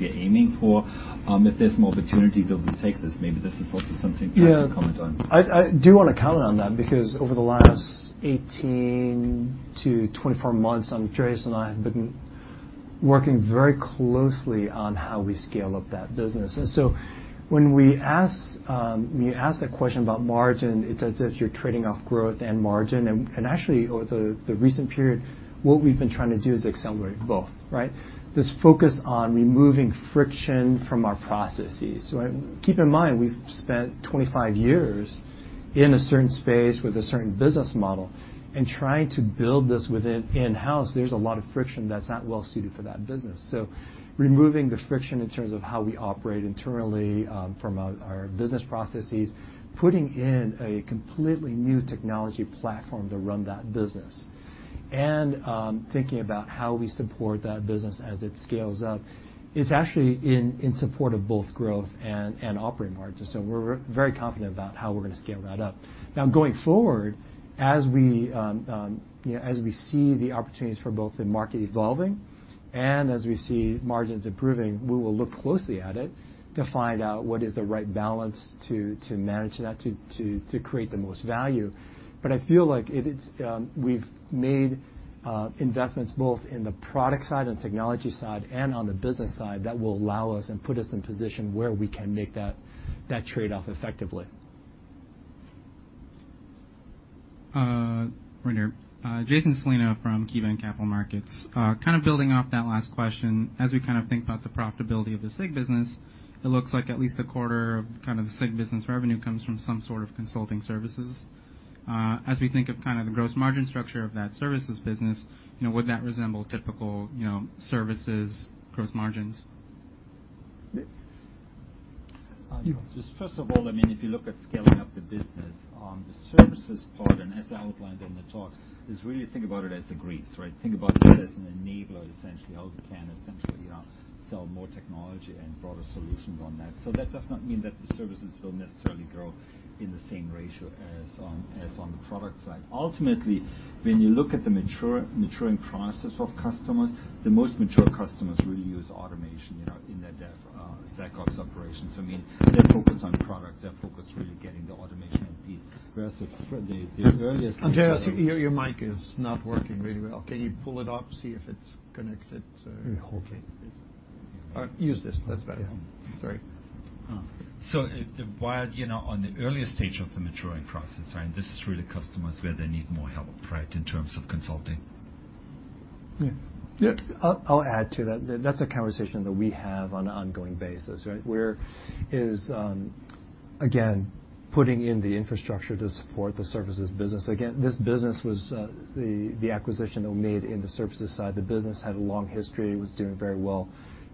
we are aiming for. If there's more opportunity build to take this, maybe this is also something Patrick can comment on. I do want to comment on that because over the last 18 to 24 months, Andreas and I have been working very closely on how we scale up that business. When you ask that question about margin, it's as if you're trading off growth and margin, and actually over the recent period, what we've been trying to do is accelerate both, right? This focus on removing friction from our processes, right? Keep in mind, we've spent 25 years in a certain space with a certain business model, and trying to build this within in-house, there's a lot of friction that's not well-suited for that business. Removing the friction in terms of how we operate internally, from our business processes, putting in a completely new technology platform to run that business. Thinking about how we support that business as it scales up, is actually in support of both growth and operating margin. We're very confident about how we're going to scale that up. Now going forward, as we see the opportunities for both the market evolving and as we see margins improving, we will look closely at it to find out what is the right balance to manage that to create the most value. I feel like we've made investments both in the product side and technology side and on the business side that will allow us and put us in position where we can make that trade-off effectively. Right here. Jason Celino from KeyBanc Capital Markets. Kind of building off that last question, as we kind of think about the profitability of the SIG business, it looks like at least a quarter of the SIG business revenue comes from some sort of consulting services. As we think of the gross margin structure of that services business, would that resemble typical services gross margins? Just first of all, if you look at scaling up the business on the services part and as outlined in the talk, is really think about it as a grease, right? Think about it as an enabler, essentially, how we can essentially sell more technology and broader solutions on that. That does not mean that the services will necessarily grow in the same ratio as on the product side. Ultimately, when you look at the maturing process of customers, the most mature customers really use automation, in their dev, SecOps operations. They focus on products, they focus really getting the automation and peace whereas the earliest- Andreas, your mic is not working really well. Can you pull it up, see if it's connected? Let me hold it. Use this. That's better. Sorry. While on the earliest stage of the maturing process, this is really customers where they need more help, right, in terms of consulting. Yeah. I'll add to that. That's a conversation that we have on an ongoing basis, right? Again, putting in the infrastructure to support the services business. Again, this business was the acquisition that we made in the services side. The business had a long history. It was doing very well.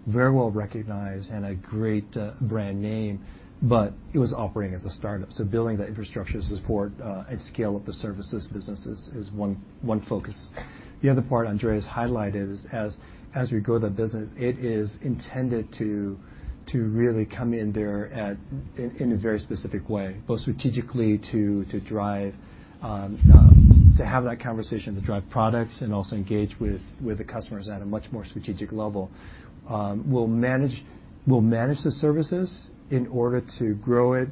Very well-recognized and a great brand name, it was operating as a startup. Building the infrastructure support, scale up the services business is one focus. The other part Andreas highlighted is as we go to business, it is intended to really come in there in a very specific way, both strategically to have that conversation, to drive products, also engage with the customers at a much more strategic level. We'll manage the services in order to grow it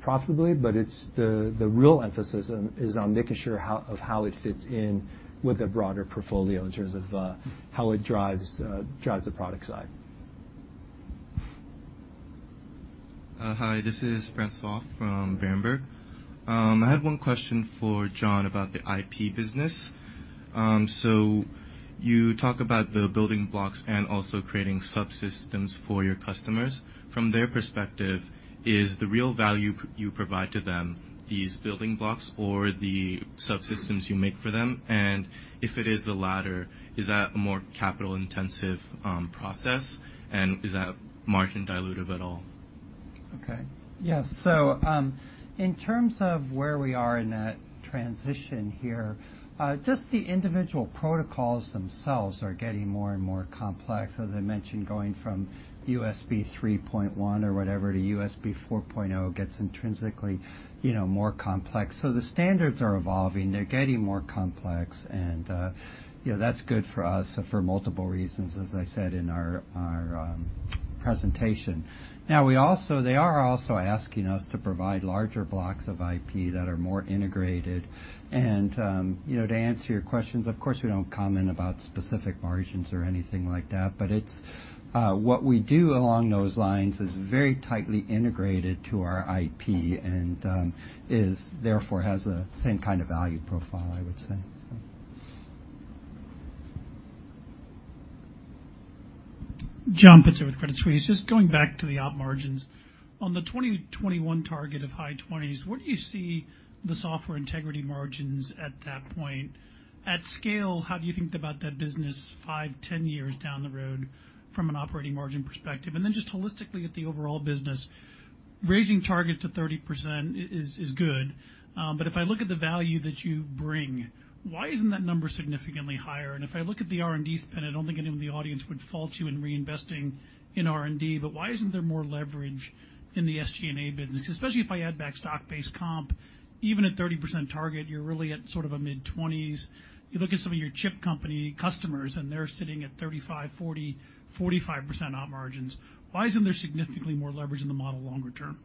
profitably, the real emphasis is on making sure of how it fits in with a broader portfolio in terms of how it drives the product side. Hi, this is Francois from Bamburgh. I had one question for John about the IP business. You talk about the building blocks and also creating subsystems for your customers. From their perspective, is the real value you provide to them, these building blocks or the subsystems you make for them, and if it is the latter, is that a more capital-intensive process, and is that margin dilutive at all? Okay. Yeah. In terms of where we are in that transition here, just the individual protocols themselves are getting more and more complex. As I mentioned, going from USB 3.1 or whatever to USB4 gets intrinsically more complex. The standards are evolving. They're getting more complex and that's good for us for multiple reasons, as I said in our presentation. They are also asking us to provide larger blocks of IP that are more integrated and to answer your questions, of course, we don't comment about specific margins or anything like that, but what we do along those lines is very tightly integrated to our IP and, therefore, has the same kind of value profile, I would say. John, Peter with Credit Suisse. Just going back to the op margins. On the 2021 target of high 20s, where do you see the Software Integrity margins at that point? At scale, how do you think about that business five, 10 years down the road from an operating margin perspective? Just holistically at the overall business, raising target to 30% is good, but if I look at the value that you bring, why isn't that number significantly higher? If I look at the R&D spend, I don't think anyone in the audience would fault you in reinvesting in R&D, but why isn't there more leverage in the SG&A business? Especially if I add back stock-based comp, even at 30% target, you're really at sort of a mid-20s. You look at some of your chip company customers, and they're sitting at 35%, 40%, 45% op margins. Why isn't there significantly more leverage in the model longer term?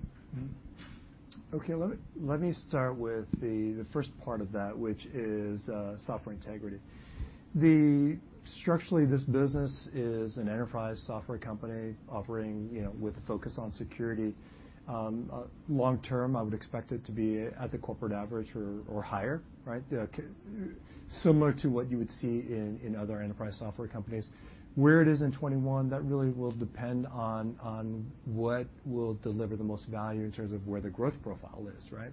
Okay, let me start with the first part of that, which is Software Integrity. Structurally, this business is an enterprise software company offering with a focus on security. Long term, I would expect it to be at the corporate average or higher, right? Similar to what you would see in other enterprise software companies. Where it is in 2021, that really will depend on what will deliver the most value in terms of where the growth profile is, right?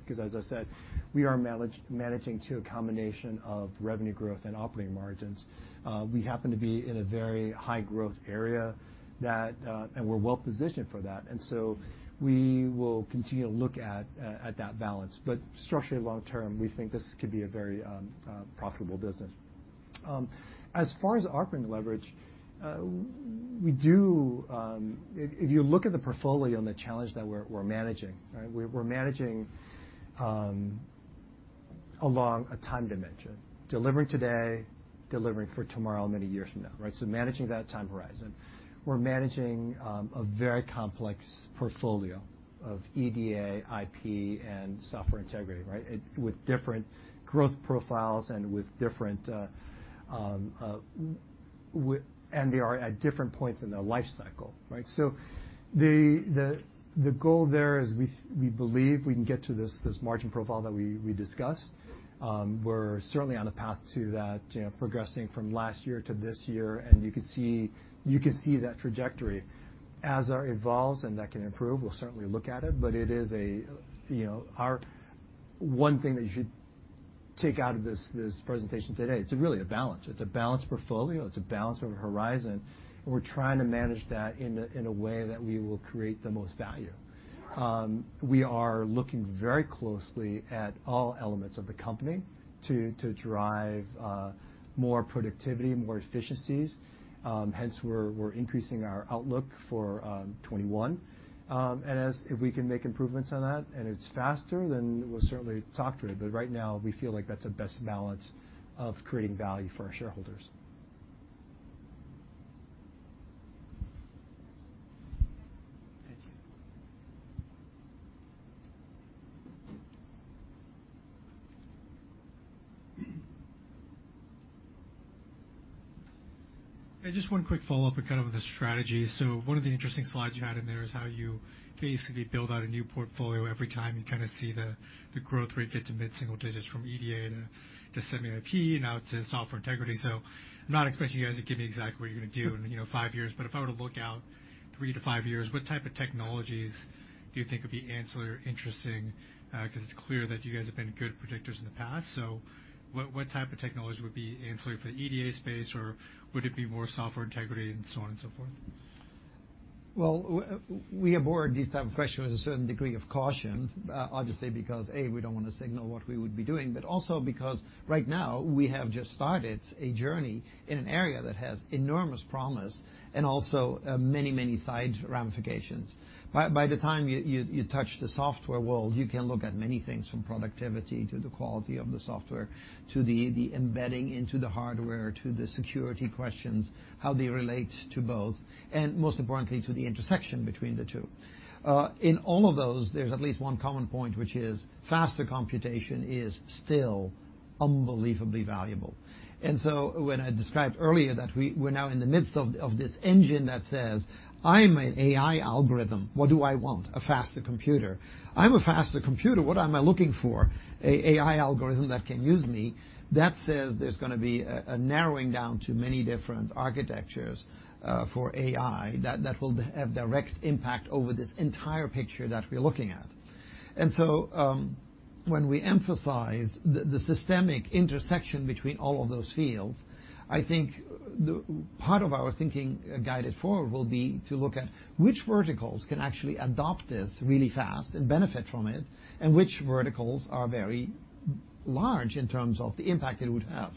We are managing to a combination of revenue growth and operating margins. We happen to be in a very high growth area, and we're well-positioned for that. So we will continue to look at that balance. Structurally long term, we think this could be a very profitable business. As far as operating leverage, if you look at the portfolio and the challenge that we're managing, right? We're managing along a time dimension, delivering today, delivering for tomorrow, many years from now, right? Managing that time horizon. We're managing a very complex portfolio of EDA, IP, and Software Integrity, right, with different growth profiles and they are at different points in their life cycle, right? The goal there is we believe we can get to this margin profile that we discussed. We're certainly on a path to that, progressing from last year to this year, and you could see that trajectory. As that evolves and that can improve, we'll certainly look at it, our one thing that you should take out of this presentation today, it's really a balance. It's a balanced portfolio, it's a balanced horizon, and we're trying to manage that in a way that we will create the most value. We are looking very closely at all elements of the company to drive more productivity, more efficiencies. Hence, we're increasing our outlook for 2021. If we can make improvements on that and it's faster, then we'll certainly talk to it. Right now, we feel like that's the best balance of creating value for our shareholders. Thank you. Just one quick follow-up with the strategy. One of the interesting slides you had in there is how you basically build out a new portfolio every time and see the growth rate get to mid-single digits from EDA to semi-IP, now to software integrity. I'm not expecting you guys to give me exactly what you're going to do in 5 years, but if I were to look out 3-5 years, what type of technologies do you think could be ancillary or interesting? Because it's clear that you guys have been good predictors in the past. What type of technology would be ancillary for the EDA space, or would it be more software integrity and so on and so forth? Well, we approach these type of questions with a certain degree of caution, obviously, because, A, we don't want to signal what we would be doing, but also because right now we have just started a journey in an area that has enormous promise and also many side ramifications. By the time you touch the software world, you can look at many things from productivity to the quality of the software, to the embedding into the hardware, to the security questions, how they relate to both, and most importantly, to the intersection between the two. In all of those, there's at least one common point, which is faster computation is still unbelievably valuable. When I described earlier that we're now in the midst of this engine that says, "I'm an AI algorithm. What do I want? A faster computer. I'm a faster computer. What am I looking for? AI algorithm that can use me." That says there's going to be a narrowing down to many different architectures for AI that will have direct impact over this entire picture that we're looking at. When we emphasize the systemic intersection between all of those fields, I think part of our thinking guided forward will be to look at which verticals can actually adopt this really fast and benefit from it, and which verticals are very large in terms of the impact it would have.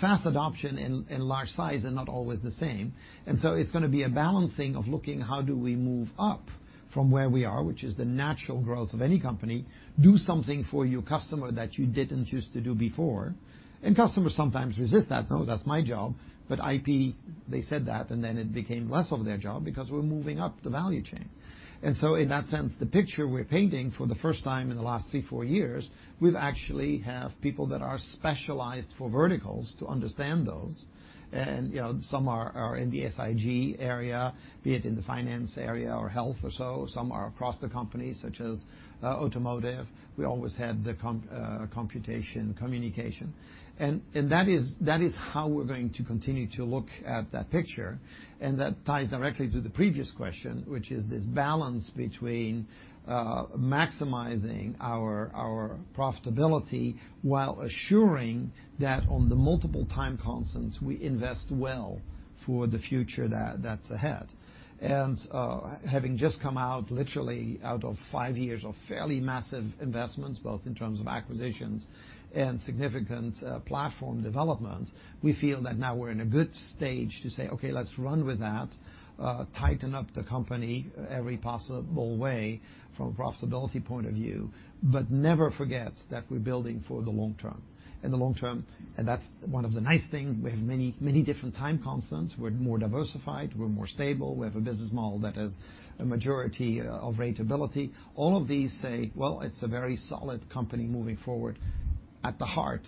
Fast adoption and large size are not always the same. It's going to be a balancing of looking how do we move up from where we are, which is the natural growth of any company, do something for your customer that you didn't used to do before. Customers sometimes resist that. No, that's my job." IP, they said that, and then it became less of their job because we're moving up the value chain. In that sense, the picture we're painting for the first time in the last three, four years, we've actually have people that are specialized for verticals to understand those. Some are in the SIG area, be it in the finance area or health or so. Some are across the company, such as automotive. We always had the computation communication. That is how we're going to continue to look at that picture. That ties directly to the previous question, which is this balance between maximizing our profitability while assuring that on the multiple time constants, we invest well for the future that's ahead. Having just come out, literally out of 5 years of fairly massive investments, both in terms of acquisitions and significant platform development, we feel that now we're in a good stage to say, "Okay, let's run with that, tighten up the company every possible way from a profitability point of view," but never forget that we're building for the long term. The long term, and that's one of the nice things, we have many different time constants. We're more diversified. We're more stable. We have a business model that has a majority of ratability. All of these say, well, it's a very solid company moving forward at the heart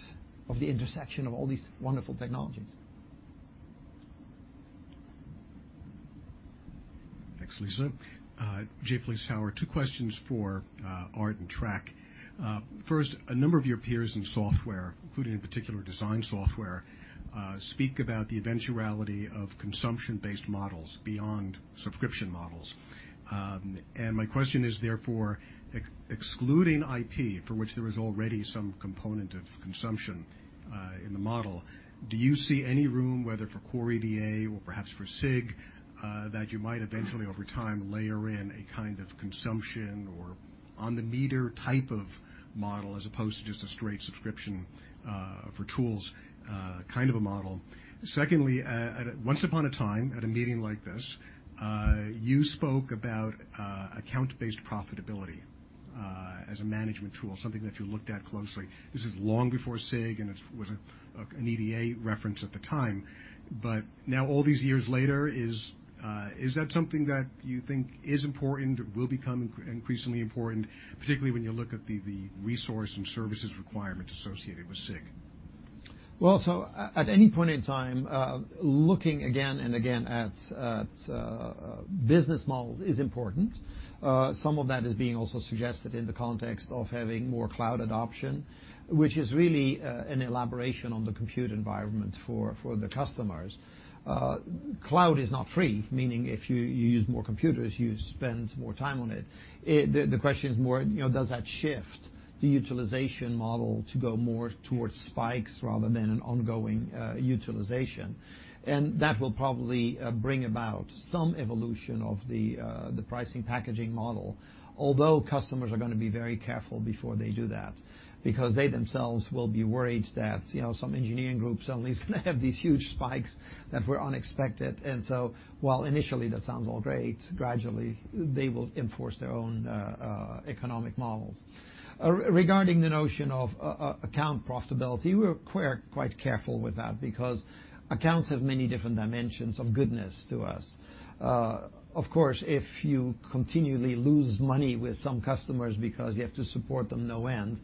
of the intersection of all these wonderful technologies. Thanks, Lisa. Jeff Lisa. 2 questions for Aart and Trac. First, a number of your peers in software, including in particular design software, speak about the eventuality of consumption-based models beyond subscription models. My question is therefore, excluding IP, for which there is already some component of consumption in the model, do you see any room, whether for core EDA or perhaps for SIG, that you might eventually over time layer in a kind of consumption or on the meter type of model as opposed to just a straight subscription for tools kind of a model? Secondly, once upon a time at a meeting like this, you spoke about account-based profitability as a management tool, something that you looked at closely. This is long before SIG, and it was an EDA reference at the time. Now all these years later, is that something that you think is important or will become increasingly important, particularly when you look at the resource and services requirements associated with SIG? At any point in time, looking again and again at business models is important. Some of that is being also suggested in the context of having more cloud adoption, which is really an elaboration on the compute environment for the customers. Cloud is not free, meaning if you use more computers, you spend more time on it. The question is more, does that shift The utilization model to go more towards spikes rather than an ongoing utilization. That will probably bring about some evolution of the pricing packaging model. Although customers are going to be very careful before they do that, because they themselves will be worried that some engineering group suddenly is going to have these huge spikes that were unexpected. While initially that sounds all great, gradually they will enforce their own economic models. Regarding the notion of account profitability, we're quite careful with that, because accounts have many different dimensions of goodness to us. Of course, if you continually lose money with some customers because you have to support them no end,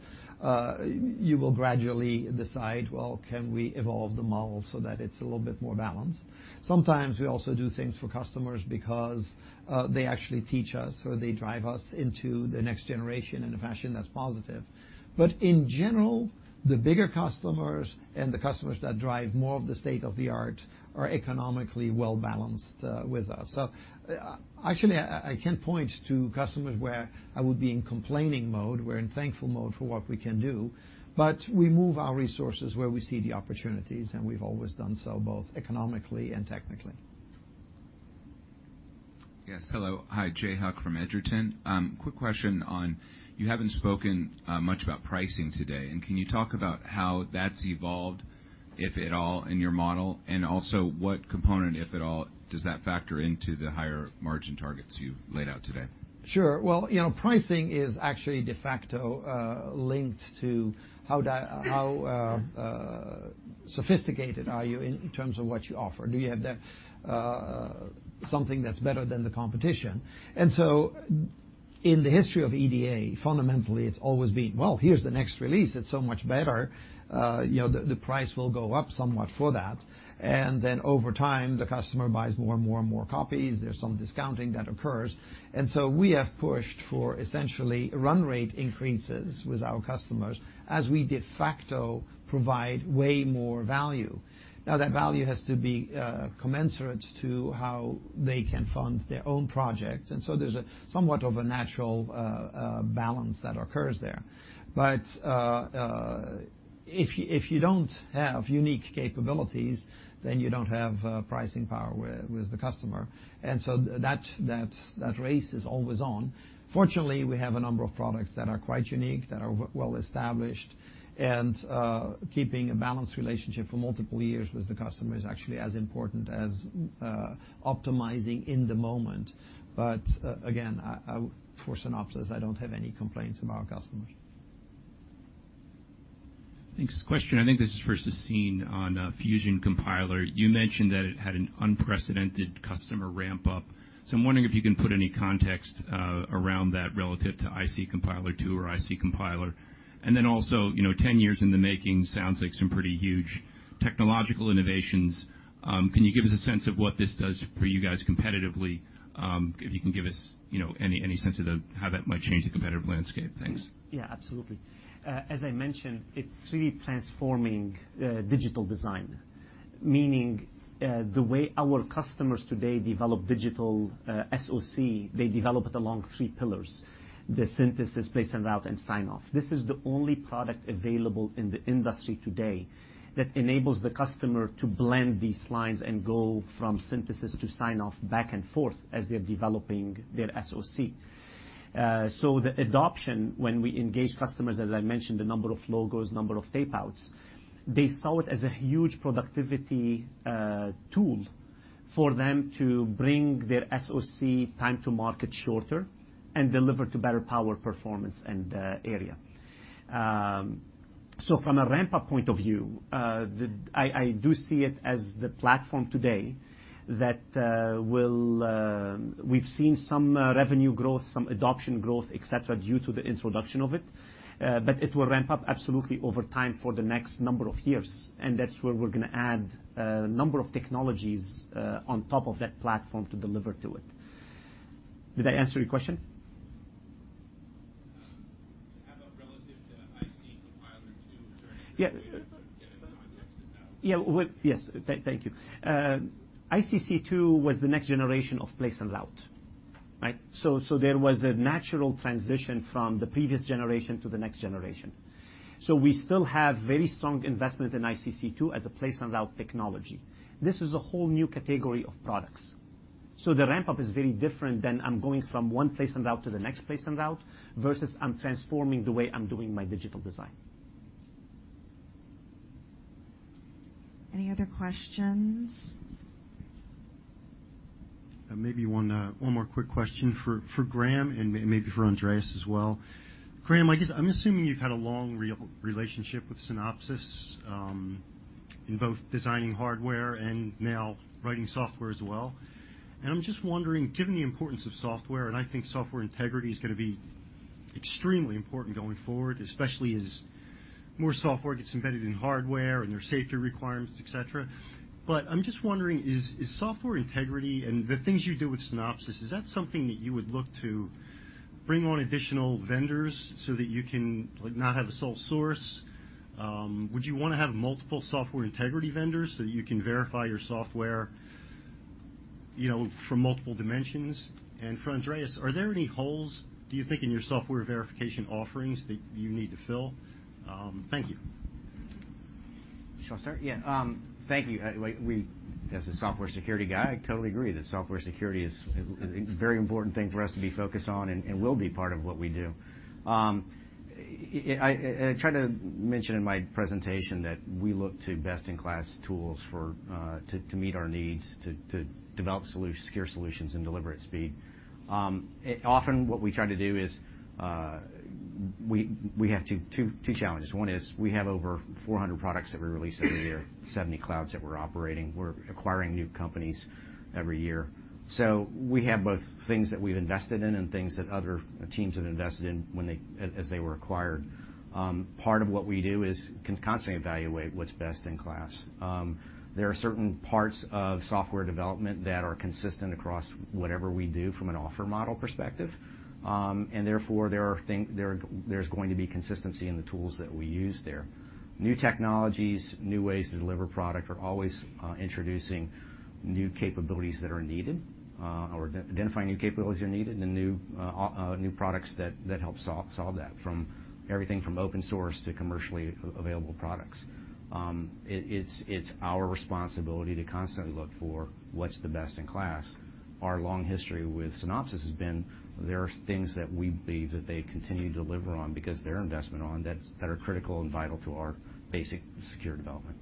you will gradually decide, well, can we evolve the model so that it's a little bit more balanced? Sometimes we also do things for customers because they actually teach us, or they drive us into the next generation in a fashion that's positive. In general, the bigger customers and the customers that drive more of the state-of-the-art are economically well-balanced with us. Actually, I can't point to customers where I would be in complaining mode. We're in thankful mode for what we can do. We move our resources where we see the opportunities, and we've always done so, both economically and technically. Yes. Hello. Hi, Jay Huck from Egerton. Quick question on, you haven't spoken much about pricing today. Can you talk about how that's evolved, if at all, in your model? Also, what component, if at all, does that factor into the higher margin targets you've laid out today? Sure. Pricing is actually de facto linked to how sophisticated are you in terms of what you offer. Do you have something that's better than the competition? In the history of EDA, fundamentally, it's always been, well, here's the next release. It's so much better. The price will go up somewhat for that. Over time, the customer buys more and more copies. There's some discounting that occurs. We have pushed for essentially run rate increases with our customers as we de facto provide way more value. Now, that value has to be commensurate to how they can fund their own projects. There's somewhat of a natural balance that occurs there. If you don't have unique capabilities, then you don't have pricing power with the customer. That race is always on. Fortunately, we have a number of products that are quite unique, that are well-established, and keeping a balanced relationship for multiple years with the customer is actually as important as optimizing in the moment. Again, for Synopsys, I don't have any complaints about our customers. Thanks. Question, I think this is for Sassine on Fusion Compiler. You mentioned that it had an unprecedented customer ramp-up. I'm wondering if you can put any context around that relative to IC Compiler II or IC Compiler. Also, 10 years in the making sounds like some pretty huge technological innovations. Can you give us a sense of what this does for you guys competitively? If you can give us any sense of how that might change the competitive landscape. Thanks. Absolutely. As I mentioned, it's really transforming digital design, meaning the way our customers today develop digital SoC, they develop it along three pillars, the synthesis, place and route, and sign-off. This is the only product available in the industry today that enables the customer to blend these lines and go from synthesis to sign-off back and forth as they're developing their SoC. The adoption, when we engage customers, as I mentioned, the number of logos, number of tape-outs, they saw it as a huge productivity tool for them to bring their SoC time to market shorter and deliver to better power performance and area. From a ramp-up point of view, I do see it as the platform today that we've seen some revenue growth, some adoption growth, et cetera, due to the introduction of it, but it will ramp up absolutely over time for the next number of years, and that's where we're going to add a number of technologies on top of that platform to deliver to it. Did I answer your question? How about relative to IC Compiler II or get any context of that? Yes. Thank you. ICC II was the next generation of place and route. There was a natural transition from the previous generation to the next generation. We still have very strong investment in ICC II as a place and route technology. This is a whole new category of products. The ramp-up is very different than I'm going from one place and route to the next place and route versus I'm transforming the way I'm doing my digital design. Any other questions? Maybe one more quick question for Graham and maybe for Andreas as well. Graham, I'm assuming you've had a long relationship with Synopsys in both designing hardware and now writing software as well. I'm just wondering, given the importance of software, and I think software integrity is going to be extremely important going forward, especially as more software gets embedded in hardware and there are safety requirements, et cetera. I'm just wondering, is software integrity and the things you do with Synopsys, is that something that you would look to bring on additional vendors so that you can not have a sole source? Would you want to have multiple software integrity vendors so that you can verify your software from multiple dimensions. For Andreas, are there any holes, do you think, in your software verification offerings that you need to fill? Thank you. Shall I start? Yeah. Thank you. As a software security guy, I totally agree that software security is a very important thing for us to be focused on and will be part of what we do. I tried to mention in my presentation that we look to best-in-class tools to meet our needs to develop secure solutions and deliver at speed. Often, what we try to do is, we have two challenges. One is we have over 400 products that we release every year, 70 clouds that we're operating. We're acquiring new companies every year. We have both things that we've invested in and things that other teams have invested in as they were acquired. Part of what we do is constantly evaluate what's best in class. There are certain parts of software development that are consistent across whatever we do from an offer model perspective. Therefore, there's going to be consistency in the tools that we use there. New technologies, new ways to deliver product are always introducing new capabilities that are needed, or identifying new capabilities that are needed and new products that help solve that from everything from open source to commercially available products. It's our responsibility to constantly look for what's the best in class. Our long history with Synopsys has been, there are things that we believe that they continue to deliver on because their investment on that are critical and vital to our basic secure development.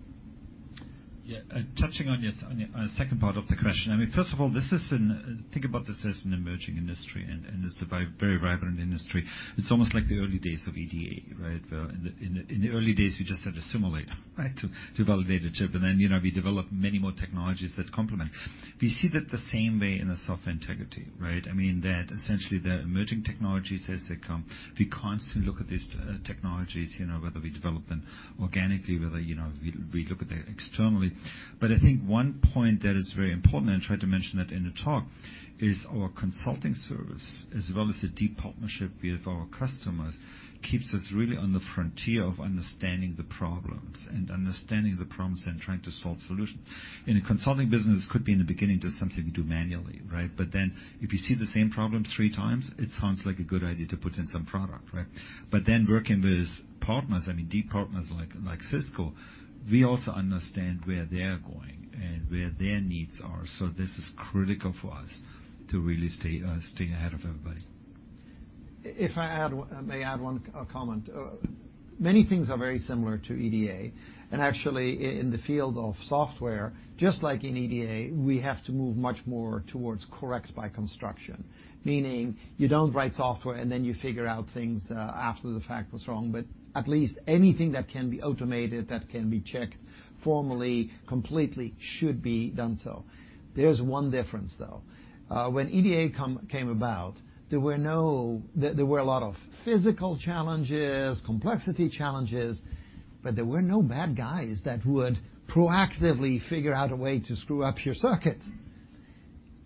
Yeah. Touching on the second part of the question. First of all, think about this as an emerging industry, and it's a very vibrant industry. It's almost like the early days of EDA, right? In the early days, we just had a simulator to validate a chip. We developed many more technologies that complement. We see that the same way in the Software Integrity, right? Essentially the emerging technologies as they come, we constantly look at these technologies, whether we develop them organically, whether we look at them externally. I think one point that is very important, and I tried to mention that in the talk, is our consulting service, as well as the deep partnership we have with our customers, keeps us really on the frontier of understanding the problems, and understanding the problems and trying to solve solutions. In a consulting business, could be in the beginning, just something we do manually, right? If you see the same problems three times, it sounds like a good idea to put in some product, right? Working with partners, deep partners like Cisco, we also understand where they're going and where their needs are. This is critical for us to really stay ahead of everybody. If I may add one comment. Many things are very similar to EDA. Actually, in the field of software, just like in EDA, we have to move much more towards correct by construction, meaning you don't write software and then you figure out things after the fact what's wrong. At least anything that can be automated, that can be checked formally, completely should be done so. There's one difference, though. When EDA came about, there were a lot of physical challenges, complexity challenges, but there were no bad guys that would proactively figure out a way to screw up your circuit.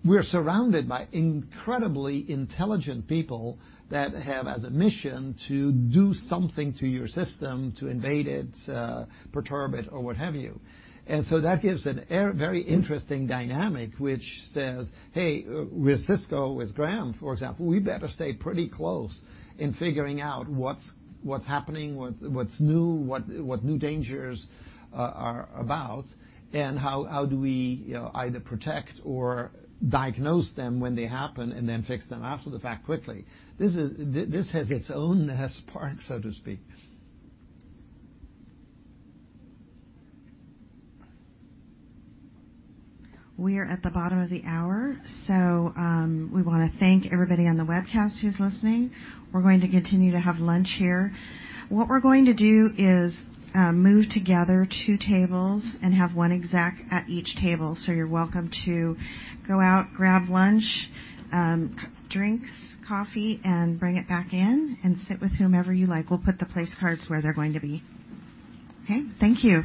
We're surrounded by incredibly intelligent people that have as a mission to do something to your system to invade it, perturb it, or what have you. That gives a very interesting dynamic which says, hey, with Cisco, with Graham, for example, we better stay pretty close in figuring out what's happening, what's new, what new dangers are about, and how do we either protect or diagnose them when they happen and then fix them after the fact quickly. This has its own sparks, so to speak. We are at the bottom of the hour. We want to thank everybody on the webcast who's listening. We're going to continue to have lunch here. What we're going to do is move together two tables and have one exec at each table. You're welcome to go out, grab lunch, drinks, coffee, and bring it back in and sit with whomever you like. We'll put the place cards where they're going to be. Okay? Thank you.